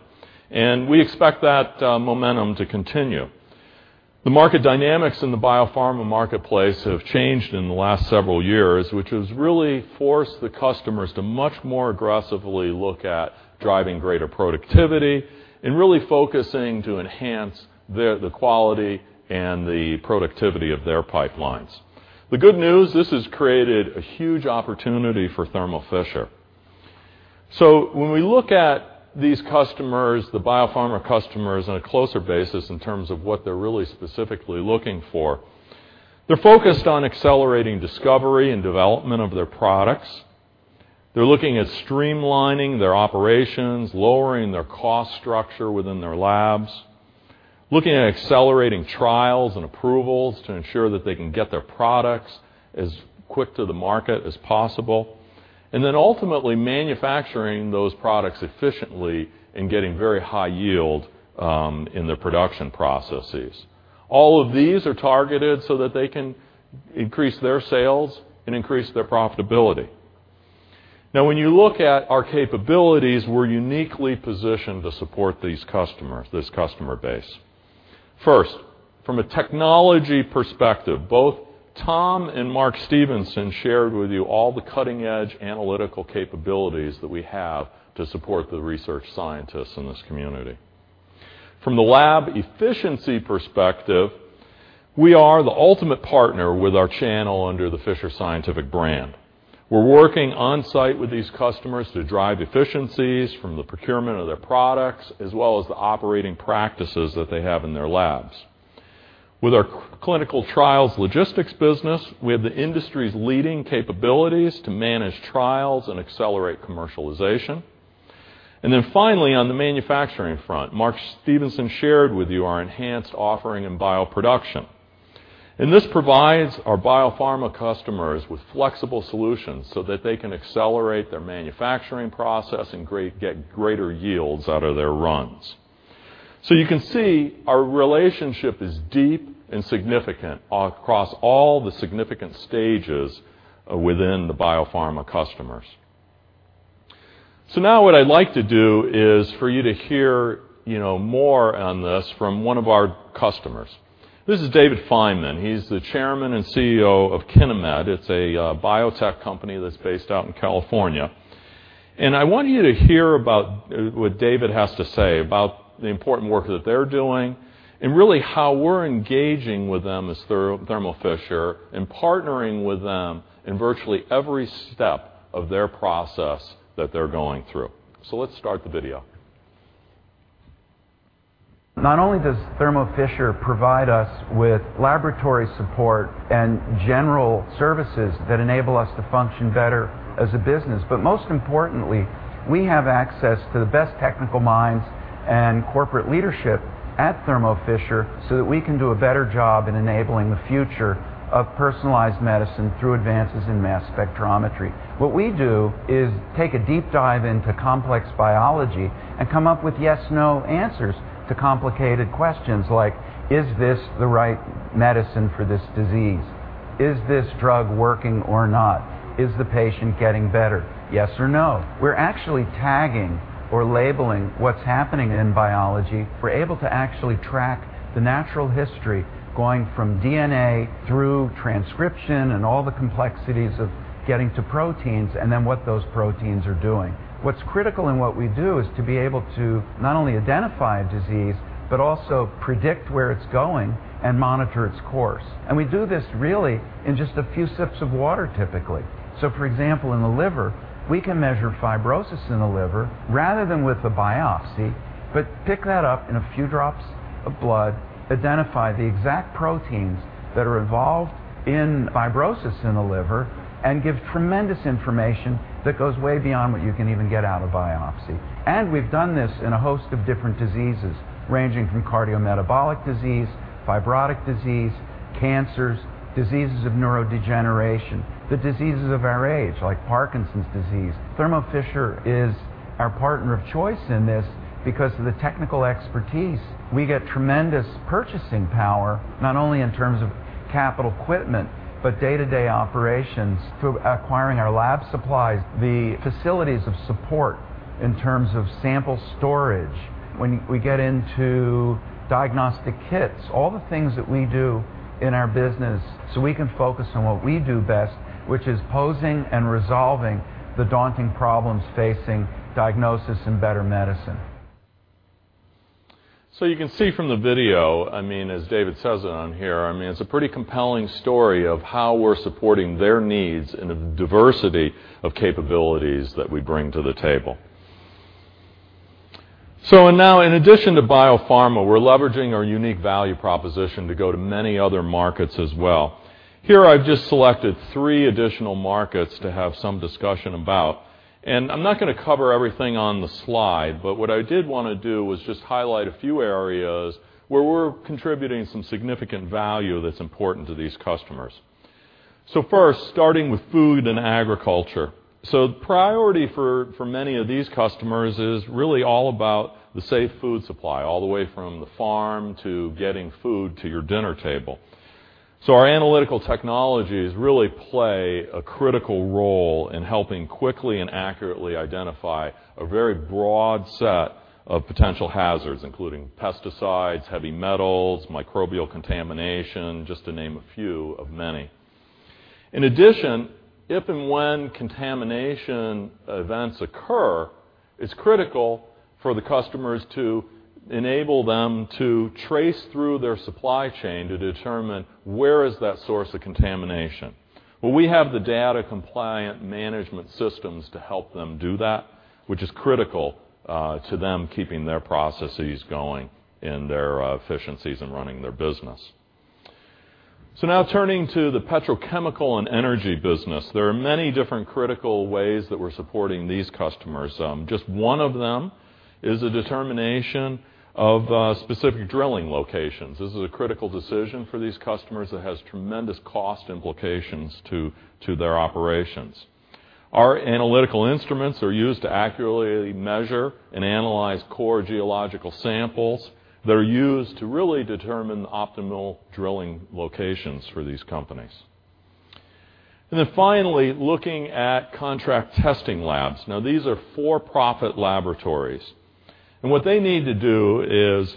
and we expect that momentum to continue. The market dynamics in the biopharma marketplace have changed in the last several years, which has really forced the customers to much more aggressively look at driving greater productivity and really focusing to enhance the quality and the productivity of their pipelines. The good news, this has created a huge opportunity for Thermo Fisher. When we look at these customers, the biopharma customers, on a closer basis in terms of what they're really specifically looking for, they're focused on accelerating discovery and development of their products. They're looking at streamlining their operations, lowering their cost structure within their labs, looking at accelerating trials and approvals to ensure that they can get their products as quick to the market as possible, and then ultimately manufacturing those products efficiently and getting very high yield in their production processes. All of these are targeted so that they can increase their sales and increase their profitability. Now, when you look at our capabilities, we're uniquely positioned to support these customers, this customer base. First, from a technology perspective, both Tom and Mark Stevenson shared with you all the cutting-edge analytical capabilities that we have to support the research scientists in this community. From the lab efficiency perspective, we are the ultimate partner with our channel under the Fisher Scientific brand. We're working on-site with these customers to drive efficiencies from the procurement of their products, as well as the operating practices that they have in their labs. With our clinical trials logistics business, we have the industry's leading capabilities to manage trials and accelerate commercialization. Finally, on the manufacturing front, Mark Stevenson shared with you our enhanced offering in bioproduction. This provides our biopharma customers with flexible solutions so that they can accelerate their manufacturing process and get greater yields out of their runs. You can see our relationship is deep and significant across all the significant stages within the biopharma customers. What I'd like to do is for you to hear more on this from one of our customers. This is David Fineman. He's the Chairman and CEO of KineMed. It's a biotech company that's based out in California. I want you to hear about what David has to say about the important work that they're doing and really how we're engaging with them as Thermo Fisher and partnering with them in virtually every step of their process that they're going through. Let's start the video. Not only does Thermo Fisher provide us with laboratory support and general services that enable us to function better as a business, but most importantly, we have access to the best technical minds and corporate leadership at Thermo Fisher so that we can do a better job in enabling the future of personalized medicine through advances in mass spectrometry. What we do is take a deep dive into complex biology and come up with yes/no answers to complicated questions like, "Is this the right medicine for this disease? Is this drug working or not? Is the patient getting better?" Yes or no. We're actually tagging or labeling what's happening in biology. We're able to actually track the natural history going from DNA through transcription and all the complexities of getting to proteins, and then what those proteins are doing. What's critical in what we do is to be able to not only identify a disease, but also predict where it's going and monitor its course. We do this really in just a few sips of water, typically. For example, in the liver, we can measure fibrosis in the liver rather than with a biopsy, but pick that up in a few drops of blood, identify the exact proteins that are involved in fibrosis in the liver, and give tremendous information that goes way beyond what you can even get out of biopsy. We've done this in a host of different diseases, ranging from cardiometabolic disease, fibrotic disease, cancers, diseases of neurodegeneration, the diseases of our age, like Parkinson's disease. Thermo Fisher is our partner of choice in this because of the technical expertise. We get tremendous purchasing power, not only in terms of capital equipment, but day-to-day operations through acquiring our lab supplies, the facilities of support in terms of sample storage, when we get into diagnostic kits, all the things that we do in our business so we can focus on what we do best, which is posing and resolving the daunting problems facing diagnosis and better medicine. You can see from the video, as David says it on here, it's a pretty compelling story of how we're supporting their needs and the diversity of capabilities that we bring to the table. Now, in addition to biopharma, we're leveraging our unique value proposition to go to many other markets as well. Here, I've just selected three additional markets to have some discussion about. I'm not going to cover everything on the slide, but what I did want to do was just highlight a few areas where we're contributing some significant value that's important to these customers. First, starting with food and agriculture. The priority for many of these customers is really all about the safe food supply, all the way from the farm to getting food to your dinner table. Our analytical technologies really play a critical role in helping quickly and accurately identify a very broad set of potential hazards, including pesticides, heavy metals, microbial contamination, just to name a few of many. In addition, if and when contamination events occur, it's critical for the customers to enable them to trace through their supply chain to determine where is that source of contamination. We have the data compliant management systems to help them do that, which is critical to them keeping their processes going and their efficiencies in running their business. Turning to the petrochemical and energy business. There are many different critical ways that we're supporting these customers. Just one of them is the determination of specific drilling locations. This is a critical decision for these customers that has tremendous cost implications to their operations. Our analytical instruments are used to accurately measure and analyze core geological samples that are used to really determine the optimal drilling locations for these companies. Finally, looking at contract testing labs. These are for-profit laboratories. What they need to do is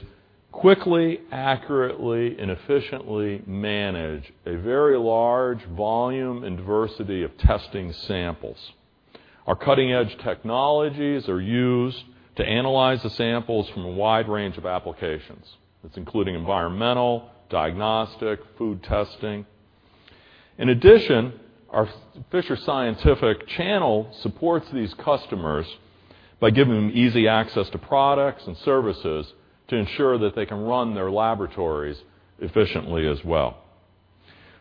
quickly, accurately, and efficiently manage a very large volume and diversity of testing samples. Our cutting-edge technologies are used to analyze the samples from a wide range of applications. That's including environmental, diagnostic, food testing. In addition, our Fisher Scientific channel supports these customers by giving them easy access to products and services to ensure that they can run their laboratories efficiently as well.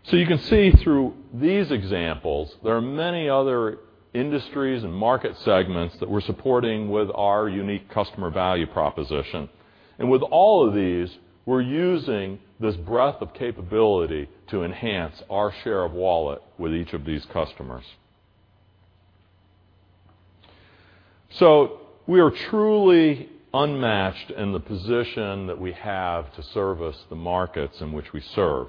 You can see through these examples, there are many other industries and market segments that we're supporting with our unique customer value proposition. With all of these, we're using this breadth of capability to enhance our share of wallet with each of these customers. We are truly unmatched in the position that we have to service the markets in which we serve.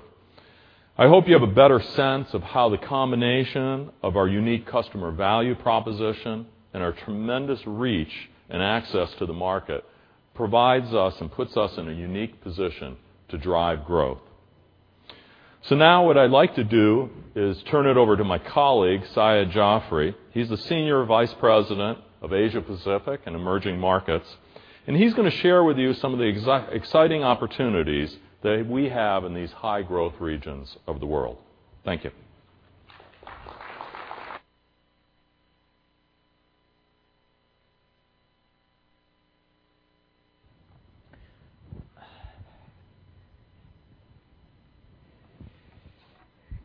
I hope you have a better sense of how the combination of our unique customer value proposition and our tremendous reach and access to the market provides us and puts us in a unique position to drive growth. What I'd like to do is turn it over to my colleague, Syed Jafry. He's the Senior Vice President of Asia-Pacific and Emerging Markets, and he's going to share with you some of the exciting opportunities that we have in these high-growth regions of the world. Thank you.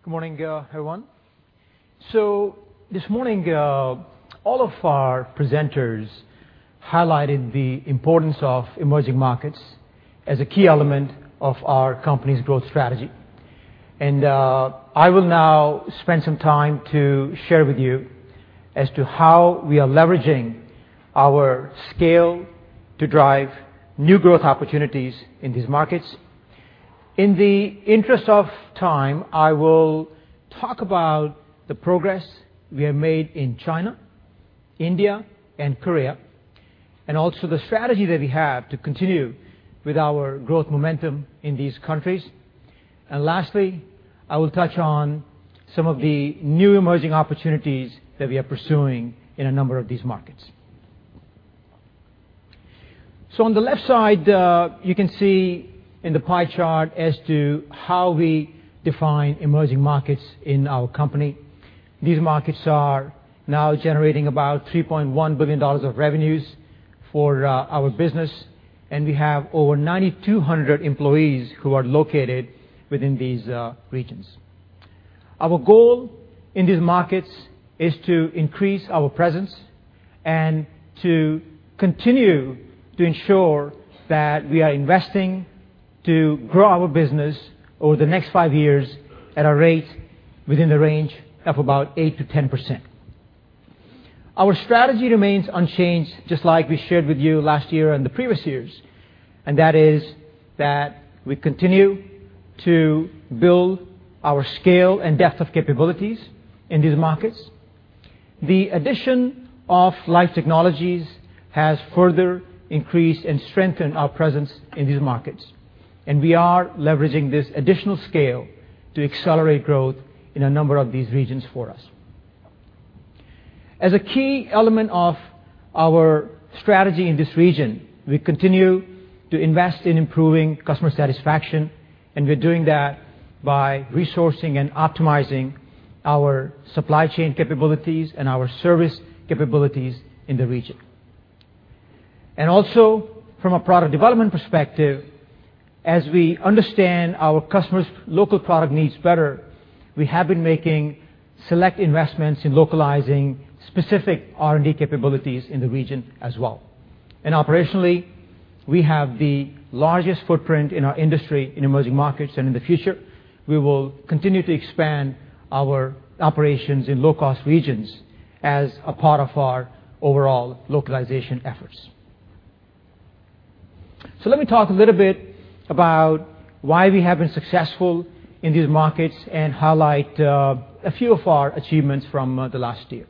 Good morning, everyone. This morning, all of our presenters highlighted the importance of emerging markets as a key element of our company's growth strategy. I will now spend some time to share with you as to how we are leveraging our scale to drive new growth opportunities in these markets. In the interest of time, I will talk about the progress we have made in China, India, and Korea, and also the strategy that we have to continue with our growth momentum in these countries. Lastly, I will touch on some of the new emerging opportunities that we are pursuing in a number of these markets. On the left side, you can see in the pie chart as to how we define emerging markets in our company. These markets are now generating about $3.1 billion of revenues for our business, and we have over 9,200 employees who are located within these regions. Our goal in these markets is to increase our presence and to continue to ensure that we are investing to grow our business over the next five years at a rate within the range of about 8%-10%. Our strategy remains unchanged, just like we shared with you last year and the previous years. That is that we continue to build our scale and depth of capabilities in these markets. The addition of Life Technologies has further increased and strengthened our presence in these markets, and we are leveraging this additional scale to accelerate growth in a number of these regions for us. As a key element of our strategy in this region, we continue to invest in improving customer satisfaction, and we're doing that by resourcing and optimizing our supply chain capabilities and our service capabilities in the region. Also, from a product development perspective, as we understand our customers' local product needs better, we have been making select investments in localizing specific R&D capabilities in the region as well. Operationally, we have the largest footprint in our industry in emerging markets, and in the future, we will continue to expand our operations in low-cost regions as a part of our overall localization efforts. Let me talk a little bit about why we have been successful in these markets and highlight a few of our achievements from the last year.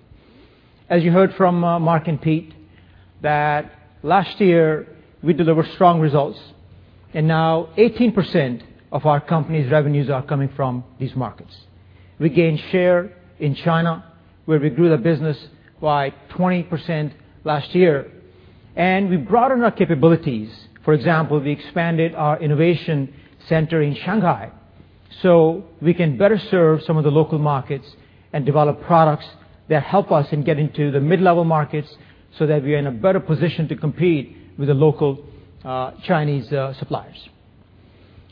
As you heard from Marc and Peter, that last year, we delivered strong results, and now 18% of our company's revenues are coming from these markets. We gained share in China, where we grew the business by 20% last year. We broadened our capabilities. For example, we expanded our innovation center in Shanghai so we can better serve some of the local markets and develop products that help us in getting to the mid-level markets so that we are in a better position to compete with the local Chinese suppliers.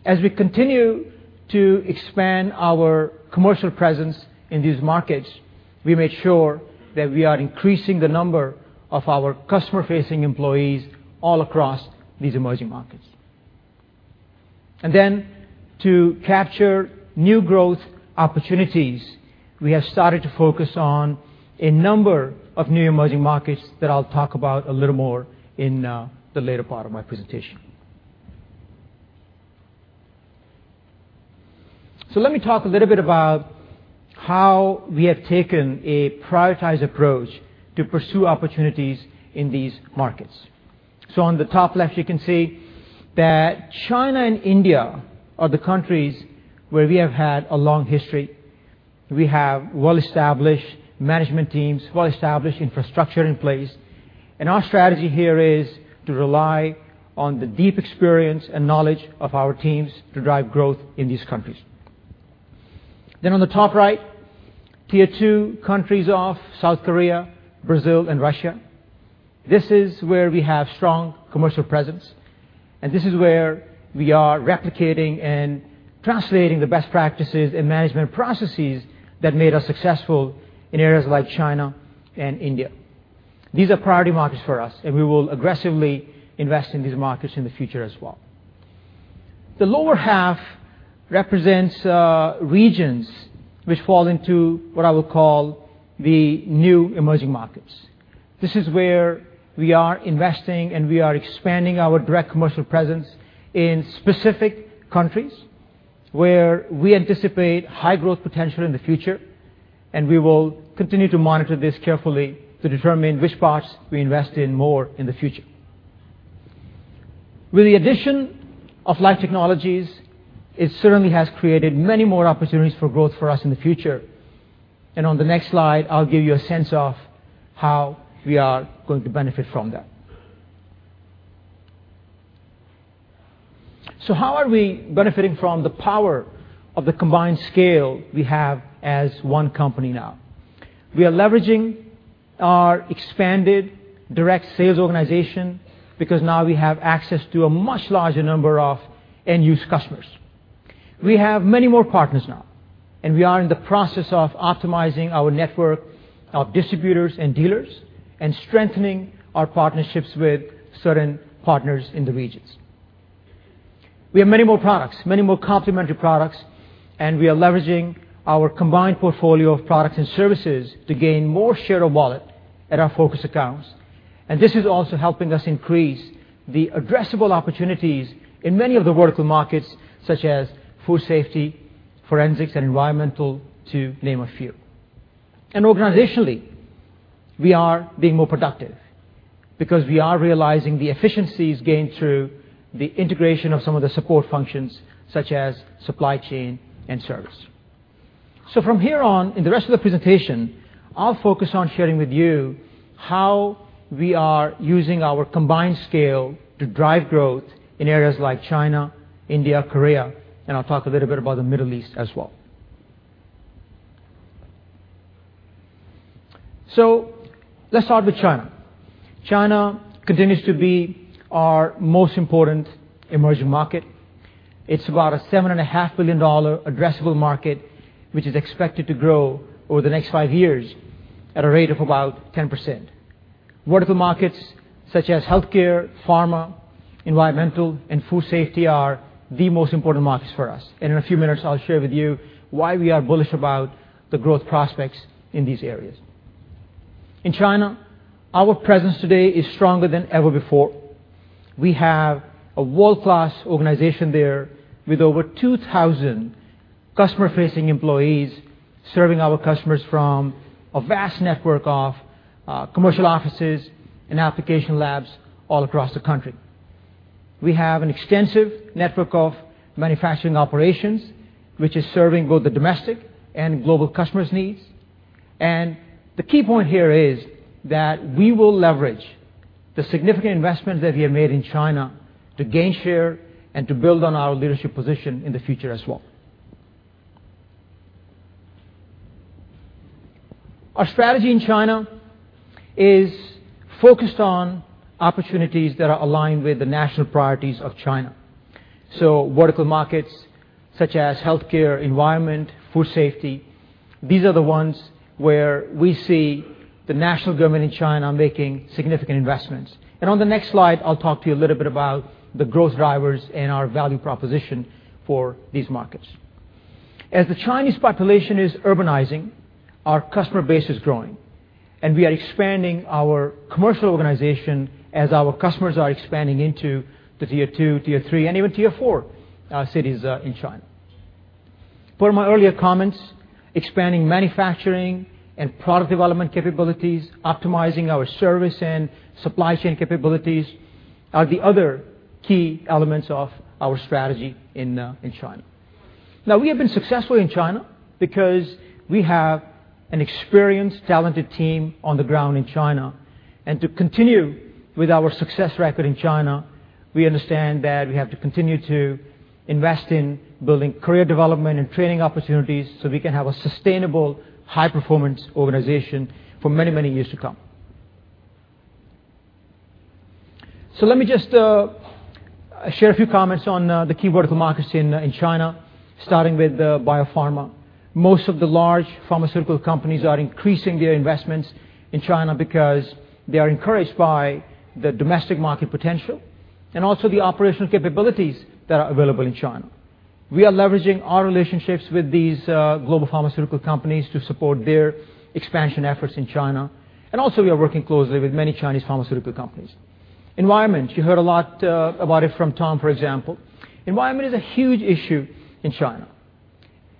As we continue to expand our commercial presence in these markets, we make sure that we are increasing the number of our customer-facing employees all across these emerging markets. To capture new growth opportunities, we have started to focus on a number of new emerging markets that I'll talk about a little more in the later part of my presentation. Let me talk a little bit about how we have taken a prioritized approach to pursue opportunities in these markets. On the top left, you can see that China and India are the countries where we have had a long history. We have well-established management teams, well-established infrastructure in place, and our strategy here is to rely on the deep experience and knowledge of our teams to drive growth in these countries. Then on the top right, tier 2 countries of South Korea, Brazil, and Russia. This is where we have strong commercial presence, this is where we are replicating and translating the best practices and management processes that made us successful in areas like China and India. These are priority markets for us, we will aggressively invest in these markets in the future as well. The lower half represents regions which fall into what I would call the new emerging markets. This is where we are investing, we are expanding our direct commercial presence in specific countries where we anticipate high growth potential in the future, we will continue to monitor this carefully to determine which parts we invest in more in the future. With the addition of Life Technologies, it certainly has created many more opportunities for growth for us in the future. On the next slide, I'll give you a sense of how we are going to benefit from that. How are we benefiting from the power of the combined scale we have as one company now? We are leveraging our expanded direct sales organization because now we have access to a much larger number of end-use customers. We have many more partners now, we are in the process of optimizing our network of distributors and dealers and strengthening our partnerships with certain partners in the regions. We have many more products, many more complementary products, we are leveraging our combined portfolio of products and services to gain more share of wallet at our focus accounts. This is also helping us increase the addressable opportunities in many of the vertical markets such as food safety, forensics, and environmental, to name a few. Organizationally, we are being more productive because we are realizing the efficiencies gained through the integration of some of the support functions such as supply chain and service. From here on, in the rest of the presentation, I'll focus on sharing with you how we are using our combined scale to drive growth in areas like China, India, Korea, I'll talk a little bit about the Middle East as well. Let's start with China. China continues to be our most important emerging market. It's about a $7.5 billion addressable market, which is expected to grow over the next five years at a rate of about 10%. Vertical markets such as healthcare, pharma, environmental, and food safety are the most important markets for us. In a few minutes, I'll share with you why we are bullish about the growth prospects in these areas. In China, our presence today is stronger than ever before. We have a world-class organization there with over 2,000 customer-facing employees serving our customers from a vast network of commercial offices and application labs all across the country. We have an extensive network of manufacturing operations, which is serving both the domestic and global customers' needs. The key point here is that we will leverage the significant investments that we have made in China to gain share and to build on our leadership position in the future as well. Our strategy in China is focused on opportunities that are aligned with the national priorities of China. Vertical markets such as healthcare, environment, food safety, these are the ones where we see the national government in China making significant investments. On the next slide, I'll talk to you a little bit about the growth drivers and our value proposition for these markets. As the Chinese population is urbanizing, our customer base is growing, and we are expanding our commercial organization as our customers are expanding into the tier 2, tier 3, and even tier 4 cities in China. Per my earlier comments, expanding manufacturing and product development capabilities, optimizing our service and supply chain capabilities are the other key elements of our strategy in China. We have been successful in China because we have an experienced, talented team on the ground in China. To continue with our success record in China, we understand that we have to continue to invest in building career development and training opportunities so we can have a sustainable, high-performance organization for many, many years to come. Let me just share a few comments on the key vertical markets in China, starting with biopharma. Most of the large pharmaceutical companies are increasing their investments in China because they are encouraged by the domestic market potential and also the operational capabilities that are available in China. Also, we are working closely with many Chinese pharmaceutical companies. Environment, you heard a lot about it from Tom, for example. Environment is a huge issue in China,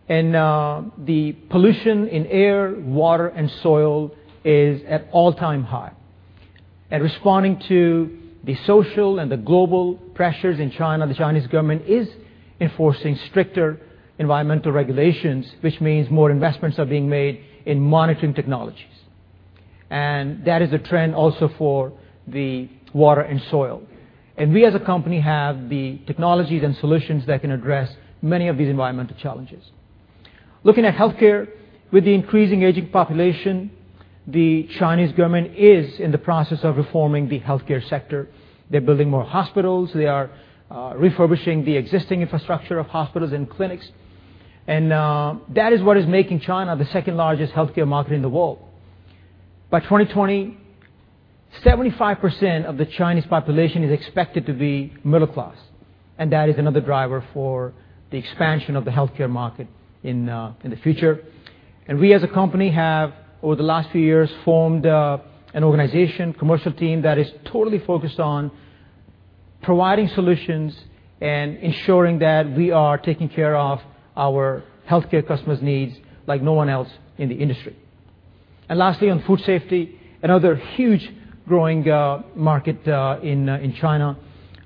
and the pollution in air, water, and soil is at all-time high. Responding to the social and the global pressures in China, the Chinese government is enforcing stricter environmental regulations, which means more investments are being made in monitoring technologies. That is a trend also for the water and soil. We as a company have the technologies and solutions that can address many of these environmental challenges. Looking at healthcare, with the increasing aging population, the Chinese government is in the process of reforming the healthcare sector. They're building more hospitals. They are refurbishing the existing infrastructure of hospitals and clinics, and that is what is making China the second-largest healthcare market in the world. By 2020, 75% of the Chinese population is expected to be middle class, and that is another driver for the expansion of the healthcare market in the future. We as a company have, over the last few years, formed an organization, commercial team, that is totally focused on providing solutions and ensuring that we are taking care of our healthcare customers' needs like no one else in the industry. Lastly, on food safety, another huge growing market in China.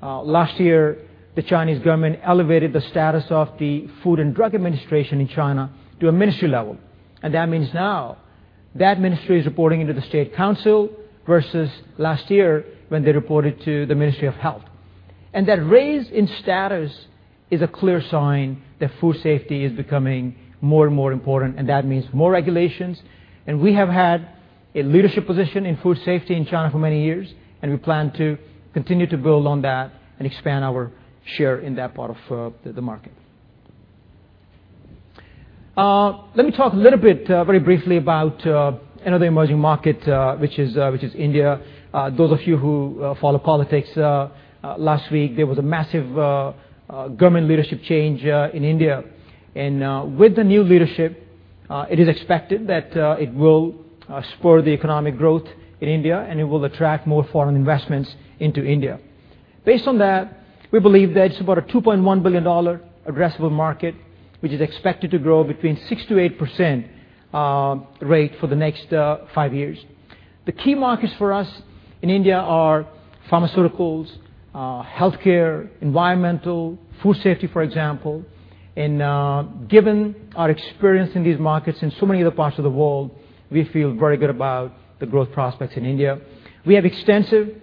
Last year, the Chinese government elevated the status of the China Food and Drug Administration to a ministry level, and that means now that ministry is reporting into the State Council versus last year when they reported to the Ministry of Health. That raise in status is a clear sign that food safety is becoming more and more important, and that means more regulations. We have had a leadership position in food safety in China for many years, and we plan to continue to build on that and expand our share in that part of the market. Let me talk a little bit, very briefly, about another emerging market, which is India. Those of you who follow politics, last week, there was a massive government leadership change in India. With the new leadership, it is expected that it will spur the economic growth in India, and it will attract more foreign investments into India. Based on that, we believe that it's about a $2.1 billion addressable market, which is expected to grow between 6%-8% rate for the next five years. The key markets for us in India are pharmaceuticals, healthcare, environmental, food safety, for example. Given our experience in these markets in so many other parts of the world, we feel very good about the growth prospects in India. We have extensive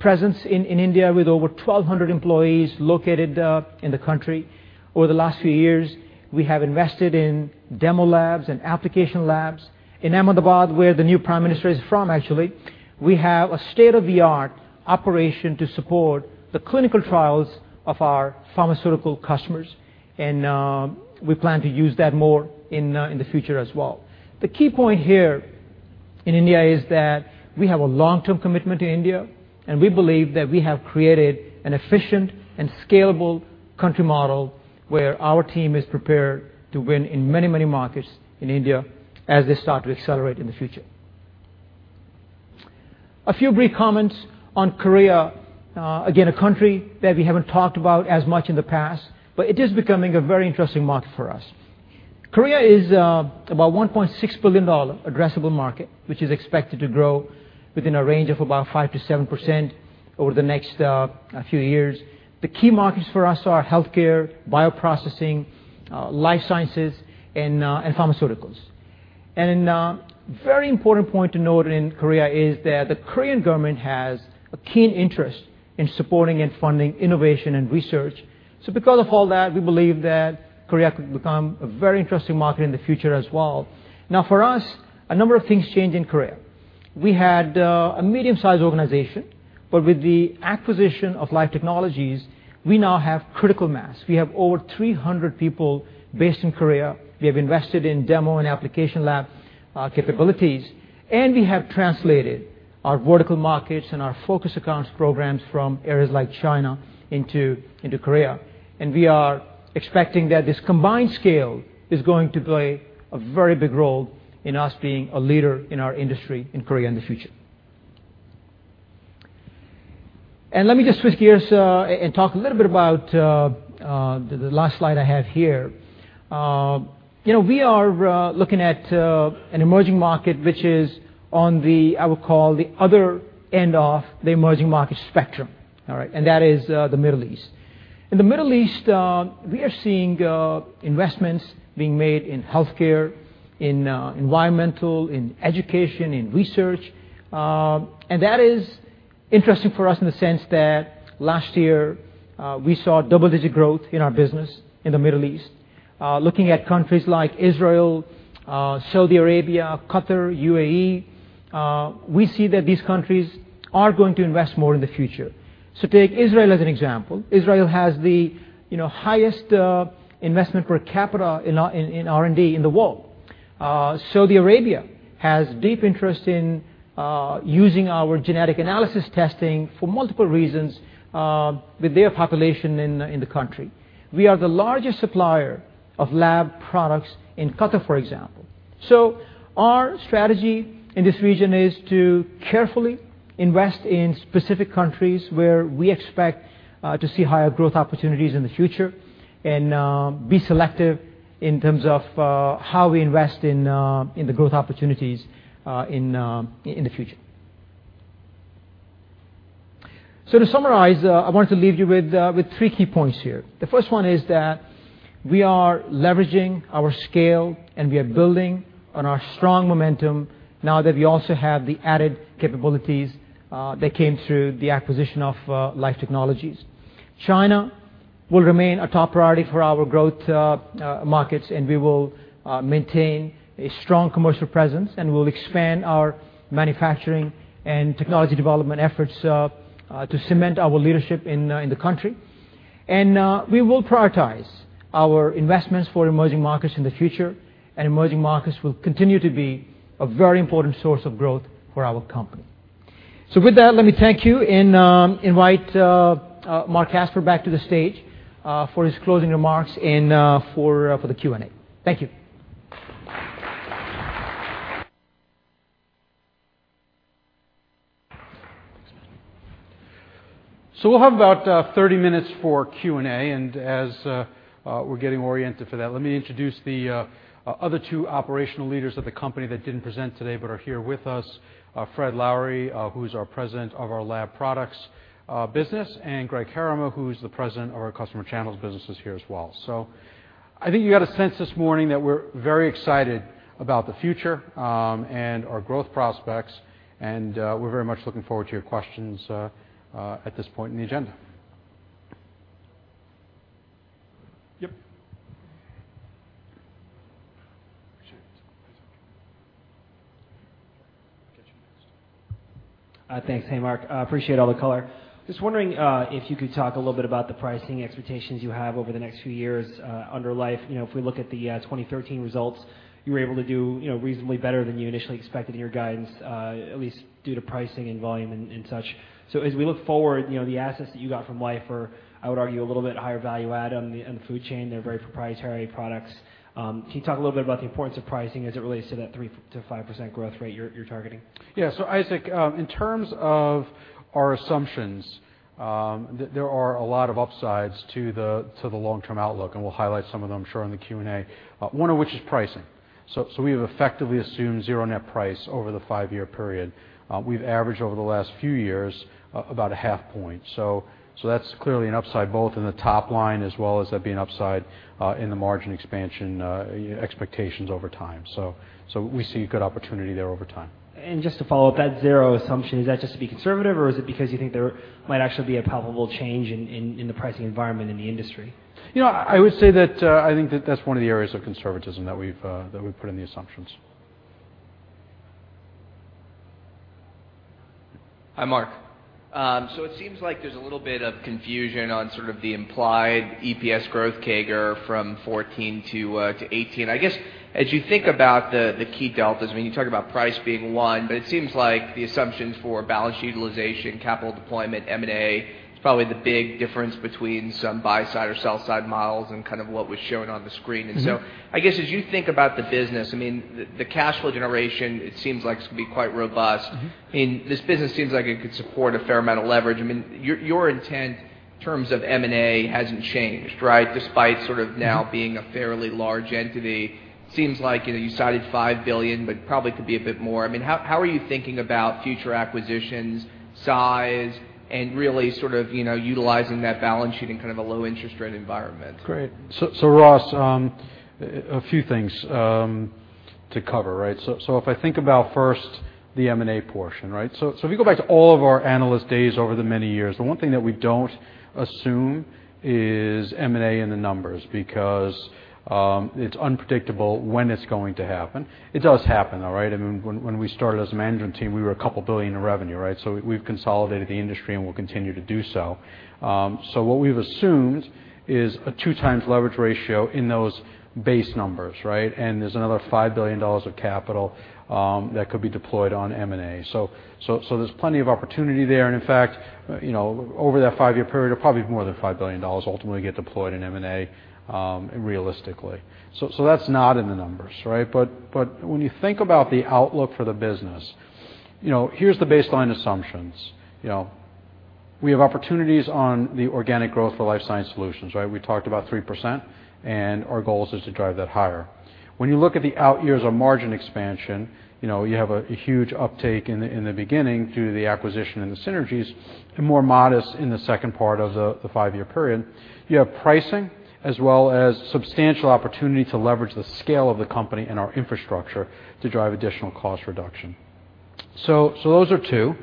presence in India with over 1,200 employees located in the country. Over the last few years, we have invested in demo labs and application labs. In Ahmedabad, where the new prime minister is from, actually, we have a state-of-the-art operation to support the clinical trials of our pharmaceutical customers, and we plan to use that more in the future as well. The key point here in India is that we have a long-term commitment to India, and we believe that we have created an efficient and scalable country model where our team is prepared to win in many, many markets in India as they start to accelerate in the future. A few brief comments on Korea. A country that we haven't talked about as much in the past, but it is becoming a very interesting market for us. Korea is about a $1.6 billion addressable market, which is expected to grow within a range of about 5%-7% over the next few years. The key markets for us are healthcare, bioprocessing, life sciences, and pharmaceuticals. A very important point to note in Korea is that the Korean government has a keen interest in supporting and funding innovation and research. Because of all that, we believe that Korea could become a very interesting market in the future as well. Now, for us, a number of things changed in Korea. We had a medium-sized organization, but with the acquisition of Life Technologies, we now have critical mass. We have over 300 people based in Korea. We have invested in demo and application lab capabilities, and we have translated our vertical markets and our focus accounts programs from areas like China into Korea. We are expecting that this combined scale is going to play a very big role in us being a leader in our industry in Korea in the future. Let me just switch gears and talk a little bit about the last slide I have here. We are looking at an emerging market which is on the, I would call the other end of the emerging market spectrum. All right. That is the Middle East. In the Middle East, we are seeing investments being made in healthcare, in environmental, in education, in research. That is interesting for us in the sense that last year, we saw double-digit growth in our business in the Middle East. Looking at countries like Israel, Saudi Arabia, Qatar, UAE, we see that these countries are going to invest more in the future. Take Israel as an example. Israel has the highest investment per capita in R&D in the world. Saudi Arabia has deep interest in using our genetic analysis testing for multiple reasons with their population in the country. We are the largest supplier of lab products in Qatar, for example. Our strategy in this region is to carefully invest in specific countries where we expect to see higher growth opportunities in the future and be selective in terms of how we invest in the growth opportunities in the future. To summarize, I wanted to leave you with three key points here. The first one is that we are leveraging our scale, and we are building on our strong momentum now that we also have the added capabilities that came through the acquisition of Life Technologies. China will remain a top priority for our growth markets. We will maintain a strong commercial presence, and we'll expand our manufacturing and technology development efforts to cement our leadership in the country. We will prioritize our investments for emerging markets in the future, and emerging markets will continue to be a very important source of growth for our company. With that, let me thank you and invite Marc Casper back to the stage for his closing remarks and for the Q&A. Thank you. We'll have about 30 minutes for Q&A. As we're getting oriented for that, let me introduce the other two operational leaders of the company that didn't present today but are here with us, Fred Lowery, who's our president of our lab products business, and Greg Herrema, who's the president of our customer channels business, is here as well. I think you got a sense this morning that we're very excited about the future and our growth prospects, and we're very much looking forward to your questions at this point in the agenda. Yep. Appreciate it. Get you next. Thanks. Hey, Marc. Appreciate all the color. Just wondering if you could talk a little bit about the pricing expectations you have over the next few years under Life. If we look at the 2013 results, you were able to do reasonably better than you initially expected in your guidance, at least due to pricing and volume and such. As we look forward, the assets that you got from Life are, I would argue, a little bit higher value add on the food chain. They're very proprietary products. Can you talk a little bit about the importance of pricing as it relates to that 3%-5% growth rate you're targeting? Isaac, in terms of our assumptions, there are a lot of upsides to the long-term outlook, and we'll highlight some of them, I'm sure, in the Q&A, one of which is pricing. We have effectively assumed 0 net price over the five-year period. We've averaged over the last few years about a half point. That's clearly an upside both in the top line as well as that being upside in the margin expansion expectations over time. We see a good opportunity there over time. Just to follow up, that 0 assumption, is that just to be conservative, or is it because you think there might actually be a palpable change in the pricing environment in the industry? I would say that I think that's one of the areas of conservatism that we've put in the assumptions. Hi, Marc. It seems like there's a little bit of confusion on sort of the implied EPS growth CAGR from 2014 to 2018. As you think about the key deltas, you talk about price being one, It seems like the assumptions for balance utilization, capital deployment, M&A is probably the big difference between some buy-side or sell-side models and what was shown on the screen. I guess as you think about the business, I mean, the cash flow generation, it seems like it's going to be quite robust. This business seems like it could support a fair amount of leverage. I mean, your intent in terms of M&A hasn't changed, right? Despite sort of now being a fairly large entity. Seems like you cited $5 billion but probably could be a bit more. I mean, how are you thinking about future acquisitions, size, and really sort of utilizing that balance sheet in kind of a low interest rate environment? Great. Ross, a few things to cover, right? If I think about first the M&A portion, right? If you go back to all of our analyst days over the many years, the one thing that we don't assume is M&A in the numbers because it's unpredictable when it's going to happen. It does happen, though, right? When we started as a management team, we were a couple billion dollars in revenue, right? We've consolidated the industry and will continue to do so. What we've assumed is a 2 times leverage ratio in those base numbers, right? There's another $5 billion of capital that could be deployed on M&A. There's plenty of opportunity there and, in fact, over that 5-year period, probably more than $5 billion ultimately get deployed in M&A, realistically. That's not in the numbers, right? When you think about the outlook for the business, here's the baseline assumptions. We have opportunities on the organic growth for Life Sciences Solutions, right? We talked about 3%, and our goal is to drive that higher. When you look at the out years of margin expansion, you have a huge uptake in the beginning through the acquisition and the synergies, and more modest in the second part of the 5-year period. You have pricing as well as substantial opportunity to leverage the scale of the company and our infrastructure to drive additional cost reduction. Those are 2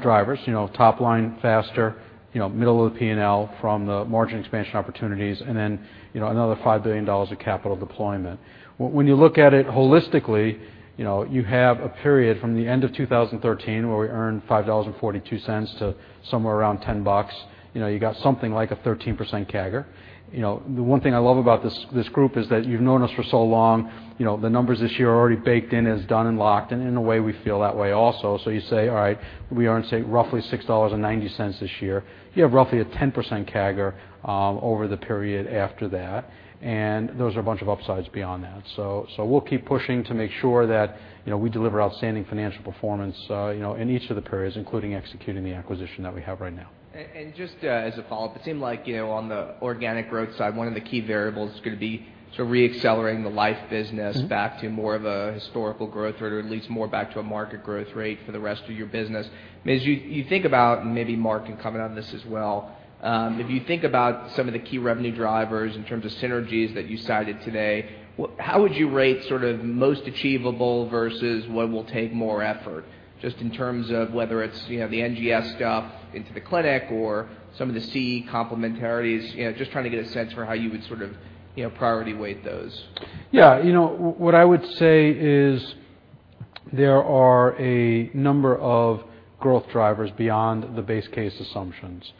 drivers: top line faster, middle of the P&L from the margin expansion opportunities and then another $5 billion of capital deployment. When you look at it holistically, you have a period from the end of 2013 where we earned $5.42 to somewhere around $10. You got something like a 13% CAGR. The one thing I love about this group is that you've known us for so long, the numbers this year are already baked in, is done and locked, and in a way, we feel that way also. You say, all right, we earn, say, roughly $6.90 this year. You have roughly a 10% CAGR over the period after that, and those are a bunch of upsides beyond that. We'll keep pushing to make sure that we deliver outstanding financial performance in each of the periods, including executing the acquisition that we have right now. Just as a follow-up, it seemed like on the organic growth side, one of the key variables is going to be reaccelerating the life business back to more of a historical growth rate or at least more back to a market growth rate for the rest of your business. As you think about, maybe Mark can comment on this as well, if you think about some of the key revenue drivers in terms of synergies that you cited today, how would you rate most achievable versus what will take more effort, just in terms of whether it's the NGS stuff into the clinic or some of the CE complementarities, just trying to get a sense for how you would priority weight those. Yeah. What I would say is there are a number of growth drivers beyond the base case assumptions.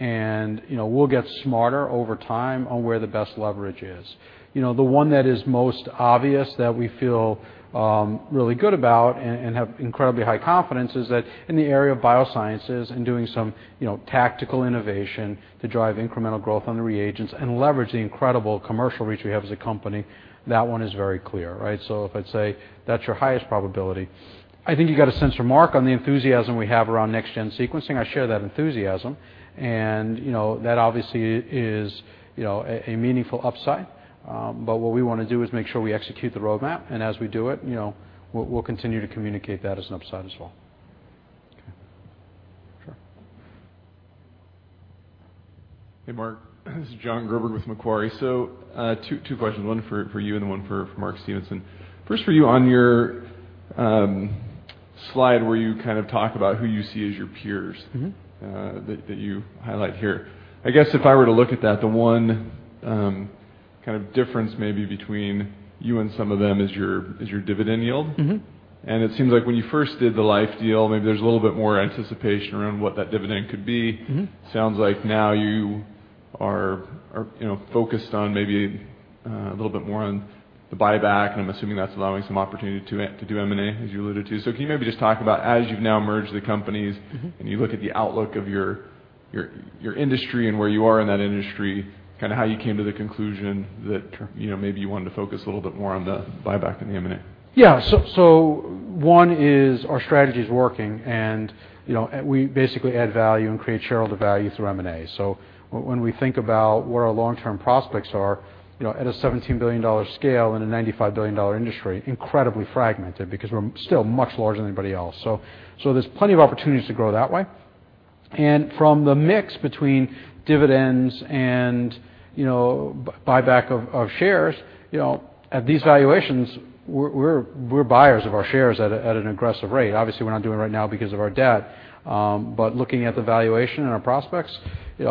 We'll get smarter over time on where the best leverage is. The one that is most obvious that we feel really good about and have incredibly high confidence is that in the area of biosciences and doing some tactical innovation to drive incremental growth on the reagents and leverage the incredible commercial reach we have as a company, that one is very clear, right? If I'd say that's your highest probability. I think you got a sense from Mark on the enthusiasm we have around next-gen sequencing. I share that enthusiasm, and that obviously is a meaningful upside. What we want to do is make sure we execute the roadmap, and as we do it, we'll continue to communicate that as an upside as well. Okay. Sure. Hey, Mark. This is John Gerber with Macquarie. Two questions, one for you and one for Mark Stevenson. First for you, on your slide where you talk about who you see as your peers- That you highlight here. I guess if I were to look at that, the one kind of difference maybe between you and some of them is your dividend yield. It seems like when you first did the Life deal, maybe there's a little bit more anticipation around what that dividend could be. Sounds like now you are focused on maybe a little bit more on the buyback, and I'm assuming that's allowing some opportunity to do M&A, as you alluded to. Can you maybe just talk about as you've now merged the companies- You look at the outlook of your industry and where you are in that industry, how you came to the conclusion that maybe you wanted to focus a little bit more on the buyback than the M&A? One is our strategy's working, we basically add value and create shareholder value through M&A. When we think about where our long-term prospects are, at a $17 billion scale in a $95 billion industry, incredibly fragmented because we're still much larger than anybody else. There's plenty of opportunities to grow that way. From the mix between dividends and buyback of shares, at these valuations, we're buyers of our shares at an aggressive rate. Obviously, we're not doing it right now because of our debt. Looking at the valuation and our prospects, we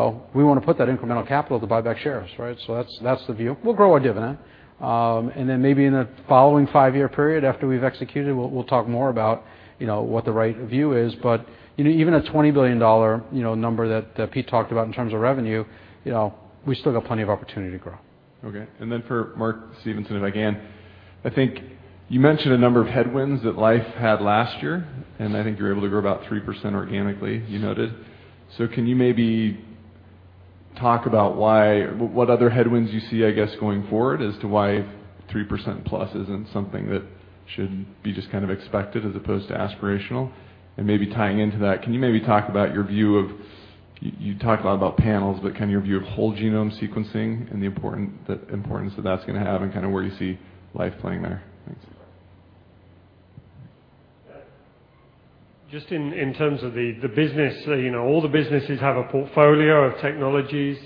want to put that incremental capital to buy back shares, right? That's the view. We'll grow our dividend. Then maybe in the following five-year period after we've executed, we'll talk more about what the right view is. Even a $20 billion number that Pete talked about in terms of revenue, we still got plenty of opportunity to grow. Okay. For Mark Stevenson, if I can, I think you mentioned a number of headwinds that Life had last year, I think you were able to grow about 3% organically, you noted. Can you maybe talk about what other headwinds you see, I guess, going forward as to why 3% plus isn't something that should be just kind of expected as opposed to aspirational? Maybe tying into that, can you maybe talk about your view of You talk a lot about panels, but kind of your view of whole genome sequencing and the importance that that's going to have and kind of where you see Life playing there? Thanks. Just in terms of the business, all the businesses have a portfolio of technologies.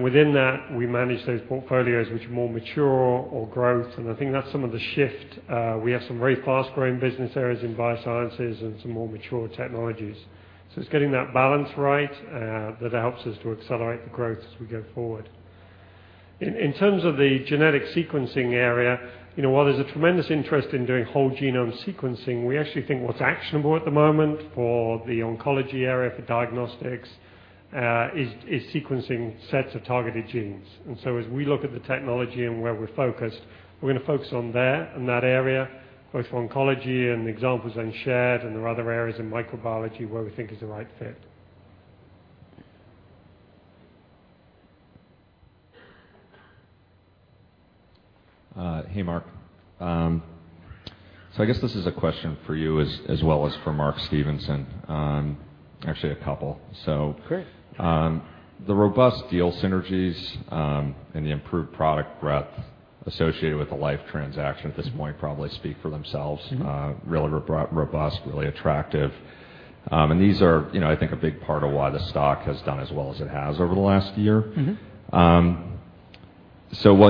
Within that, we manage those portfolios which are more mature or growth. I think that's some of the shift. We have some very fast-growing business areas in biosciences and some more mature technologies. It's getting that balance right that helps us to accelerate the growth as we go forward. In terms of the genetic sequencing area, while there's a tremendous interest in doing whole genome sequencing, we actually think what's actionable at the moment for the oncology area, for diagnostics, is sequencing sets of targeted genes. As we look at the technology and where we're focused, we're going to focus on there and that area, both oncology and the examples I shared, there are other areas in microbiology where we think is the right fit. Hey, Mark. I guess this is a question for you as well as for Mark Stevenson. Actually, a couple. Great. The robust deal synergies and the improved product breadth associated with the Life transaction at this point probably speak for themselves. Really robust, really attractive. These are I think a big part of why the stock has done as well as it has over the last year. While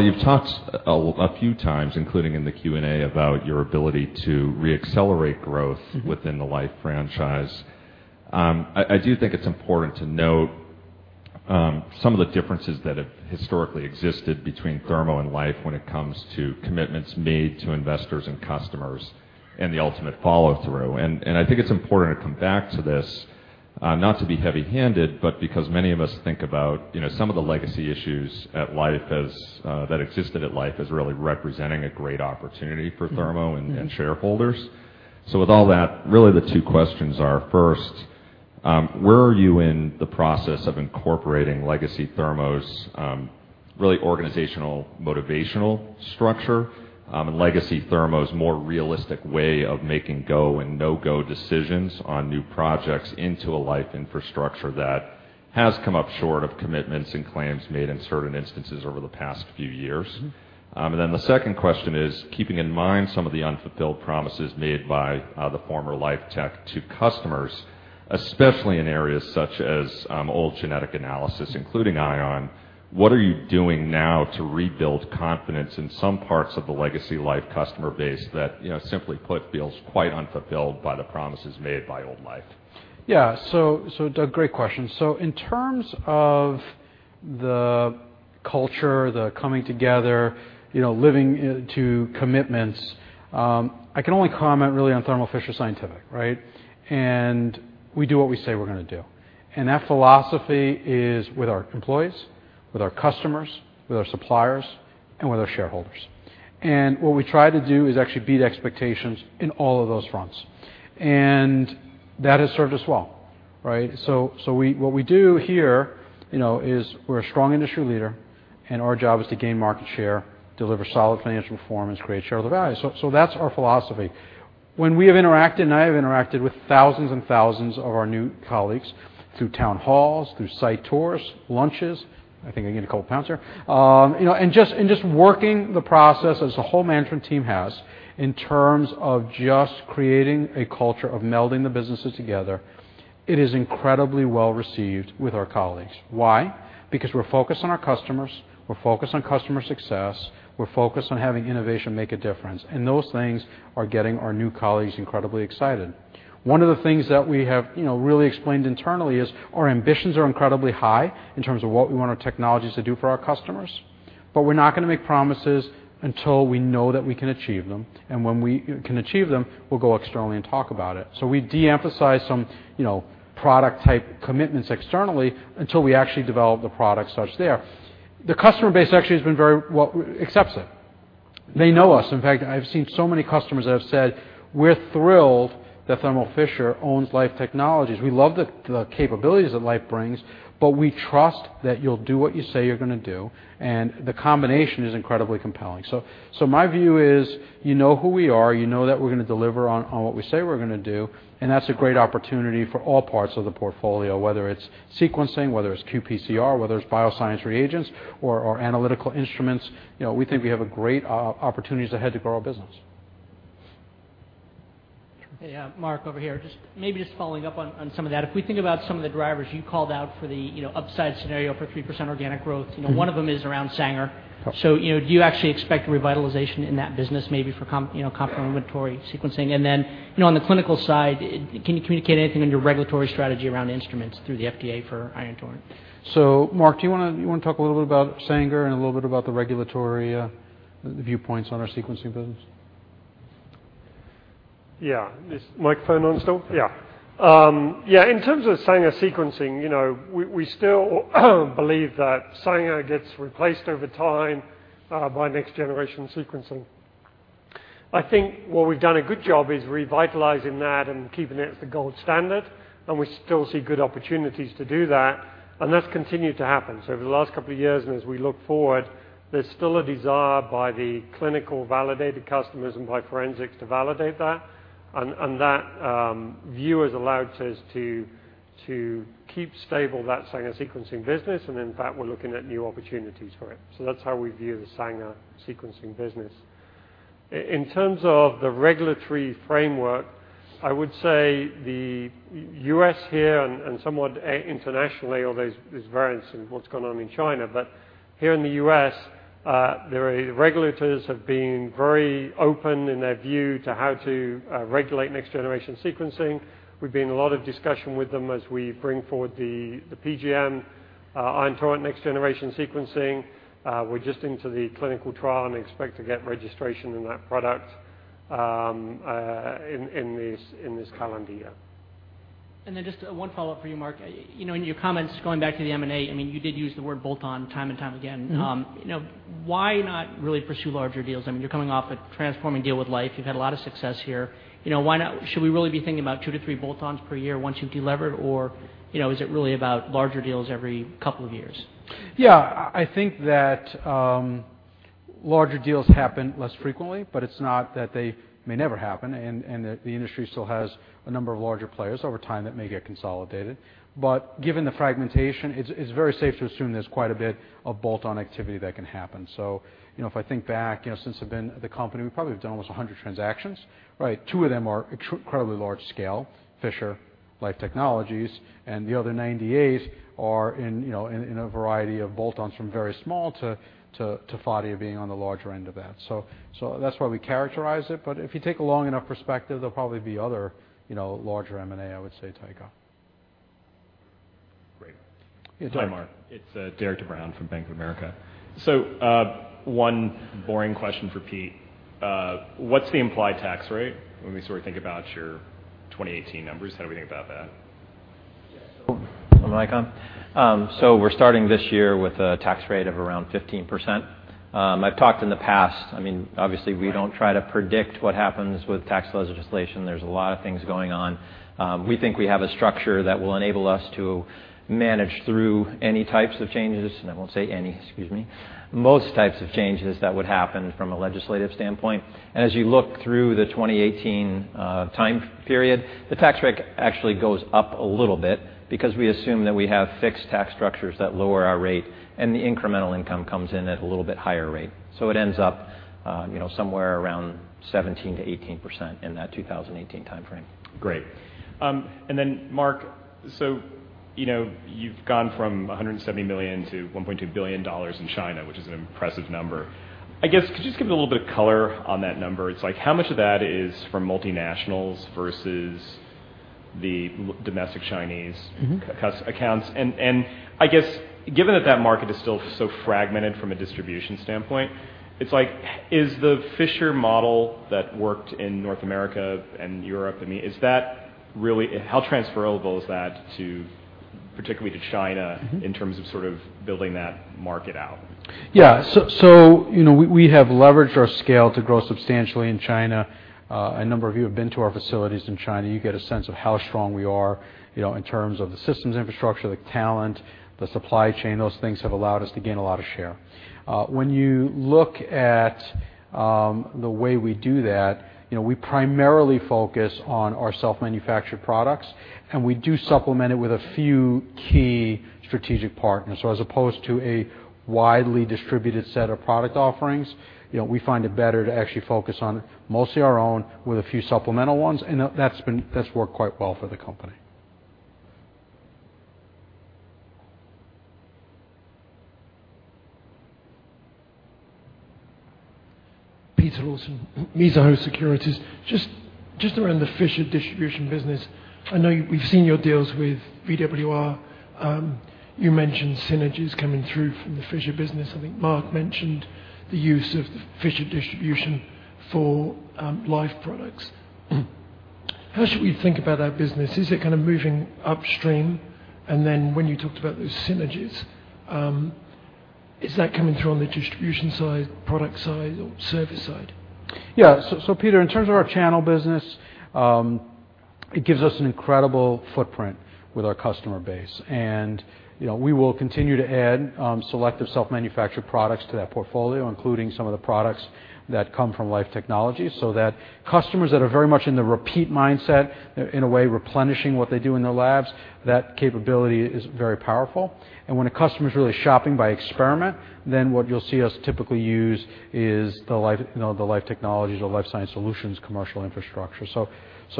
you've talked a few times, including in the Q&A, about your ability to re-accelerate growth. within the Life franchise, I do think it's important to note some of the differences that have historically existed between Thermo and Life when it comes to commitments made to investors and customers and the ultimate follow-through. I think it's important to come back to this, not to be heavy-handed, but because many of us think about some of the legacy issues that existed at Life as really representing a great opportunity for Thermo- and shareholders. With all that, really the two questions are, first, where are you in the process of incorporating legacy Thermo's really organizational, motivational structure, and legacy Thermo's more realistic way of making go and no-go decisions on new projects into a Life infrastructure that has come up short of commitments and claims made in certain instances over the past few years? The second question is, keeping in mind some of the unfulfilled promises made by the former Life Tech to customers, especially in areas such as old genetic analysis, including Ion, what are you doing now to rebuild confidence in some parts of the legacy Life customer base that, simply put, feels quite unfulfilled by the promises made by old Life? Yeah. Doug, great question. In terms of the culture, the coming together, living to commitments, I can only comment really on Thermo Fisher Scientific, right? We do what we say we're going to do. That philosophy is with our employees, with our customers, with our suppliers, and with our shareholders. What we try to do is actually beat expectations in all of those fronts. That has served us well, right? What we do here is we're a strong industry leader, and our job is to gain market share, deliver solid financial performance, create shareholder value. That's our philosophy. When we have interacted, and I have interacted with thousands and thousands of our new colleagues through town halls, through site tours, lunches, I think I get a couple pounds there. Just working the process as the whole management team has in terms of just creating a culture of melding the businesses together, it is incredibly well-received with our colleagues. Why? Because we're focused on our customers, we're focused on customer success, we're focused on having innovation make a difference. Those things are getting our new colleagues incredibly excited. One of the things that we have really explained internally is our ambitions are incredibly high in terms of what we want our technologies to do for our customers, but we're not going to make promises until we know that we can achieve them. When we can achieve them, we'll go externally and talk about it. We de-emphasize some product-type commitments externally until we actually develop the product such there. The customer base actually accepts it. They know us. In fact, I've seen so many customers that have said, "We're thrilled that Thermo Fisher owns Life Technologies. We love the capabilities that Life brings, but we trust that you'll do what you say you're going to do," and the combination is incredibly compelling. My view is, you know who we are, you know that we're going to deliver on what we say we're going to do, and that's a great opportunity for all parts of the portfolio, whether it's sequencing, whether it's qPCR, whether it's bioscience reagents or Analytical Instruments. We think we have great opportunities ahead to grow our business. Hey, Mark, over here. Maybe just following up on some of that. If we think about some of the drivers you called out for the upside scenario for 3% organic growth. One of them is around Sanger. Do you actually expect revitalization in that business, maybe for confirmatory sequencing? On the clinical side, can you communicate anything on your regulatory strategy around instruments through the FDA for Ion Torrent? Mark, do you want to talk a little bit about Sanger and a little bit about the regulatory viewpoints on our sequencing business? Is microphone on still? In terms of Sanger sequencing, we still believe that Sanger gets replaced over time by next-generation sequencing. I think where we've done a good job is revitalizing that and keeping it as the gold standard, and we still see good opportunities to do that, and that's continued to happen. Over the last couple of years and as we look forward, there's still a desire by the clinical validated customers and by forensics to validate that. That view has allowed us to keep stable that Sanger sequencing business, and in fact, we're looking at new opportunities for it. That's how we view the Sanger sequencing business. In terms of the regulatory framework, I would say the U.S. here and somewhat internationally, although there's variance in what's going on in China. Here in the U.S., the regulators have been very open in their view to how to regulate next-generation sequencing. We've been in a lot of discussion with them as we bring forward the PGM Ion Torrent next-generation sequencing. We're just into the clinical trial and expect to get registration in that product in this calendar year. just one follow-up for you, Marc. In your comments, going back to the M&A, you did use the word bolt-on time and time again. Why not really pursue larger deals? You're coming off a transforming deal with Life. You've had a lot of success here. Should we really be thinking about two to three bolt-ons per year once you've delevered, or is it really about larger deals every couple of years? I think that larger deals happen less frequently, but it's not that they may never happen and that the industry still has a number of larger players over time that may get consolidated. Given the fragmentation, it's very safe to assume there's quite a bit of bolt-on activity that can happen. If I think back since I've been at the company, we've probably done almost 100 transactions. Two of them are incredibly large scale, Fisher, Life Technologies, and the other 98 are in a variety of bolt-ons from very small to Phadia being on the larger end of that. That's why we characterize it. If you take a long enough perspective, there'll probably be other larger M&A, I would say, take up. Great. Yeah. Hi, Marc. It's Derik de Bruin from Bank of America. One boring question for Pete. What's the implied tax rate when we think about your 2018 numbers? How do we think about that? Yes. Am I on? We're starting this year with a tax rate of around 15%. I've talked in the past, obviously, we don't try to predict what happens with tax legislation. There's a lot of things going on. We think we have a structure that will enable us to manage through any types of changes. I won't say any, excuse me, most types of changes that would happen from a legislative standpoint. As you look through the 2018 time period, the tax break actually goes up a little bit because we assume that we have fixed tax structures that lower our rate, and the incremental income comes in at a little bit higher rate. It ends up somewhere around 17%-18% in that 2018 timeframe. Great. Then Mark, you've gone from $170 million to $1.2 billion in China, which is an impressive number. I guess, could you just give a little bit of color on that number? It's like how much of that is from multinationals versus the domestic Chinese- accounts? I guess given that that market is still so fragmented from a distribution standpoint, it's like, is the Fisher model that worked in North America and Europe, how transferable is that particularly to China- in terms of sort of building that market out? Yeah. We have leveraged our scale to grow substantially in China. A number of you have been to our facilities in China. You get a sense of how strong we are in terms of the systems infrastructure, the talent, the supply chain. Those things have allowed us to gain a lot of share. When you look at the way we do that, we primarily focus on our self-manufactured products, and we do supplement it with a few key strategic partners. As opposed to a widely distributed set of product offerings, we find it better to actually focus on mostly our own with a few supplemental ones, and that's worked quite well for the company. Peter Lawson, Mizuho Securities. Just around the Fisher distribution business, I know we've seen your deals with VWR. You mentioned synergies coming through from the Fisher business. I think Mark mentioned the use of the Fisher distribution for Life products. How should we think about that business? Is it kind of moving upstream? When you talked about those synergies, is that coming through on the distribution side, product side, or service side? Yeah. Peter, in terms of our channel business, it gives us an incredible footprint with our customer base. We will continue to add selective self-manufactured products to that portfolio, including some of the products that come from Life Technologies, so that customers that are very much in the repeat mindset, in a way replenishing what they do in their labs, that capability is very powerful. When a customer's really shopping by experiment, what you'll see us typically use is the Life Technologies or Life Sciences Solutions commercial infrastructure.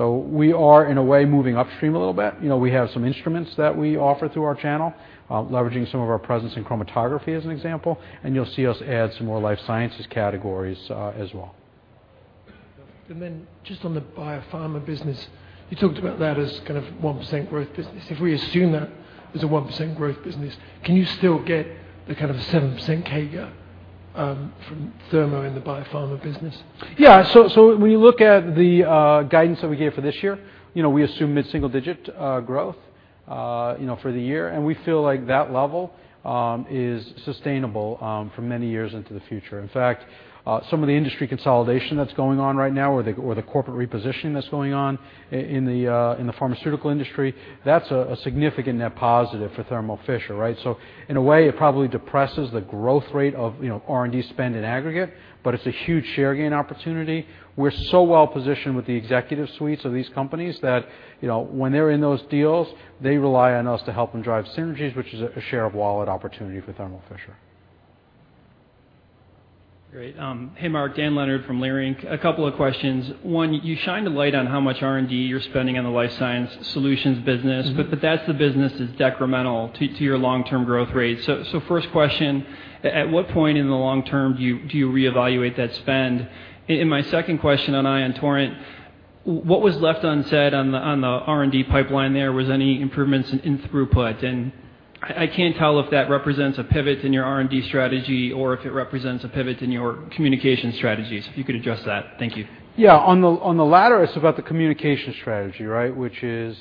We are, in a way, moving upstream a little bit. We have some instruments that we offer through our channel, leveraging some of our presence in chromatography as an example, and you'll see us add some more life sciences categories as well. Just on the biopharma business, you talked about that as kind of 1% growth business. If we assume that it's a 1% growth business, can you still get the kind of 7% CAGR from Thermo in the biopharma business? Yeah. When you look at the guidance that we gave for this year, we assume mid-single digit growth for the year, and we feel like that level is sustainable for many years into the future. In fact, some of the industry consolidation that's going on right now, or the corporate repositioning that's going on in the pharmaceutical industry, that's a significant net positive for Thermo Fisher. In a way, it probably depresses the growth rate of R&D spend in aggregate, but it's a huge share gain opportunity. We're so well-positioned with the executive suites of these companies that when they're in those deals, they rely on us to help them drive synergies, which is a share of wallet opportunity for Thermo Fisher. Great. Hey, Marc. Dan Leonard from Leerink Partners. A couple of questions. One, you shined a light on how much R&D you're spending on the Life Sciences Solutions business, but that's the business that's decremental to your long-term growth rate. First question, at what point in the long term do you reevaluate that spend? My second question on Ion Torrent, what was left unsaid on the R&D pipeline there was any improvements in throughput, and I can't tell if that represents a pivot in your R&D strategy or if it represents a pivot in your communication strategy. If you could address that. Thank you. Yeah. On the latter, it's about the communication strategy, right? Which is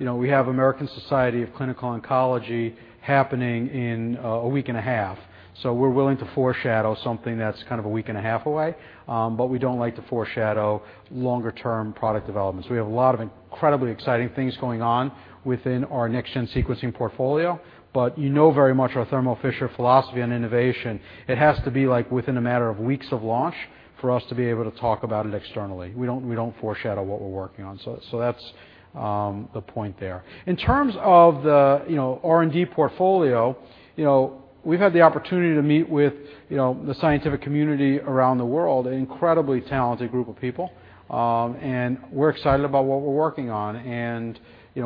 we have American Society of Clinical Oncology happening in a week and a half, we're willing to foreshadow something that's kind of a week and a half away. We don't like to foreshadow longer-term product developments. We have a lot of incredibly exciting things going on within our next-gen sequencing portfolio, but you know very much our Thermo Fisher philosophy on innovation. It has to be within a matter of weeks of launch for us to be able to talk about it externally. We don't foreshadow what we're working on. That's the point there. In terms of the R&D portfolio, we've had the opportunity to meet with the scientific community around the world, an incredibly talented group of people. We're excited about what we're working on.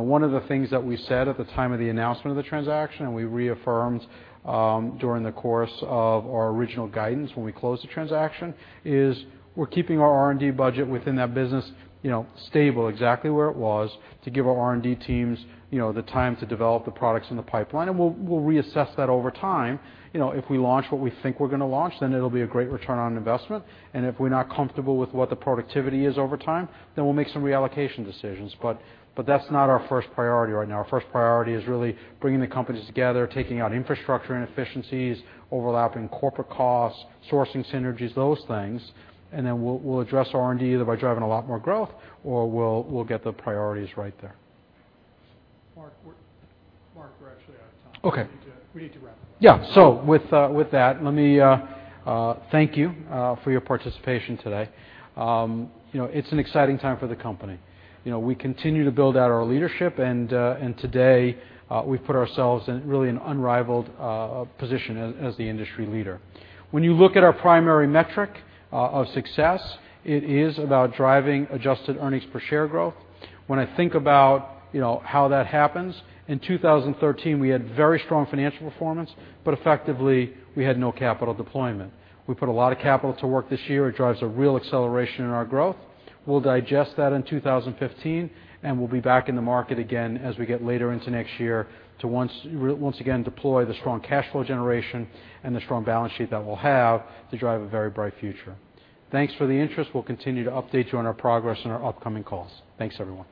One of the things that we said at the time of the announcement of the transaction, and we reaffirmed during the course of our original guidance when we closed the transaction, is we're keeping our R&D budget within that business stable, exactly where it was to give our R&D teams the time to develop the products in the pipeline. We'll reassess that over time. If we launch what we think we're going to launch, it'll be a great return on investment, and if we're not comfortable with what the productivity is over time, we'll make some reallocation decisions. That's not our first priority right now. Our first priority is really bringing the companies together, taking out infrastructure inefficiencies, overlapping corporate costs, sourcing synergies, those things. We'll address R&D either by driving a lot more growth or we'll get the priorities right there. Marc, we're actually out of time. Okay. We need to wrap it up. Yeah. With that, let me thank you for your participation today. It's an exciting time for the company. We continue to build out our leadership, and today we've put ourselves in really an unrivaled position as the industry leader. When you look at our primary metric of success, it is about driving adjusted earnings per share growth. When I think about how that happens, in 2013, we had very strong financial performance, but effectively, we had no capital deployment. We put a lot of capital to work this year. It drives a real acceleration in our growth. We'll digest that in 2015, and we'll be back in the market again as we get later into next year to once again deploy the strong cash flow generation and the strong balance sheet that we'll have to drive a very bright future. Thanks for the interest. We'll continue to update you on our progress in our upcoming calls. Thanks, everyone.